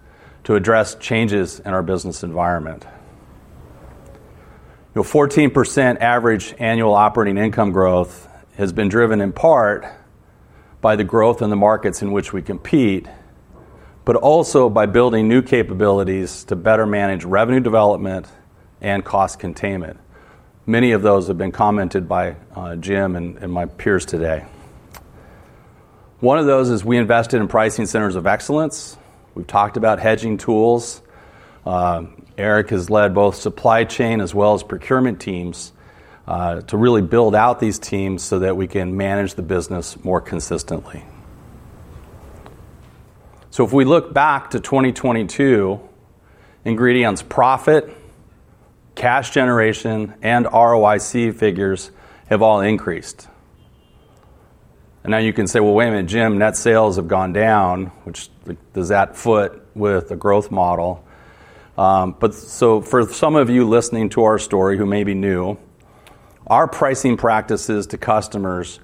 J: to address changes in our business environment. 14% average annual operating income growth has been driven in part by the growth in the markets in which we compete, but also by building new capabilities to better manage revenue development and cost containment. Many of those have been commented by Jim and my peers today. One of those is we invested in pricing centers of excellence. We've talked about hedging tools. Eric has led both supply chain as well as procurement teams to really build out these teams so that we can manage the business more consistently. If we look back to 2022, Ingredion's profit, cash generation, and ROIC figures have all increased. Now you can say, wait a minute, Jim, net sales have gone down. Which does that fit with the growth model? For some of you listening to our story who may be new, our pricing practices to customers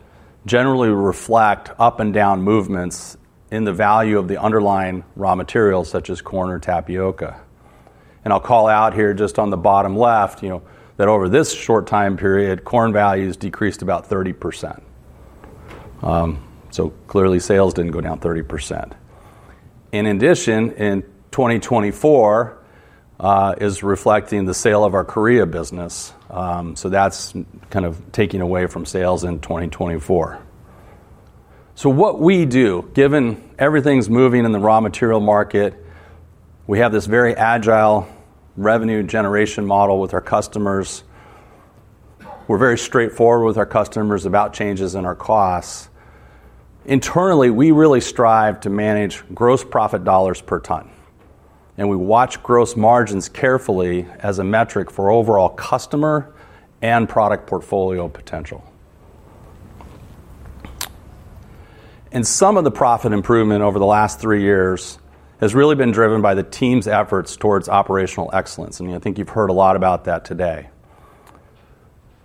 J: generally reflect up and down movements in the value of the underlying raw materials such as corn or tapioca. I'll call out here just on the bottom left that over this short time period, corn values decreased about 30%. Clearly, sales didn't go down 30%. In addition, in 2024, it is reflecting the sale of our Korea business. That's kind of taking away from sales in 2024. What we do, given everything's moving in the raw material market, we have this very agile revenue generation model with our customers. We're very straightforward with our customers about changes in our costs. Internally, we really strive to manage gross profit dollars per ton. We watch gross margins carefully as a metric for overall customer and product portfolio potential. Some of the profit improvement over the last three years has really been driven by the team's efforts towards operational excellence. I think you've heard a lot about that today.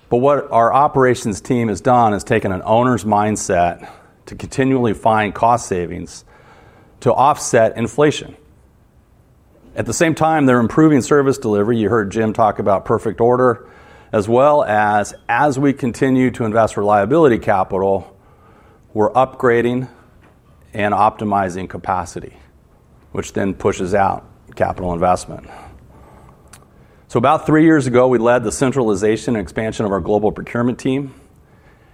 J: What our operations team has done is taken an owner's mindset to continually find cost savings to offset inflation. At the same time, they're improving service delivery. You heard Jim talk about perfect order, as well as as we continue to invest reliability capital, we're upgrading and optimizing capacity, which then pushes out capital investment. About three years ago, we led the centralization and expansion of our global procurement team.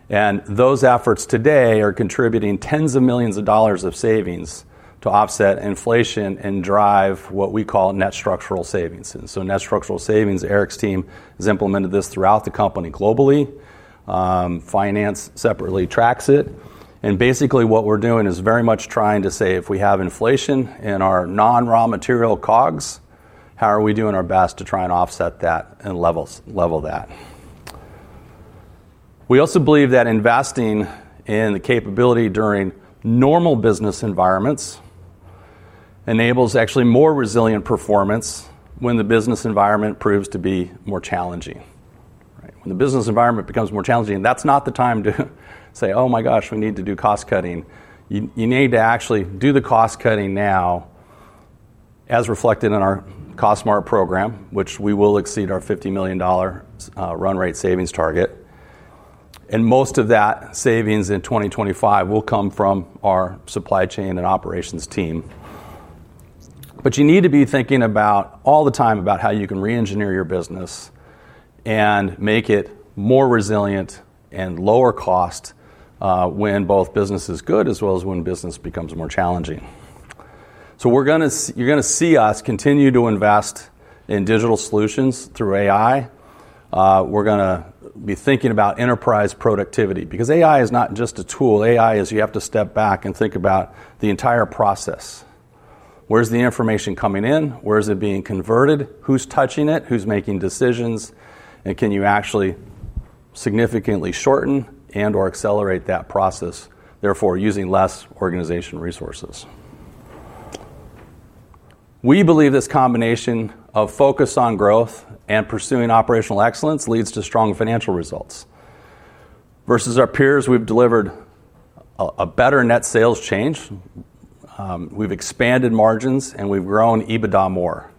J: Those efforts today are contributing tens of millions of dollars of savings to offset inflation and drive what we call net structural savings. Net structural savings, Eric's team has implemented this throughout the company globally. Finance separately tracks it. Basically what we're doing is very much trying to say if we have inflation in our non-raw material COGs, how are we doing our best to try and offset that and level that? We also believe that investing in the capability during normal business environments enables actually more resilient performance when the business environment proves to be more challenging. The business environment becomes more challenging, and that's not the time to say, oh my gosh, we need to do cost cutting. You need to actually do the cost cutting now as reflected in our Cost Smart program, which we will exceed our $50 million run rate savings target. Most of that savings in 2025 will come from our supply chain and operations team. You need to be thinking about all the time about how you can re-engineer your business and make it more resilient and lower cost when both business is good as well as when business becomes more challenging. You're going to see us continue to invest in digital solutions through AI. We're going to be thinking about enterprise productivity because AI is not just a tool. AI is you have to step back and think about the entire process. Where's the information coming in? Where's it being converted? Who's touching it? Who's making decisions? Can you actually significantly shorten and/or accelerate that process, therefore using less organization resources? We believe this combination of focus on growth and pursuing operational excellence leads to strong financial results. Versus our peers, we've delivered a better net sales change. We've expanded margins and we've grown EBITDA more.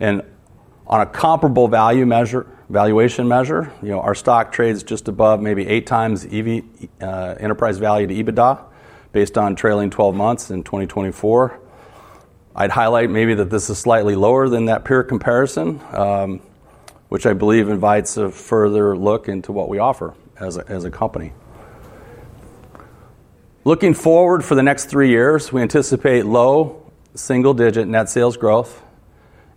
J: On a comparable value measure, valuation measure, you know, our stock trades just above maybe eight times enterprise value to EBITDA based on trailing 12 months in 2024. I'd highlight maybe that this is slightly lower than that peer comparison, which I believe invites a further look into what we offer as a company. Looking forward for the next three years, we anticipate low single-digit net sales growth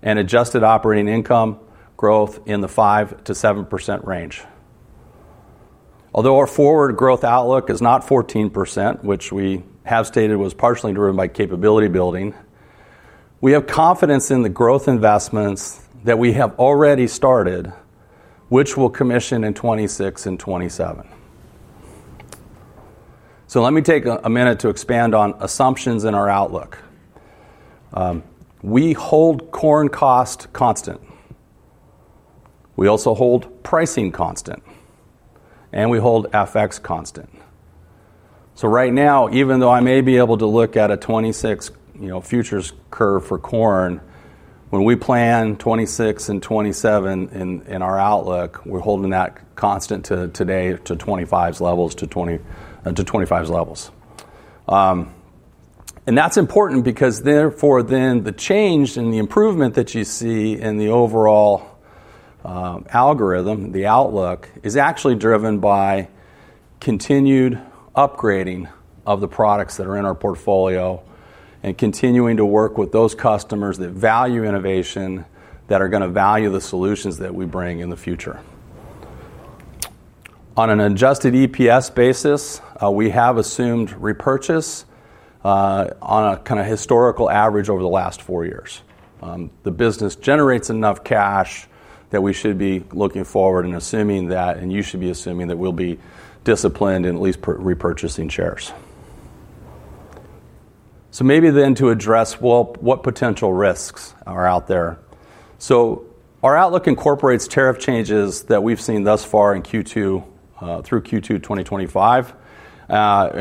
J: and adjusted operating income growth in the 5%-7% range. Although our forward growth outlook is not 14%, which we have stated was partially driven by capability building, we have confidence in the growth investments that we have already started, which will commission in 2026 and 2027. Let me take a minute to expand on assumptions in our outlook. We hold corn cost constant. We also hold pricing constant. We hold FX constant. Right now, even though I may be able to look at a 2026 futures curve for corn, when we plan 2026 and 2027 in our outlook, we're holding that constant today to 2025 levels, to 2025 levels. That's important because therefore the change and the improvement that you see in the overall algorithm, the outlook, is actually driven by continued upgrading of the products that are in our portfolio and continuing to work with those customers that value innovation, that are going to value the solutions that we bring in the future. On an adjusted EPS basis, we have assumed repurchase on a kind of historical average over the last four years. The business generates enough cash that we should be looking forward and assuming that, and you should be assuming that we'll be disciplined in at least repurchasing shares. Maybe then to address, what potential risks are out there? Our outlook incorporates tariff changes that we've seen thus far in Q2, through Q2 2025.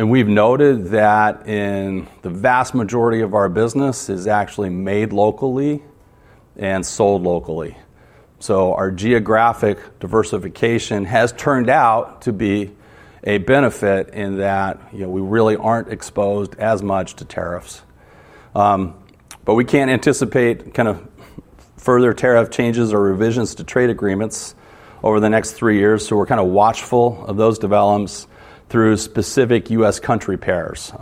J: We've noted that in the vast majority of our business is actually made locally and sold locally. Our geographic diversification has turned out to be a benefit in that, you know, we really aren't exposed as much to tariffs. We can't anticipate kind of further tariff changes or revisions to trade agreements over the next three years. We're kind of watchful of those developments through specific U.S. country pairs.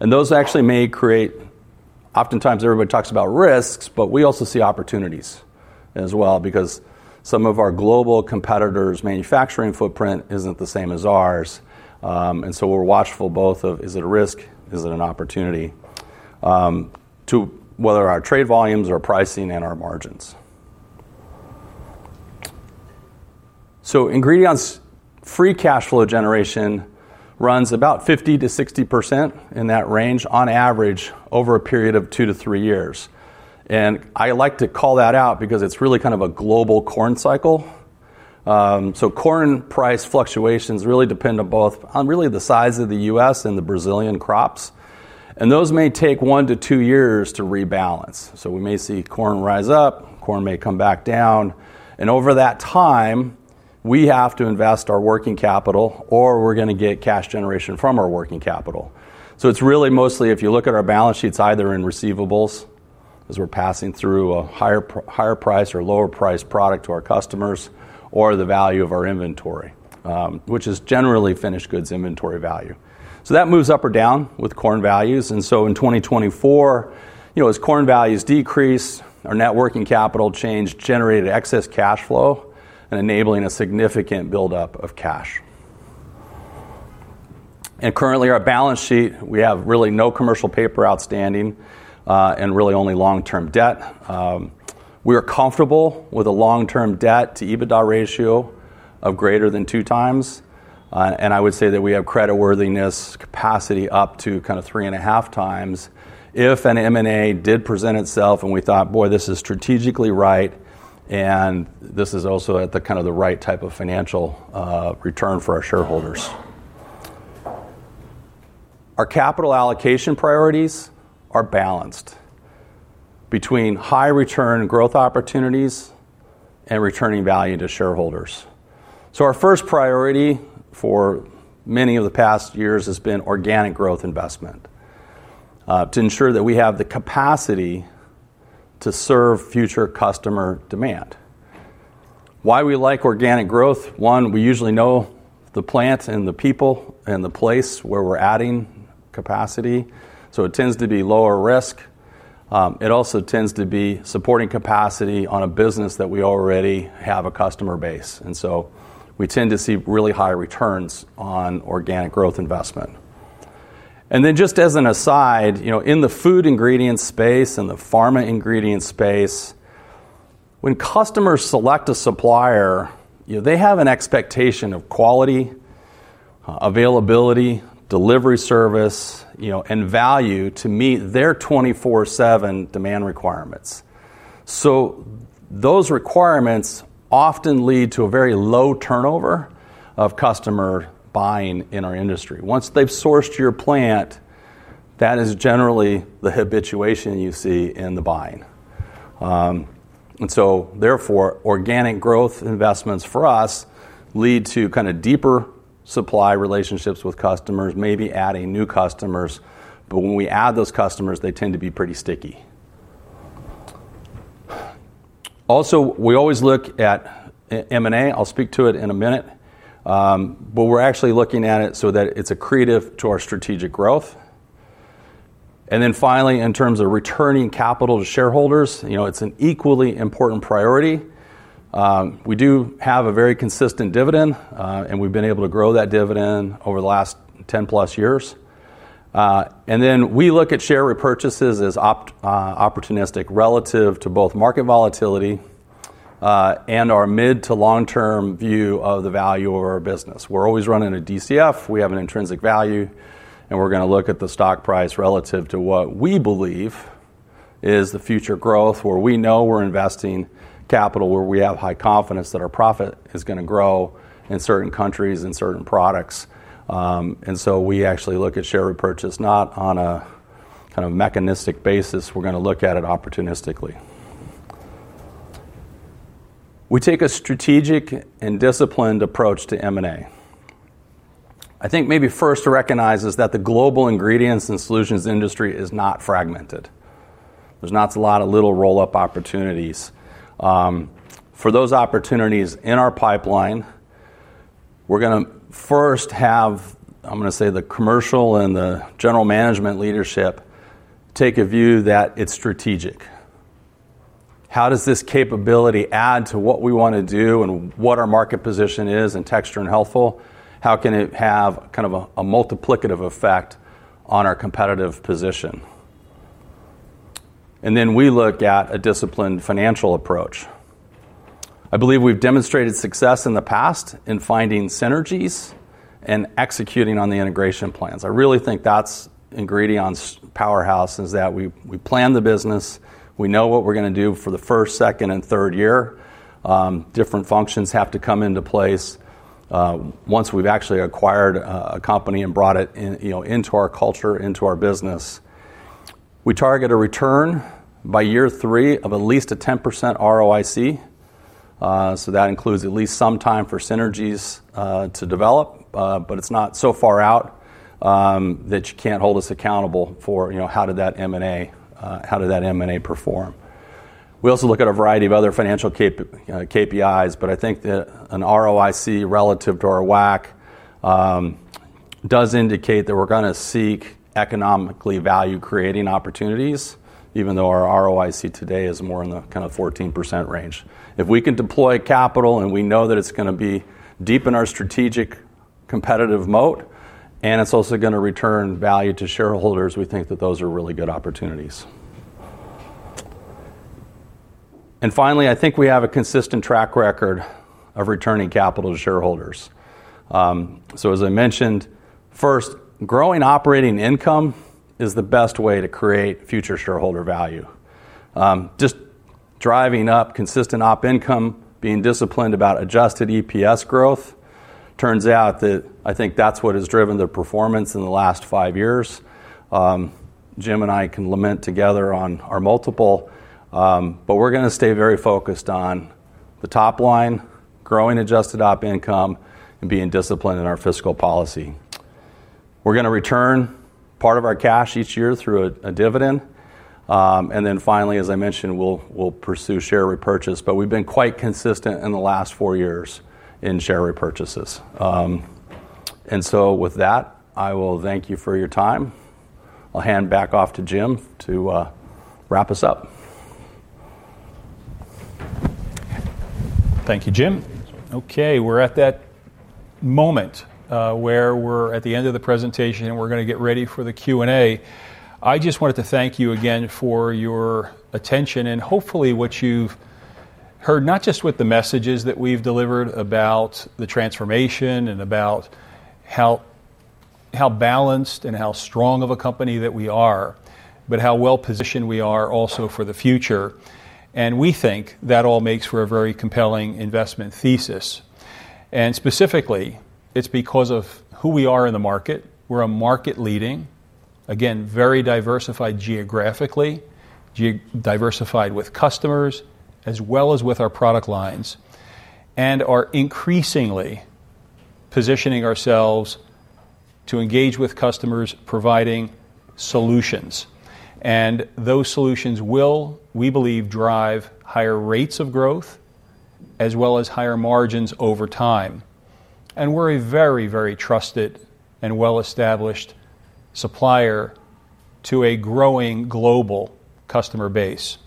J: Those actually may create, oftentimes everybody talks about risks, but we also see opportunities as well because some of our global competitors' manufacturing footprint isn't the same as ours. We're watchful both of is it a risk, is it an opportunity to whether our trade volumes or pricing and our margins. Ingredion's free cash flow generation runs about 50%-60% in that range on average over a period of two to three years. I like to call that out because it's really kind of a global corn cycle. Corn price fluctuations really depend on both, on really the size of the U.S. and the Brazilian crops. Those may take one to two years to rebalance. We may see corn rise up, corn may come back down. Over that time, we have to invest our working capital or we're going to get cash generation from our working capital. It's really mostly, if you look at our balance sheets, either in receivables, as we're passing through a higher price or lower price product to our customers, or the value of our inventory, which is generally finished goods inventory value. That moves up or down with corn values. In 2024, you know, as corn values decrease, our net working capital change generated excess cash flow and enabling a significant buildup of cash. Currently, our balance sheet, we have really no commercial paper outstanding and really only long-term debt. We are comfortable with a long-term debt to EBITDA ratio of greater than two times. I would say that we have creditworthiness capacity up to kind of three and a half times if an M&A did present itself and we thought, boy, this is strategically right and this is also at the kind of the right type of financial return for our shareholders. Our capital allocation priorities are balanced between high return growth opportunities and returning value to shareholders. Our first priority for many of the past years has been organic growth investment to ensure that we have the capacity to serve future customer demand. Why we like organic growth? One, we usually know the plants and the people and the place where we're adding capacity. It tends to be lower risk. It also tends to be supporting capacity on a business that we already have a customer base. We tend to see really high returns on organic growth investment. Just as an aside, you know, in the food ingredients space and the pharma ingredients space, when customers select a supplier, you know, they have an expectation of quality, availability, delivery service, you know, and value to meet their 24/7 demand requirements. Those requirements often lead to a very low turnover of customer buying in our industry. Once they've sourced your plant, that is generally the habituation you see in the buying. Therefore, organic growth investments for us lead to kind of deeper supply relationships with customers, maybe adding new customers. When we add those customers, they tend to be pretty sticky. Also, we always look at M&A. I'll speak to it in a minute. We're actually looking at it so that it's accretive to our strategic growth. Finally, in terms of returning capital to shareholders, it's an equally important priority. We do have a very consistent dividend, and we've been able to grow that dividend over the last 10+ years. We look at share repurchases as opportunistic relative to both market volatility and our mid to long-term view of the value of our business. We're always running a DCF. We have an intrinsic value, and we're going to look at the stock price relative to what we believe is the future growth where we know we're investing capital, where we have high confidence that our profit is going to grow in certain countries and certain products. We actually look at share repurchase not on a kind of mechanistic basis. We're going to look at it opportunistically. We take a strategic and disciplined approach to M&A. I think maybe first to recognize is that the global ingredients and solutions industry is not fragmented. There's not a lot of little roll-up opportunities. For those opportunities in our pipeline, we're going to first have, I'm going to say, the commercial and the general management leadership take a view that it's strategic. How does this capability add to what we want to do and what our market position is in texture and healthful? How can it have kind of a multiplicative effect on our competitive position? Then we look at a disciplined financial approach. I believe we've demonstrated success in the past in finding synergies and executing on the integration plans. I really think that's Ingredion's powerhouse is that we plan the business. We know what we're going to do for the first, second, and third year. Different functions have to come into place once we've actually acquired a company and brought it into our culture, into our business. We target a return by year three of at least a 10% ROIC. That includes at least some time for synergies to develop, but it's not so far out that you can't hold us accountable for, you know, how did that M&A, how did that M&A perform? We also look at a variety of other financial KPIs, but I think that an ROIC relative to our WACC does indicate that we're going to seek economically value-creating opportunities, even though our ROIC today is more in the kind of 14% range. If we can deploy capital and we know that it's going to be deep in our strategic competitive mode, and it's also going to return value to shareholders, we think that those are really good opportunities. Finally, I think we have a consistent track record of returning capital to shareholders. As I mentioned, first, growing operating income is the best way to create future shareholder value. Just driving up consistent op income, being disciplined about adjusted EPS growth turns out that I think that's what has driven the performance in the last five years. Jim and I can lament together on our multiple, but we're going to stay very focused on the top line, growing adjusted op income, and being disciplined in our fiscal policy. We're going to return part of our cash each year through a dividend. Finally, as I mentioned, we'll pursue share repurchase, but we've been quite consistent in the last four years in share repurchases. With that, I will thank you for your time. I'll hand back off to Jim to wrap us up.
C: Thank you, Jim. Okay, we're at that moment where we're at the end of the presentation and we're going to get ready for the Q&A. I just wanted to thank you again for your attention and hopefully what you've heard, not just with the messages that we've delivered about the transformation and about how balanced and how strong of a company that we are, but how well positioned we are also for the future. We think that all makes for a very compelling investment thesis. Specifically, it's because of who we are in the market. We're a market leading, again, very diversified geographically, diversified with customers, as well as with our product lines, and are increasingly positioning ourselves to engage with customers, providing solutions. Those solutions will, we believe, drive higher rates of growth, as well as higher margins over time. We're a very, very trusted and well-established supplier to a growing global customer base.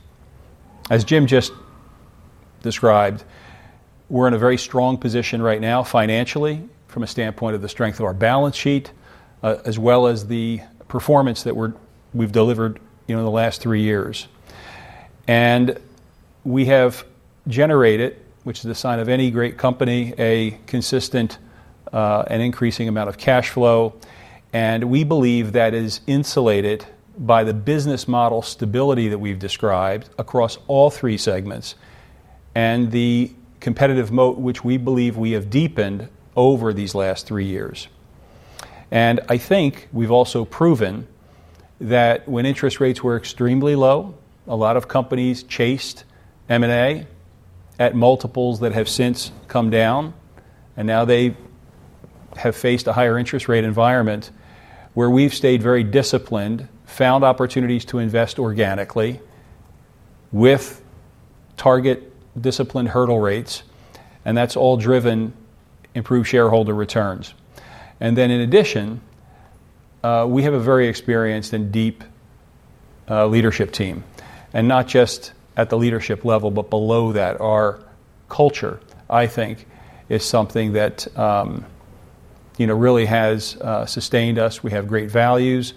C: As Jim just described, we're in a very strong position right now financially from a standpoint of the strength of our balance sheet, as well as the performance that we've delivered in the last three years. We have generated, which is a sign of any great company, a consistent and increasing amount of cash flow. We believe that is insulated by the business model stability that we've described across all three segments and the competitive moat, which we believe we have deepened over these last three years. I think we've also proven that when interest rates were extremely low, a lot of companies chased M&A at multiples that have since come down. Now they have faced a higher interest rate environment where we've stayed very disciplined, found opportunities to invest organically with target disciplined hurdle rates. That's all driven improved shareholder returns. In addition, we have a very experienced and deep leadership team. Not just at the leadership level, but below that, our culture, I think, is something that really has sustained us. We have great values,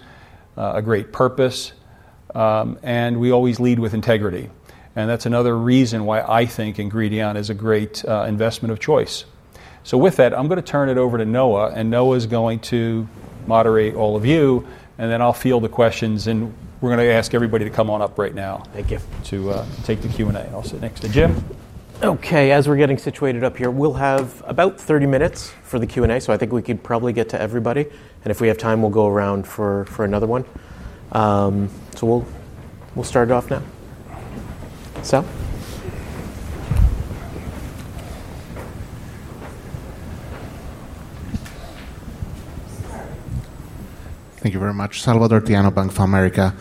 C: a great purpose, and we always lead with integrity. That's another reason why I think Ingredion is a great investment of choice. With that, I'm going to turn it over to Noah, and Noah is going to moderate all of you. I'll field the questions, and we're going to ask everybody to come on up right now to take the Q&A. I'll sit next to Jim.
A: Okay, as we're getting situated up here, we'll have about 30 minutes for the Q&A. I think we could probably get to everybody. If we have time, we'll go around for another one. We'll start it off now. Sal?
K: Thank you very much. Salvator Tiano, Bank of America.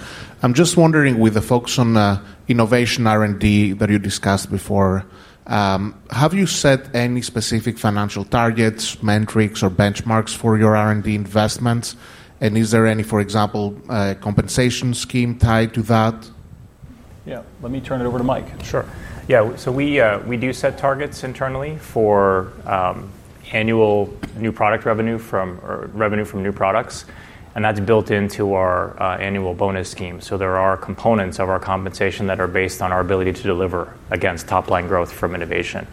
K: I'm just wondering, with the focus on innovation R&D that you discussed before, have you set any specific financial targets, metrics, or benchmarks for your R&D investments? Is there any, for example, compensation scheme tied to that?
C: Yeah, let me turn it over to Mike.
I: Sure. Yeah, we do set targets internally for annual new product revenue from new products. That's built into our annual bonus scheme. There are components of our compensation that are based on our ability to deliver against top line growth from innovation.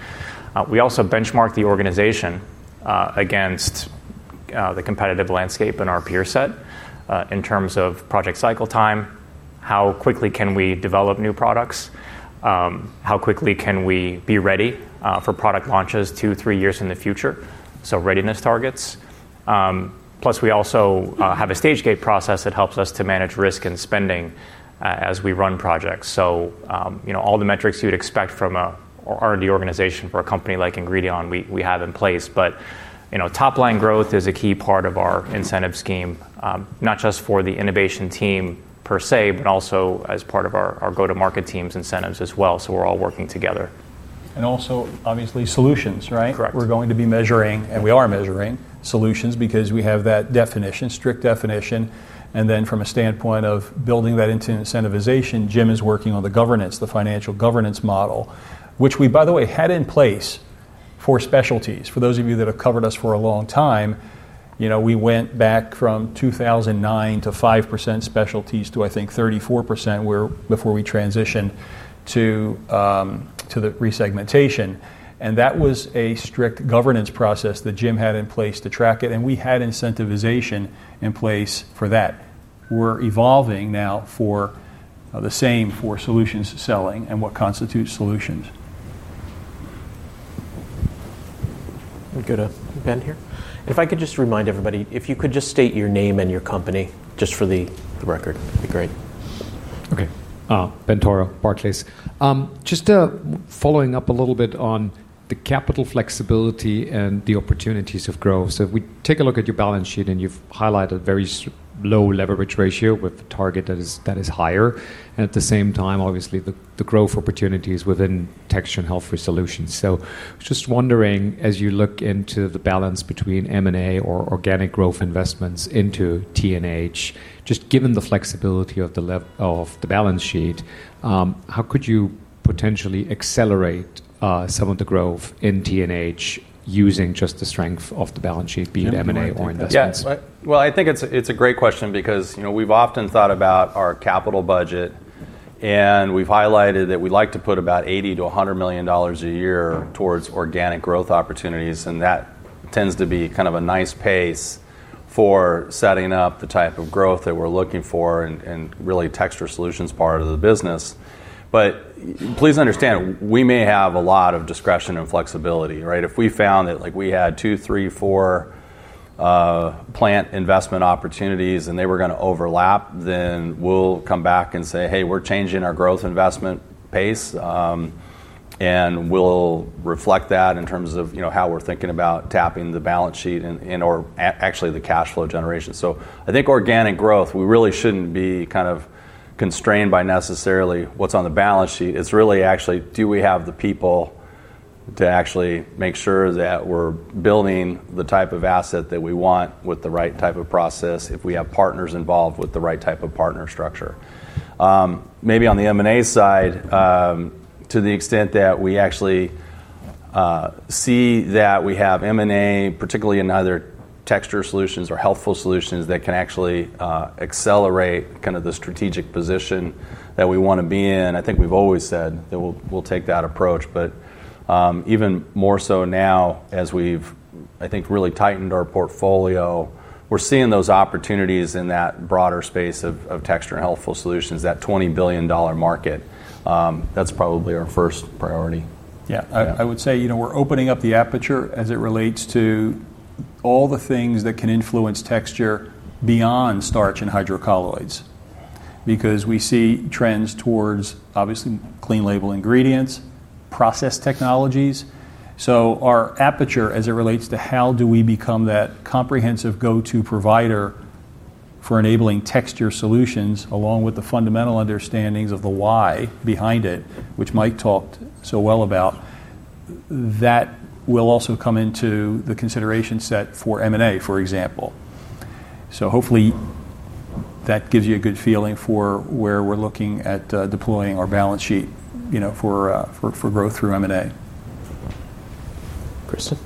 I: We also benchmark the organization against the competitive landscape and our peer set in terms of project cycle time, how quickly we can develop new products, how quickly we can be ready for product launches two, three years in the future. Readiness targets. Plus, we also have a stage gate process that helps us to manage risk and spending as we run projects. All the metrics you'd expect from an R&D organization for a company like Ingredion, we have in place. Top line growth is a key part of our incentive scheme, not just for the innovation team per se, but also as part of our go-to-market team's incentives as well. We're all working together.
C: Obviously, solutions, right? We're going to be measuring, and we are measuring solutions because we have that definition, strict definition. From a standpoint of building that into incentivization, Jim is working on the governance, the financial governance model, which we, by the way, had in place for specialties. For those of you that have covered us for a long time, you know, we went back from 2009 to 5% specialties to, I think, 34% before we transitioned to the resegmentation. That was a strict governance process that Jim had in place to track it. We had incentivization in place for that. We're evolving now for the same for solution selling and what constitutes solutions.
A: We're good to end here. If I could just remind everybody, if you could just state your name and your company, just for the record, it'd be great.
F: Okay. Ben Theurer Barclays. Just following up a little bit on the capital flexibility and the opportunities of growth. If we take a look at your balance sheet and you've highlighted a very low leverage ratio with a target that is higher. At the same time, obviously, the growth opportunities within texture and health resolutions. Just wondering, as you look into the balance between M&A or organic growth investments into TNH, just given the flexibility of the balance sheet, how could you potentially accelerate some of the growth in TNH using just the strength of the balance sheet, be it M&A or investment?
J: Yes. I think it's a great question because we've often thought about our capital budget. We've highlighted that we like to put about $80 million-$100 million a year towards organic growth opportunities. That tends to be kind of a nice pace for setting up the type of growth that we're looking for and really texture solutions part of the business. Please understand, we may have a lot of discretion and flexibility, right? If we found that we had two, three, four plant investment opportunities and they were going to overlap, then we'll come back and say, hey, we're changing our growth investment pace. We'll reflect that in terms of how we're thinking about tapping the balance sheet and/or actually the cash flow generation. I think organic growth, we really shouldn't be kind of constrained by necessarily what's on the balance sheet. It's really actually, do we have the people to actually make sure that we're building the type of asset that we want with the right type of process if we have partners involved with the right type of partner structure? Maybe on the M&A side, to the extent that we actually see that we have M&A, particularly in other texture solutions or healthful solutions that can actually accelerate kind of the strategic position that we want to be in. I think we've always said that we'll take that approach. Even more so now, as we've, I think, really tightened our portfolio, we're seeing those opportunities in that broader space of texture and healthful solutions, that $20 billion market. That's probably our first priority.
C: Yeah, I would say we're opening up the aperture as it relates to all the things that can influence texture beyond starch and hydrocolloids. We see trends towards, obviously, clean label ingredients and process technologies. Our aperture as it relates to how do we become that comprehensive go-to provider for enabling texture solutions, along with the fundamental understandings of the why behind it, which Mike talked so well about, that will also come into the consideration set for M&A, for example. Hopefully that gives you a good feeling for where we're looking at deploying our balance sheet for growth through M&A.
A: Kristen?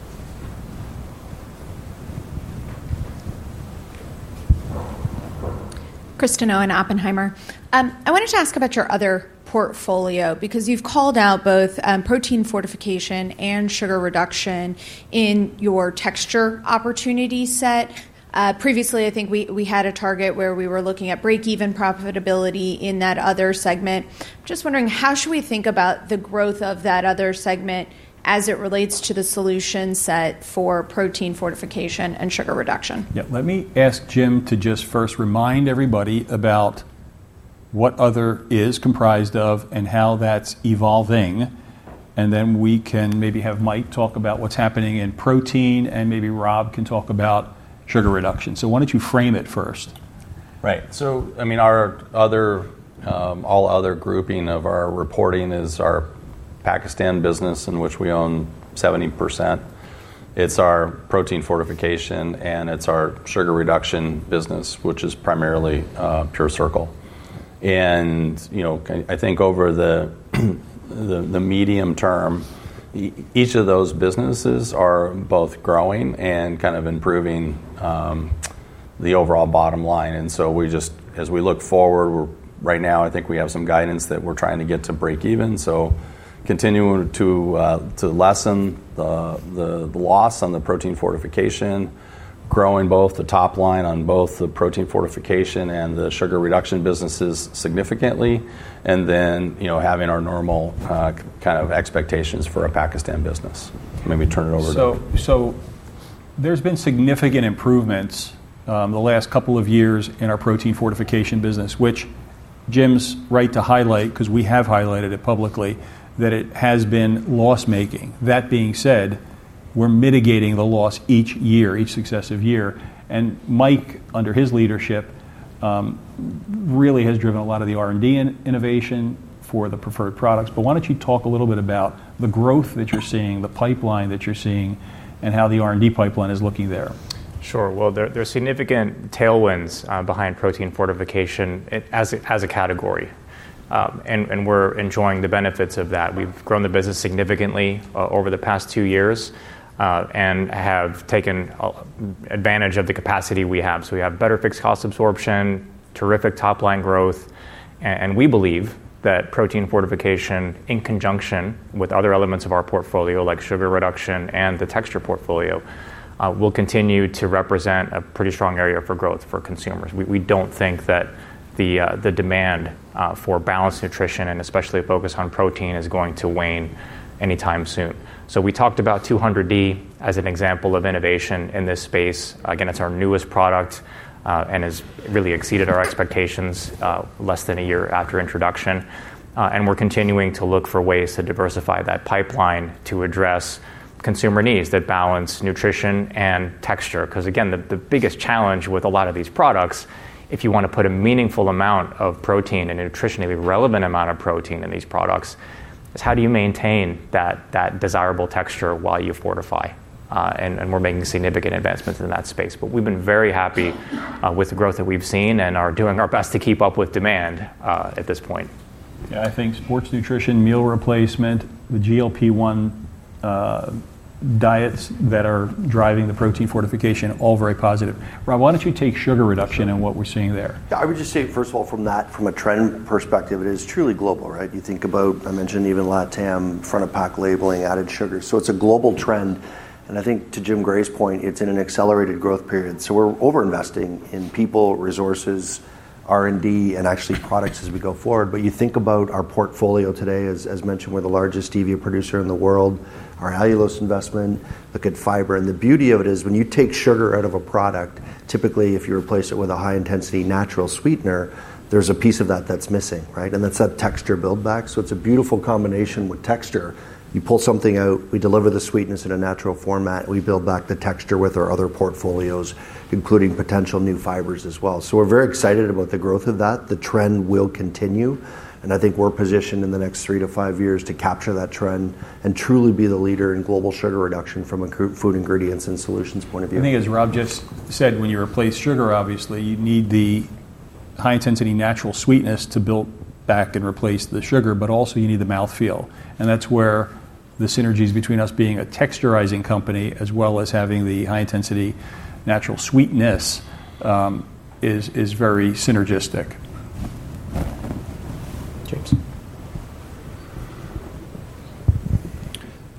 G: I wanted to ask about your other portfolio because you've called out both protein fortification and sugar reduction in your texture opportunity set. Previously, I think we had a target where we were looking at break-even profitability in that other segment. Just wondering, how should we think about the growth of that other segment as it relates to the solution set for protein fortification and sugar reduction?
C: Let me ask Jim to just first remind everybody about what Other is comprised of and how that's evolving. We can maybe have Mike talk about what's happening in protein, and maybe Rob can talk about sugar reduction. Why don't you frame it first?
J: Right. Our all other grouping of our reporting is our Pakistan business in which we own 70%. It's our protein fortification and it's our sugar reduction business, which is primarily PureCircle. I think over the medium term, each of those businesses are both growing and kind of improving the overall bottom line. As we look forward, right now, I think we have some guidance that we're trying to get to break even. Continuing to lessen the loss on the protein fortification, growing both the top line on both the protein fortification and the sugar reduction businesses significantly, and then having our normal kind of expectations for a Pakistan business. Let me turn it over to.
C: There have been significant improvements the last couple of years in our protein fortification business, which Jim's right to highlight because we have highlighted it publicly that it has been loss-making. That being said, we're mitigating the loss each year, each successive year. Mike, under his leadership, really has driven a lot of the R&D innovation for the preferred products. Why don't you talk a little bit about the growth that you're seeing, the pipeline that you're seeing, and how the R&D pipeline is looking there?
I: Sure. There are significant tailwinds behind protein fortification as a category, and we're enjoying the benefits of that. We've grown the business significantly over the past two years and have taken advantage of the capacity we have. We have better fixed cost absorption, terrific top line growth, and we believe that protein fortification, in conjunction with other elements of our portfolio like sugar reduction and the texture portfolio, will continue to represent a pretty strong area for growth for consumers. We don't think that the demand for balanced nutrition and especially a focus on protein is going to wane anytime soon. We talked about 200D as an example of innovation in this space. It's our newest product and has really exceeded our expectations less than a year after introduction. We're continuing to look for ways to diversify that pipeline to address consumer needs that balance nutrition and texture. The biggest challenge with a lot of these products, if you want to put a meaningful amount of protein and a nutritionally relevant amount of protein in these products, is how do you maintain that desirable texture while you fortify? We're making significant advancements in that space. We've been very happy with the growth that we've seen and are doing our best to keep up with demand at this point.
C: Yeah, I think sports nutrition, meal replacement, the GLP-1 diets that are driving the protein fortification, all very positive. Rob, why don't you take sugar reduction and what we're seeing there? Yeah.
E: I would just say, first of all, from a trend perspective, it is truly global, right? You think about, I mentioned even LATAM, front of pack labeling, added sugar. It's a global trend. I think to Jim Gray's point, it's in an accelerated growth period. We're over-investing in people, resources, R&D, and actually products as we go forward. You think about our portfolio today, as mentioned, we're the largest stevia producer in the world, our allulose investment, look at fiber. The beauty of it is when you take sugar out of a product, typically if you replace it with a high-intensity natural sweetener, there's a piece of that that's missing, right? That's that texture buildback. It's a beautiful combination with texture. You pull something out, we deliver the sweetness in a natural format, and we build back the texture with our other portfolios, including potential new fibers as well. We're very excited about the growth of that. The trend will continue. I think we're positioned in the next three to five years to capture that trend and truly be the leader in global sugar reduction from a food ingredients and solutions point of view.
C: I think, as Rob just said, when you replace sugar, obviously, you need the high-intensity natural sweetness to build back and replace the sugar, but you also need the mouthfeel. That's where the synergies between us being a texturizing company as well as having the high-intensity natural sweetness is very synergistic.
A: James.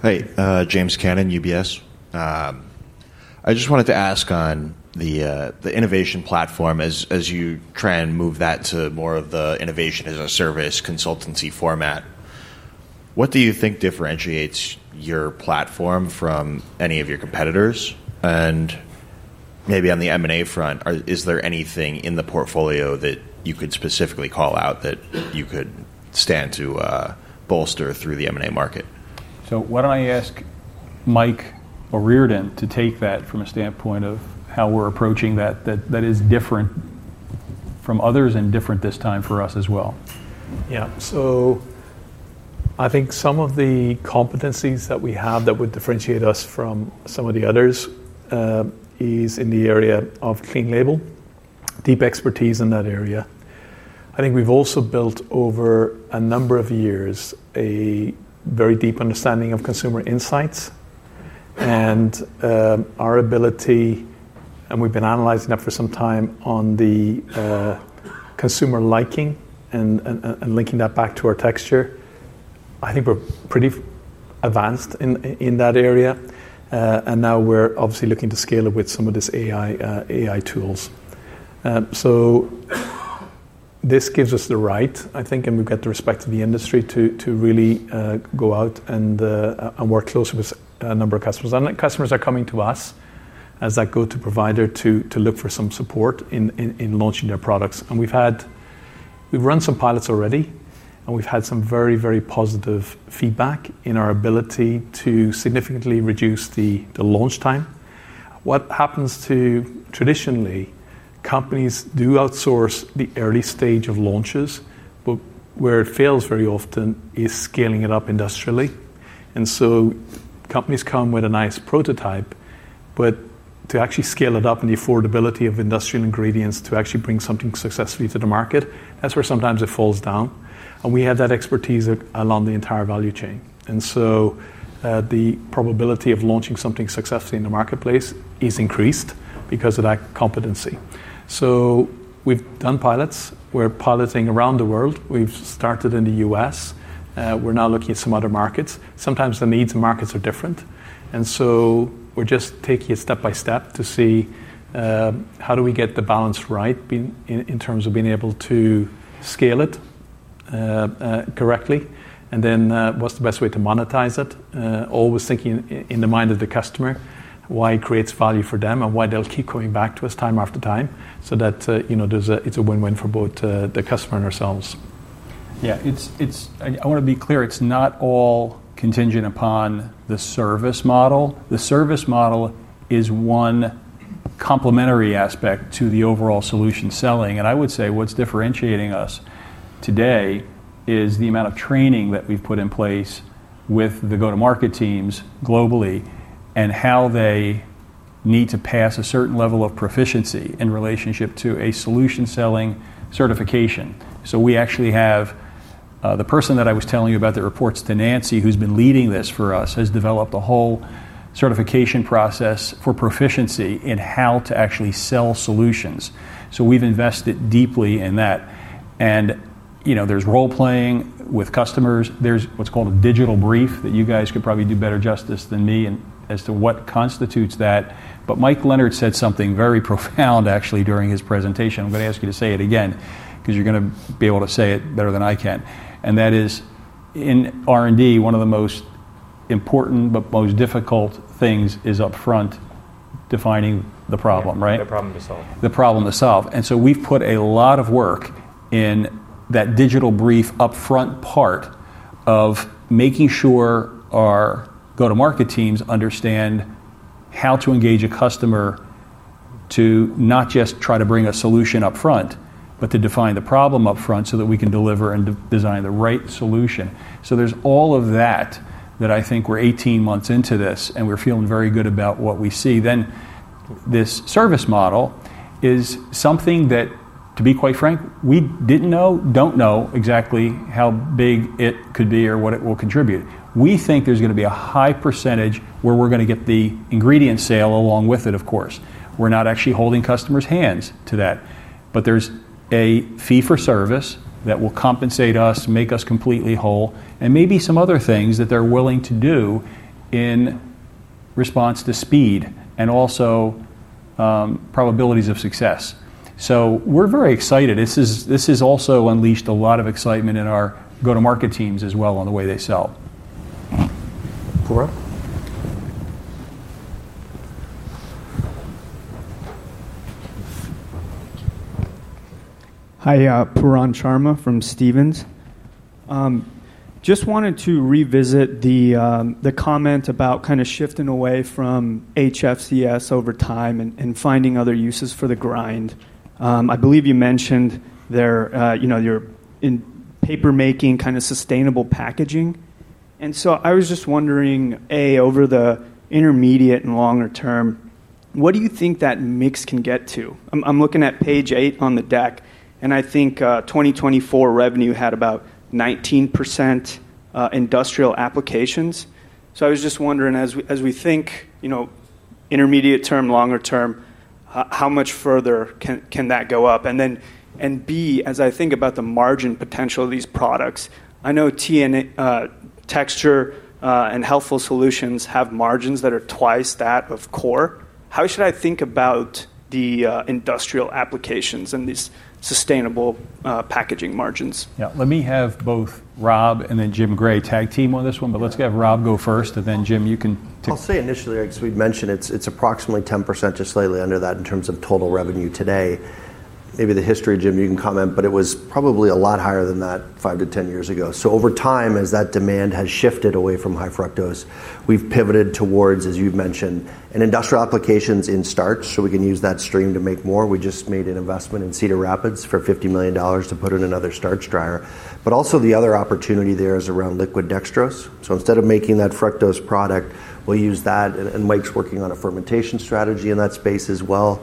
L: Hi, James Cannon, UBS. I just wanted to ask on the innovation platform as you try and move that to more of the innovation as a service consultancy format. What do you think differentiates your platform from any of your competitors? Maybe on the M&A front, is there anything in the portfolio that you could specifically call out that you could stand to bolster through the M&A market?
C: Why don't I ask Michael Reardon to take that from a standpoint of how we're approaching that, that is different from others and different this time for us as well.
D: Yeah, I think some of the competencies that we have that would differentiate us from some of the others is in the area of clean label, deep expertise in that area. I think we've also built over a number of years a very deep understanding of consumer insights and our ability, and we've been analyzing that for some time on the consumer liking and linking that back to our texture. I think we're pretty advanced in that area. We're obviously looking to scale it with some of these AI tools. This gives us the right, I think, and we've got the respect of the industry to really go out and work closely with a number of customers. Customers are coming to us as that go-to provider to look for some support in launching their products. We've run some pilots already, and we've had some very, very positive feedback in our ability to significantly reduce the launch time. What happens traditionally, companies do outsource the early stage of launches, but where it fails very often is scaling it up industrially. Companies come with a nice prototype, but to actually scale it up in the affordability of industrial ingredients to actually bring something successfully to the market, that's where sometimes it falls down. We have that expertise along the entire value chain, and the probability of launching something successfully in the marketplace is increased because of that competency. We've done pilots. We're piloting around the world. We've started in the U.S. We're now looking at some other markets. Sometimes the needs and markets are different, and we're just taking it step by step to see how do we get the balance right in terms of being able to scale it correctly. What's the best way to monetize it? Always thinking in the mind of the customer, why it creates value for them and why they'll keep coming back to us time after time so that, you know, it's a win-win for both the customer and ourselves.
C: Yeah, I want to be clear, it's not all contingent upon the service model. The service model is one complementary aspect to the overall solution selling. I would say what's differentiating us today is the amount of training that we've put in place with the go-to-market teams globally and how they need to pass a certain level of proficiency in relationship to a solution selling certification. We actually have the person that I was telling you about that reports to Nancy, who's been leading this for us, has developed a whole certification process for proficiency in how to actually sell solutions. We've invested deeply in that. There's role-playing with customers. There's what's called a digital brief that you guys could probably do better justice than me as to what constitutes that. Mike Leonard said something very profound actually during his presentation. I'm going to ask you to say it again because you're going to be able to say it better than I can. That is in R&D, one of the most important but most difficult things is upfront defining the problem, right?
I: The problem to solve.
C: The problem to solve. We have put a lot of work in that digital brief upfront part of making sure our go-to-market teams understand how to engage a customer to not just try to bring a solution upfront, but to define the problem upfront so that we can deliver and design the right solution. There is all of that that I think we are 18 months into this and we are feeling very good about what we see. This service model is something that, to be quite frank, we did not know, do not know exactly how big it could be or what it will contribute. We think there is going to be a high percentage where we are going to get the ingredient sale along with it, of course. We are not actually holding customers' hands to that. There is a fee for service that will compensate us, make us completely whole, and maybe some other things that they are willing to do in response to speed and also probabilities of success. We are very excited. This has also unleashed a lot of excitement in our go-to-market teams as well on the way they sell.
A: Pooran.
M: Hi, Pooran Sharma from Stephens. Just wanted to revisit the comment about kind of shifting away from HFCS over time and finding other uses for the grind. I believe you mentioned there, you know, you're in paper making, kind of sustainable packaging. I was just wondering, A, over the intermediate and longer term, what do you think that mix can get to? I'm looking at page eight on the deck, and I think 2024 revenue had about 19% industrial applications. I was just wondering, as we think, you know, intermediate term, longer term, how much further can that go up? B, as I think about the margin potential of these products, I know texture and healthful solutions have margins that are twice that of core. How should I think about the industrial applications and these sustainable packaging margins?
C: Let me have both Rob and then Jim Gray tag team on this one, but let's have Rob go first and then Jim, you can.
E: I'll say initially, as we mentioned, it's approximately 10% to slightly under that in terms of total revenue today. Maybe the history, Jim, you can comment, but it was probably a lot higher than that five to ten years ago. Over time, as that demand has shifted away from high-fructose, we've pivoted towards, as you've mentioned, industrial applications in starch, so we can use that stream to make more. We just made an investment in Cedar Rapids for $50 million to put in another starch dryer. The other opportunity there is around liquid dextrose. Instead of making that fructose product, we'll use that. Mike's working on a fermentation strategy in that space as well.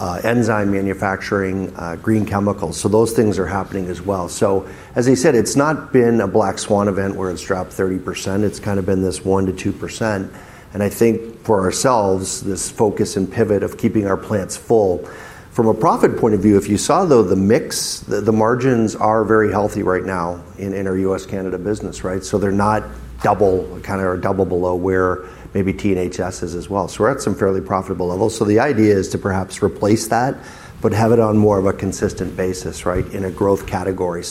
E: Enzyme manufacturing, green chemicals. Those things are happening as well. It has not been a black swan event where it's dropped 30%. It's kind of been this 1%-2%. I think for ourselves, this focus and pivot of keeping our plants full. From a profit point of view, if you saw the mix, the margins are very healthy right now in our US-Canada business, right? They're not double or double below where maybe TNHS is as well. We're at some fairly profitable levels. The idea is to perhaps replace that, but have it on more of a consistent basis, in a growth category.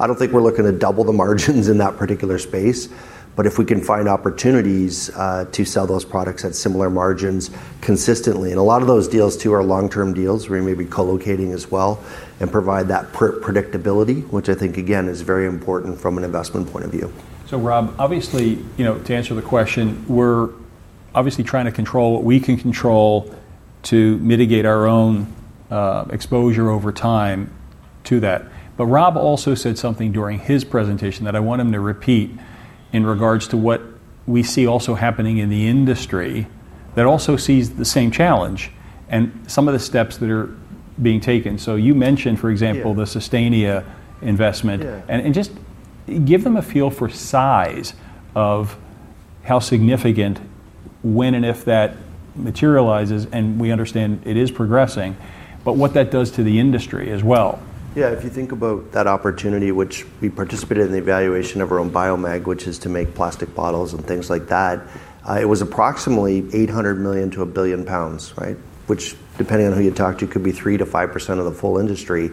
E: I don't think we're looking to double the margins in that particular space, but if we can find opportunities to sell those products at similar margins consistently, and a lot of those deals too are long-term deals, we may be colocating as well and provide that predictability, which I think again is very important from an investment point of view.
J: Rob, obviously, to answer the question, we're obviously trying to control what we can control to mitigate our own exposure over time to that. Rob also said something during his presentation that I want him to repeat in regards to what we see also happening in the industry that also sees the same challenge and some of the steps that are being taken. You mentioned, for example, the Sustainia investment and just give them a feel for size of how significant when and if that materializes, and we understand it is progressing, but what that does to the industry as well.
E: Yeah, if you think about that opportunity, which we participated in the evaluation of our own Biomag, which is to make plastic bottles and things like that, it was approximately 800 million to $1 billion pounds, right? Which, depending on who you talk to, could be 3%-5% of the full industry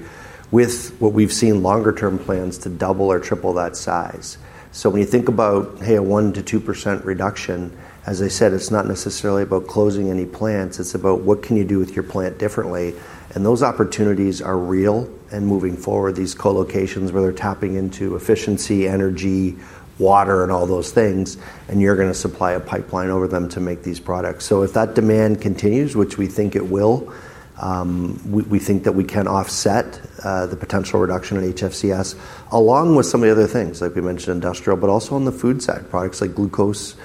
E: with what we've seen longer-term plans to double or triple that size. When you think about, hey, a 1%-2% reduction, as I said, it's not necessarily about closing any plants. It's about what can you do with your plant differently? Those opportunities are real. Moving forward, these colocations where they're tapping into efficiency, energy, water, and all those things, and you're going to supply a pipeline over them to make these products. If that demand continues, which we think it will, we think that we can offset the potential reduction in HFCS along with some of the other things, like we mentioned industrial, but also on the food side, products like glucose,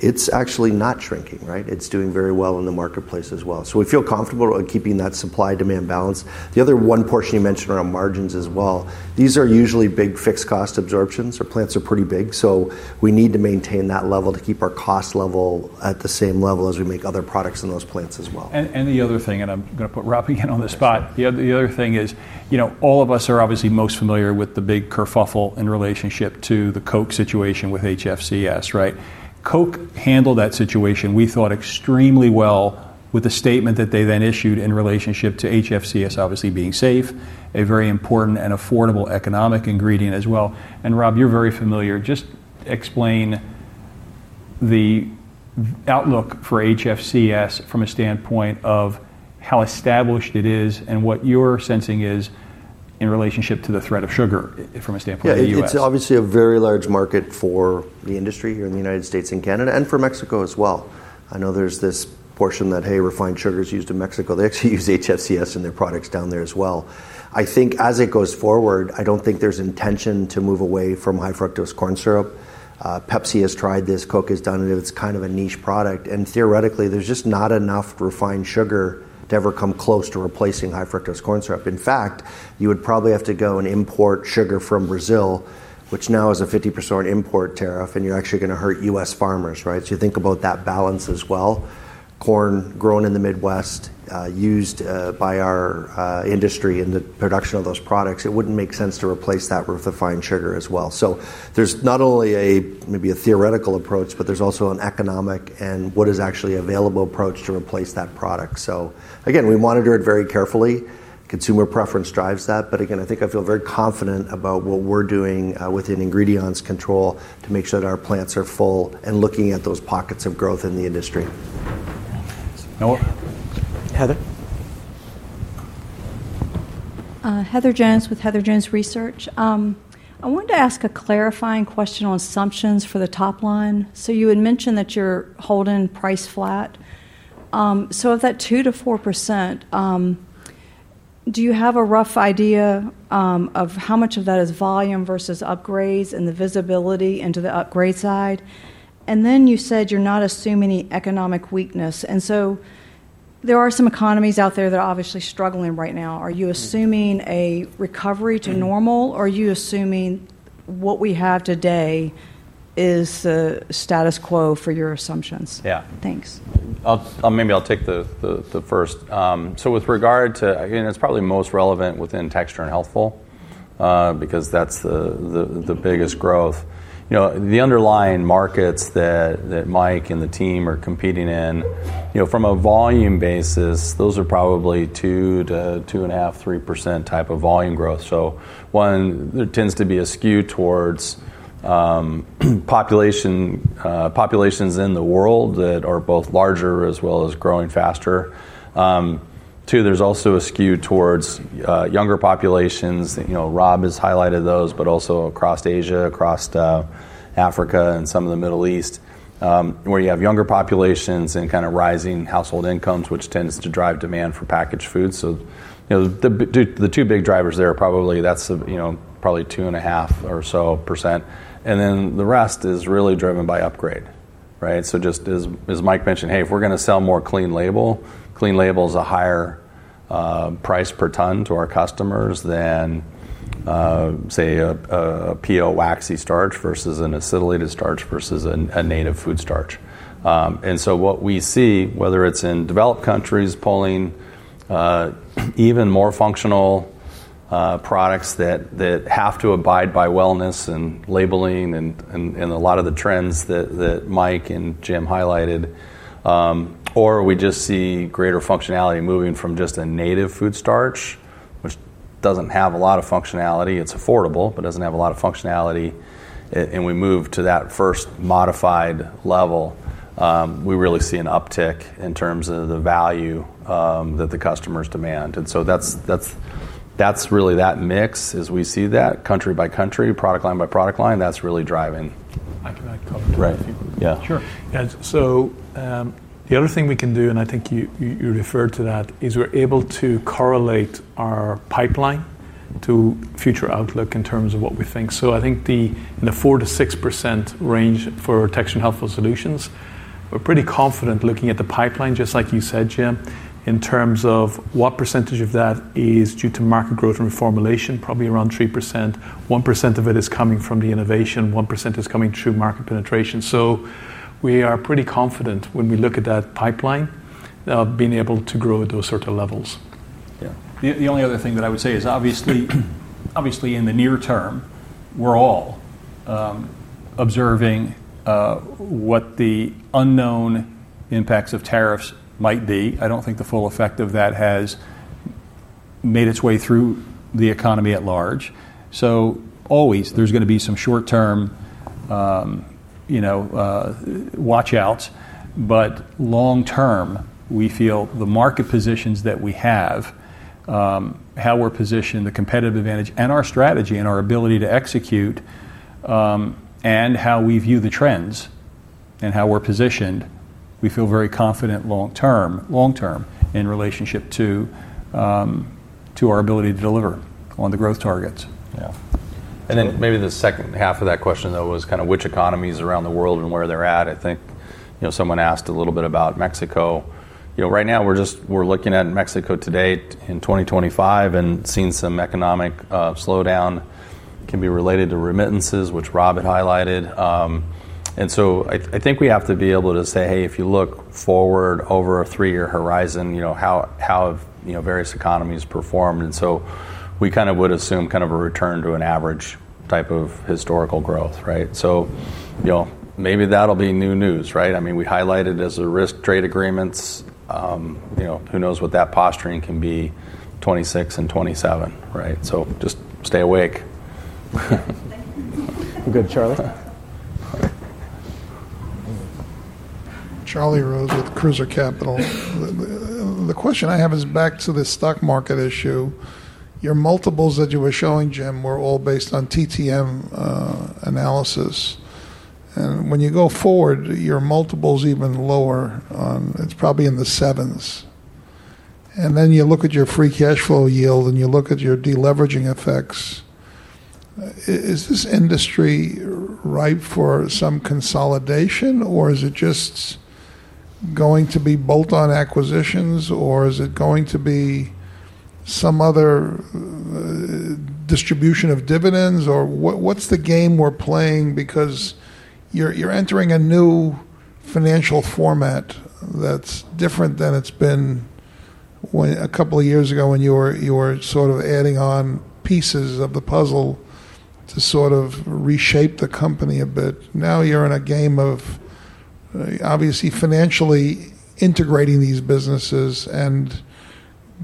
E: it's actually not shrinking, right? It's doing very well in the marketplace as well. We feel comfortable keeping that supply-demand balance. The other one portion you mentioned around margins as well, these are usually big fixed cost absorptions. Our plants are pretty big. We need to maintain that level to keep our cost level at the same level as we make other products in those plants as well.
C: The other thing is, you know, all of us are obviously most familiar with the big kerfuffle in relationship to the Coke situation with HFCS, right? Coke handled that situation, we thought, extremely well with the statement that they then issued in relationship to HFCS, obviously being safe, a very important and affordable economic ingredient as well. Rob, you're very familiar, just explain the outlook for HFCS from a standpoint of how established it is and what your sensing is in relationship to the threat of sugar from a standpoint that you have.
E: Yeah, it's obviously a very large market for the industry here in the U.S.-Canada and for Mexico as well. I know there's this portion that, hey, refined sugar is used in Mexico. They actually use HFCS in their products down there as well. I think as it goes forward, I don't think there's intention to move away from high-fructose corn syrup. Pepsi has tried this, Coke has done it, it's kind of a niche product. Theoretically, there's just not enough refined sugar to ever come close to replacing high-fructose corn syrup. In fact, you would probably have to go and import sugar from Brazil, which now is a 50% import tariff, and you're actually going to hurt U.S. farmers, right? You think about that balance as well. Corn grown in the Midwest, used by our industry in the production of those products, it wouldn't make sense to replace that with refined sugar as well. There's not only maybe a theoretical approach, but there's also an economic and what is actually an available approach to replace that product. We monitor it very carefully. Consumer preference drives that. I think I feel very confident about what we're doing within Ingredion's control to make sure that our plants are full and looking at those pockets of growth in the industry.
A: Heather?
N: Heather Jones with Heather Jones Research. I wanted to ask a clarifying question on assumptions for the top line. You had mentioned that you're holding price flat. Of that 2%-4%, do you have a rough idea of how much of that is volume versus upgrades and the visibility into the upgrade side? You said you're not assuming economic weakness. There are some economies out there that are obviously struggling right now. Are you assuming a recovery to normal or are you assuming what we have today is the status quo for your assumptions?
C: Yeah.
N: Thanks.
C: Maybe I'll take the first. With regard to, again, it's probably most relevant within texture and healthful because that's the biggest growth. The underlying markets that Mike and the team are competing in, from a volume basis, those are probably 2%-2.5% to 3% type of volume growth. One, there tends to be a skew towards populations in the world that are both larger as well as growing faster. Two, there's also a skew towards younger populations. Rob has highlighted those, but also across Asia, across Africa, and some of the Middle East where you have younger populations and kind of rising household incomes, which tends to drive demand for packaged foods. The two big drivers there are probably, that's a, probably 2.5% or so. The rest is really driven by upgrade, right? Just as Mike mentioned, hey, if we're going to sell more clean label, clean label is a higher price per ton to our customers than, say, a PO waxy starch versus an acetylated starch versus a native food starch. What we see, whether it's in developed countries pulling even more functional products that have to abide by wellness and labeling and a lot of the trends that Mike and Jim highlighted, or we just see greater functionality moving from just a native food starch, which doesn't have a lot of functionality. It's affordable, but doesn't have a lot of functionality. We move to that first modified level. We really see an uptick in terms of the value that the customers demand. That's really that mix as we see that country by country, product line by product line, that's really driving.
E: I can add a couple of things.
C: Yeah.
E: Sure. The other thing we can do, and I think you referred to that, is we're able to correlate our pipeline to future outlook in terms of what we think. I think in the 4%-6% range for texture and healthful solutions, we're pretty confident looking at the pipeline, just like you said, Jim, in terms of what percentage of that is due to market growth and reformulation, probably around 3%. 1% of it is coming from the innovation, 1% is coming through market penetration. We are pretty confident when we look at that pipeline, being able to grow at those sorts of levels.
D: Yeah. The only other thing that I would say is, obviously in the near term, we're all observing what the unknown impacts of tariffs might be. I don't think the full effect of that has made its way through the economy at large. There are always going to be some short-term, you know, watch-outs. Long-term, we feel the market positions that we have, how we're positioned, the competitive advantage, and our strategy and our ability to execute, and how we view the trends and how we're positioned, we feel very confident long-term in relationship to our ability to deliver on the growth targets.
C: Yeah. Maybe the second half of that question was kind of which economies around the world and where they're at. I think someone asked a little bit about Mexico. Right now we're just looking at Mexico today in 2025 and seeing some economic slowdown, can be related to remittances, which Rob had highlighted. I think we have to be able to say, hey, if you look forward over a three-year horizon, how have various economies performed? We kind of would assume a return to an average type of historical growth, right? Maybe that'll be new news, right? We highlighted as a risk trade agreements, who knows what that posturing can be 2026 and 2027, right? Just stay awake.
A: Good. Charlie?
H: The question I have is back to the stock market issue. Your multiples that you were showing, Jim, were all based on TTM analysis. When you go forward, your multiples are even lower. It's probably in the sevens. You look at your free cash flow yield and you look at your deleveraging effects. Is this industry ripe for some consolidation or is it just going to be bolt-on acquisitions or is it going to be some other distribution of dividends or what's the game we're playing? You are entering a new financial format that's different than it's been a couple of years ago when you were sort of adding on pieces of the puzzle to reshape the company a bit. Now you're in a game of obviously financially integrating these businesses and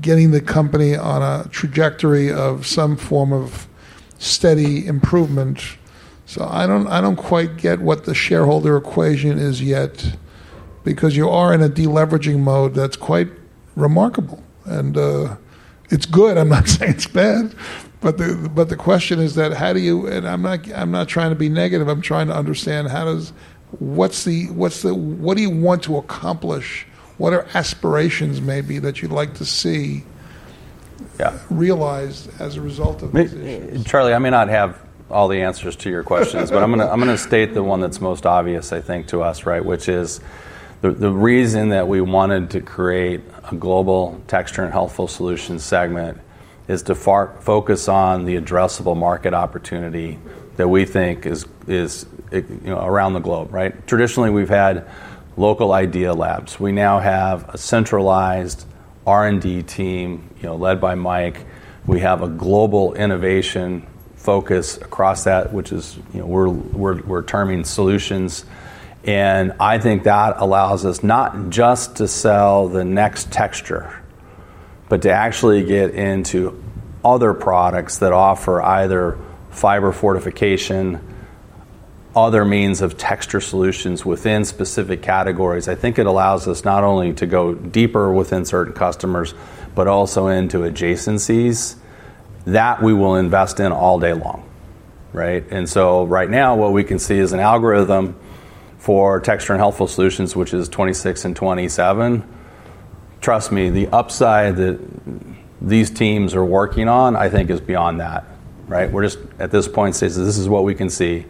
H: getting the company on a trajectory of some form of steady improvement. I don't quite get what the shareholder equation is yet because you are in a deleveraging mode that's quite remarkable. It's good. I'm not saying it's bad. The question is how do you, and I'm not trying to be negative. I'm trying to understand how does, what's the, what do you want to accomplish? What are aspirations maybe that you'd like to see realized as a result of this?
C: Charlie, I may not have all the answers to your questions, but I'm going to state the one that's most obvious, I think, to us, right? The reason that we wanted to create a global Texture and Healthful Solutions segment is to focus on the addressable market opportunity that we think is, you know, around the globe, right? Traditionally, we've had local Idea Labs. We now have a centralized R&D team, you know, led by Mike. We have a global innovation focus across that, which is, you know, we're terming solutions. I think that allows us not just to sell the next texture, but to actually get into other products that offer either fiber fortification or other means of texture solutions within specific categories. I think it allows us not only to go deeper within certain customers, but also into adjacencies that we will invest in all day long, right? Right now, what we can see is an algorithm for Texture and Healthful Solutions, which is 2026 and 2027. Trust me, the upside that these teams are working on, I think, is beyond that, right? We're just at this point, say this is what we can see.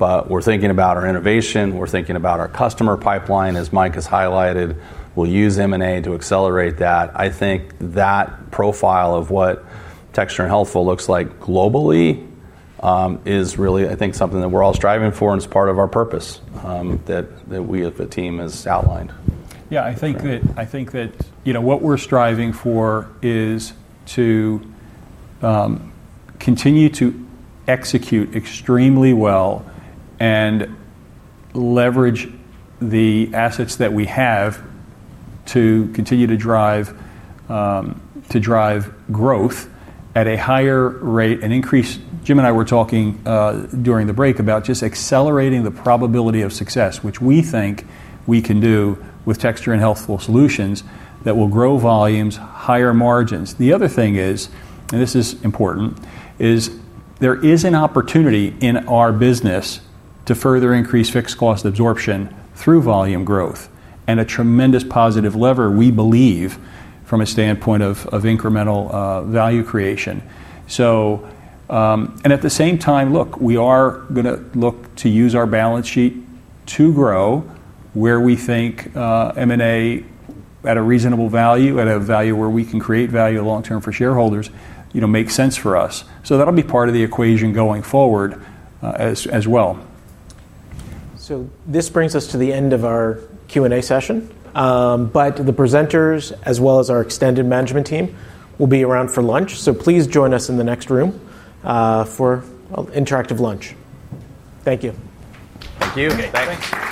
C: We're thinking about our innovation. We're thinking about our customer pipeline, as Mike has highlighted. We'll use M&A to accelerate that. I think that profile of what texture and healthful looks like globally is really, I think, something that we're all striving for and is part of our purpose that we, if a team has outlined.
D: I think that, you know, what we're striving for is to continue to execute extremely well and leverage the assets that we have to continue to drive growth at a higher rate and increase. Jim and I were talking during the break about just accelerating the probability of success, which we think we can do with texture and healthful solutions that will grow volumes, higher margins. The other thing is, and this is important, there is an opportunity in our business to further increase fixed cost absorption through volume growth and a tremendous positive lever, we believe, from a standpoint of incremental value creation. At the same time, look, we are going to look to use our balance sheet to grow where we think M&A at a reasonable value, at a value where we can create value long-term for shareholders, you know, makes sense for us. That'll be part of the equation going forward as well.
A: This brings us to the end of our Q&A session. The presenters, as well as our extended management team, will be around for lunch. Please join us in the next room for an interactive lunch. Thank you.
C: Thank you.
D: Thanks.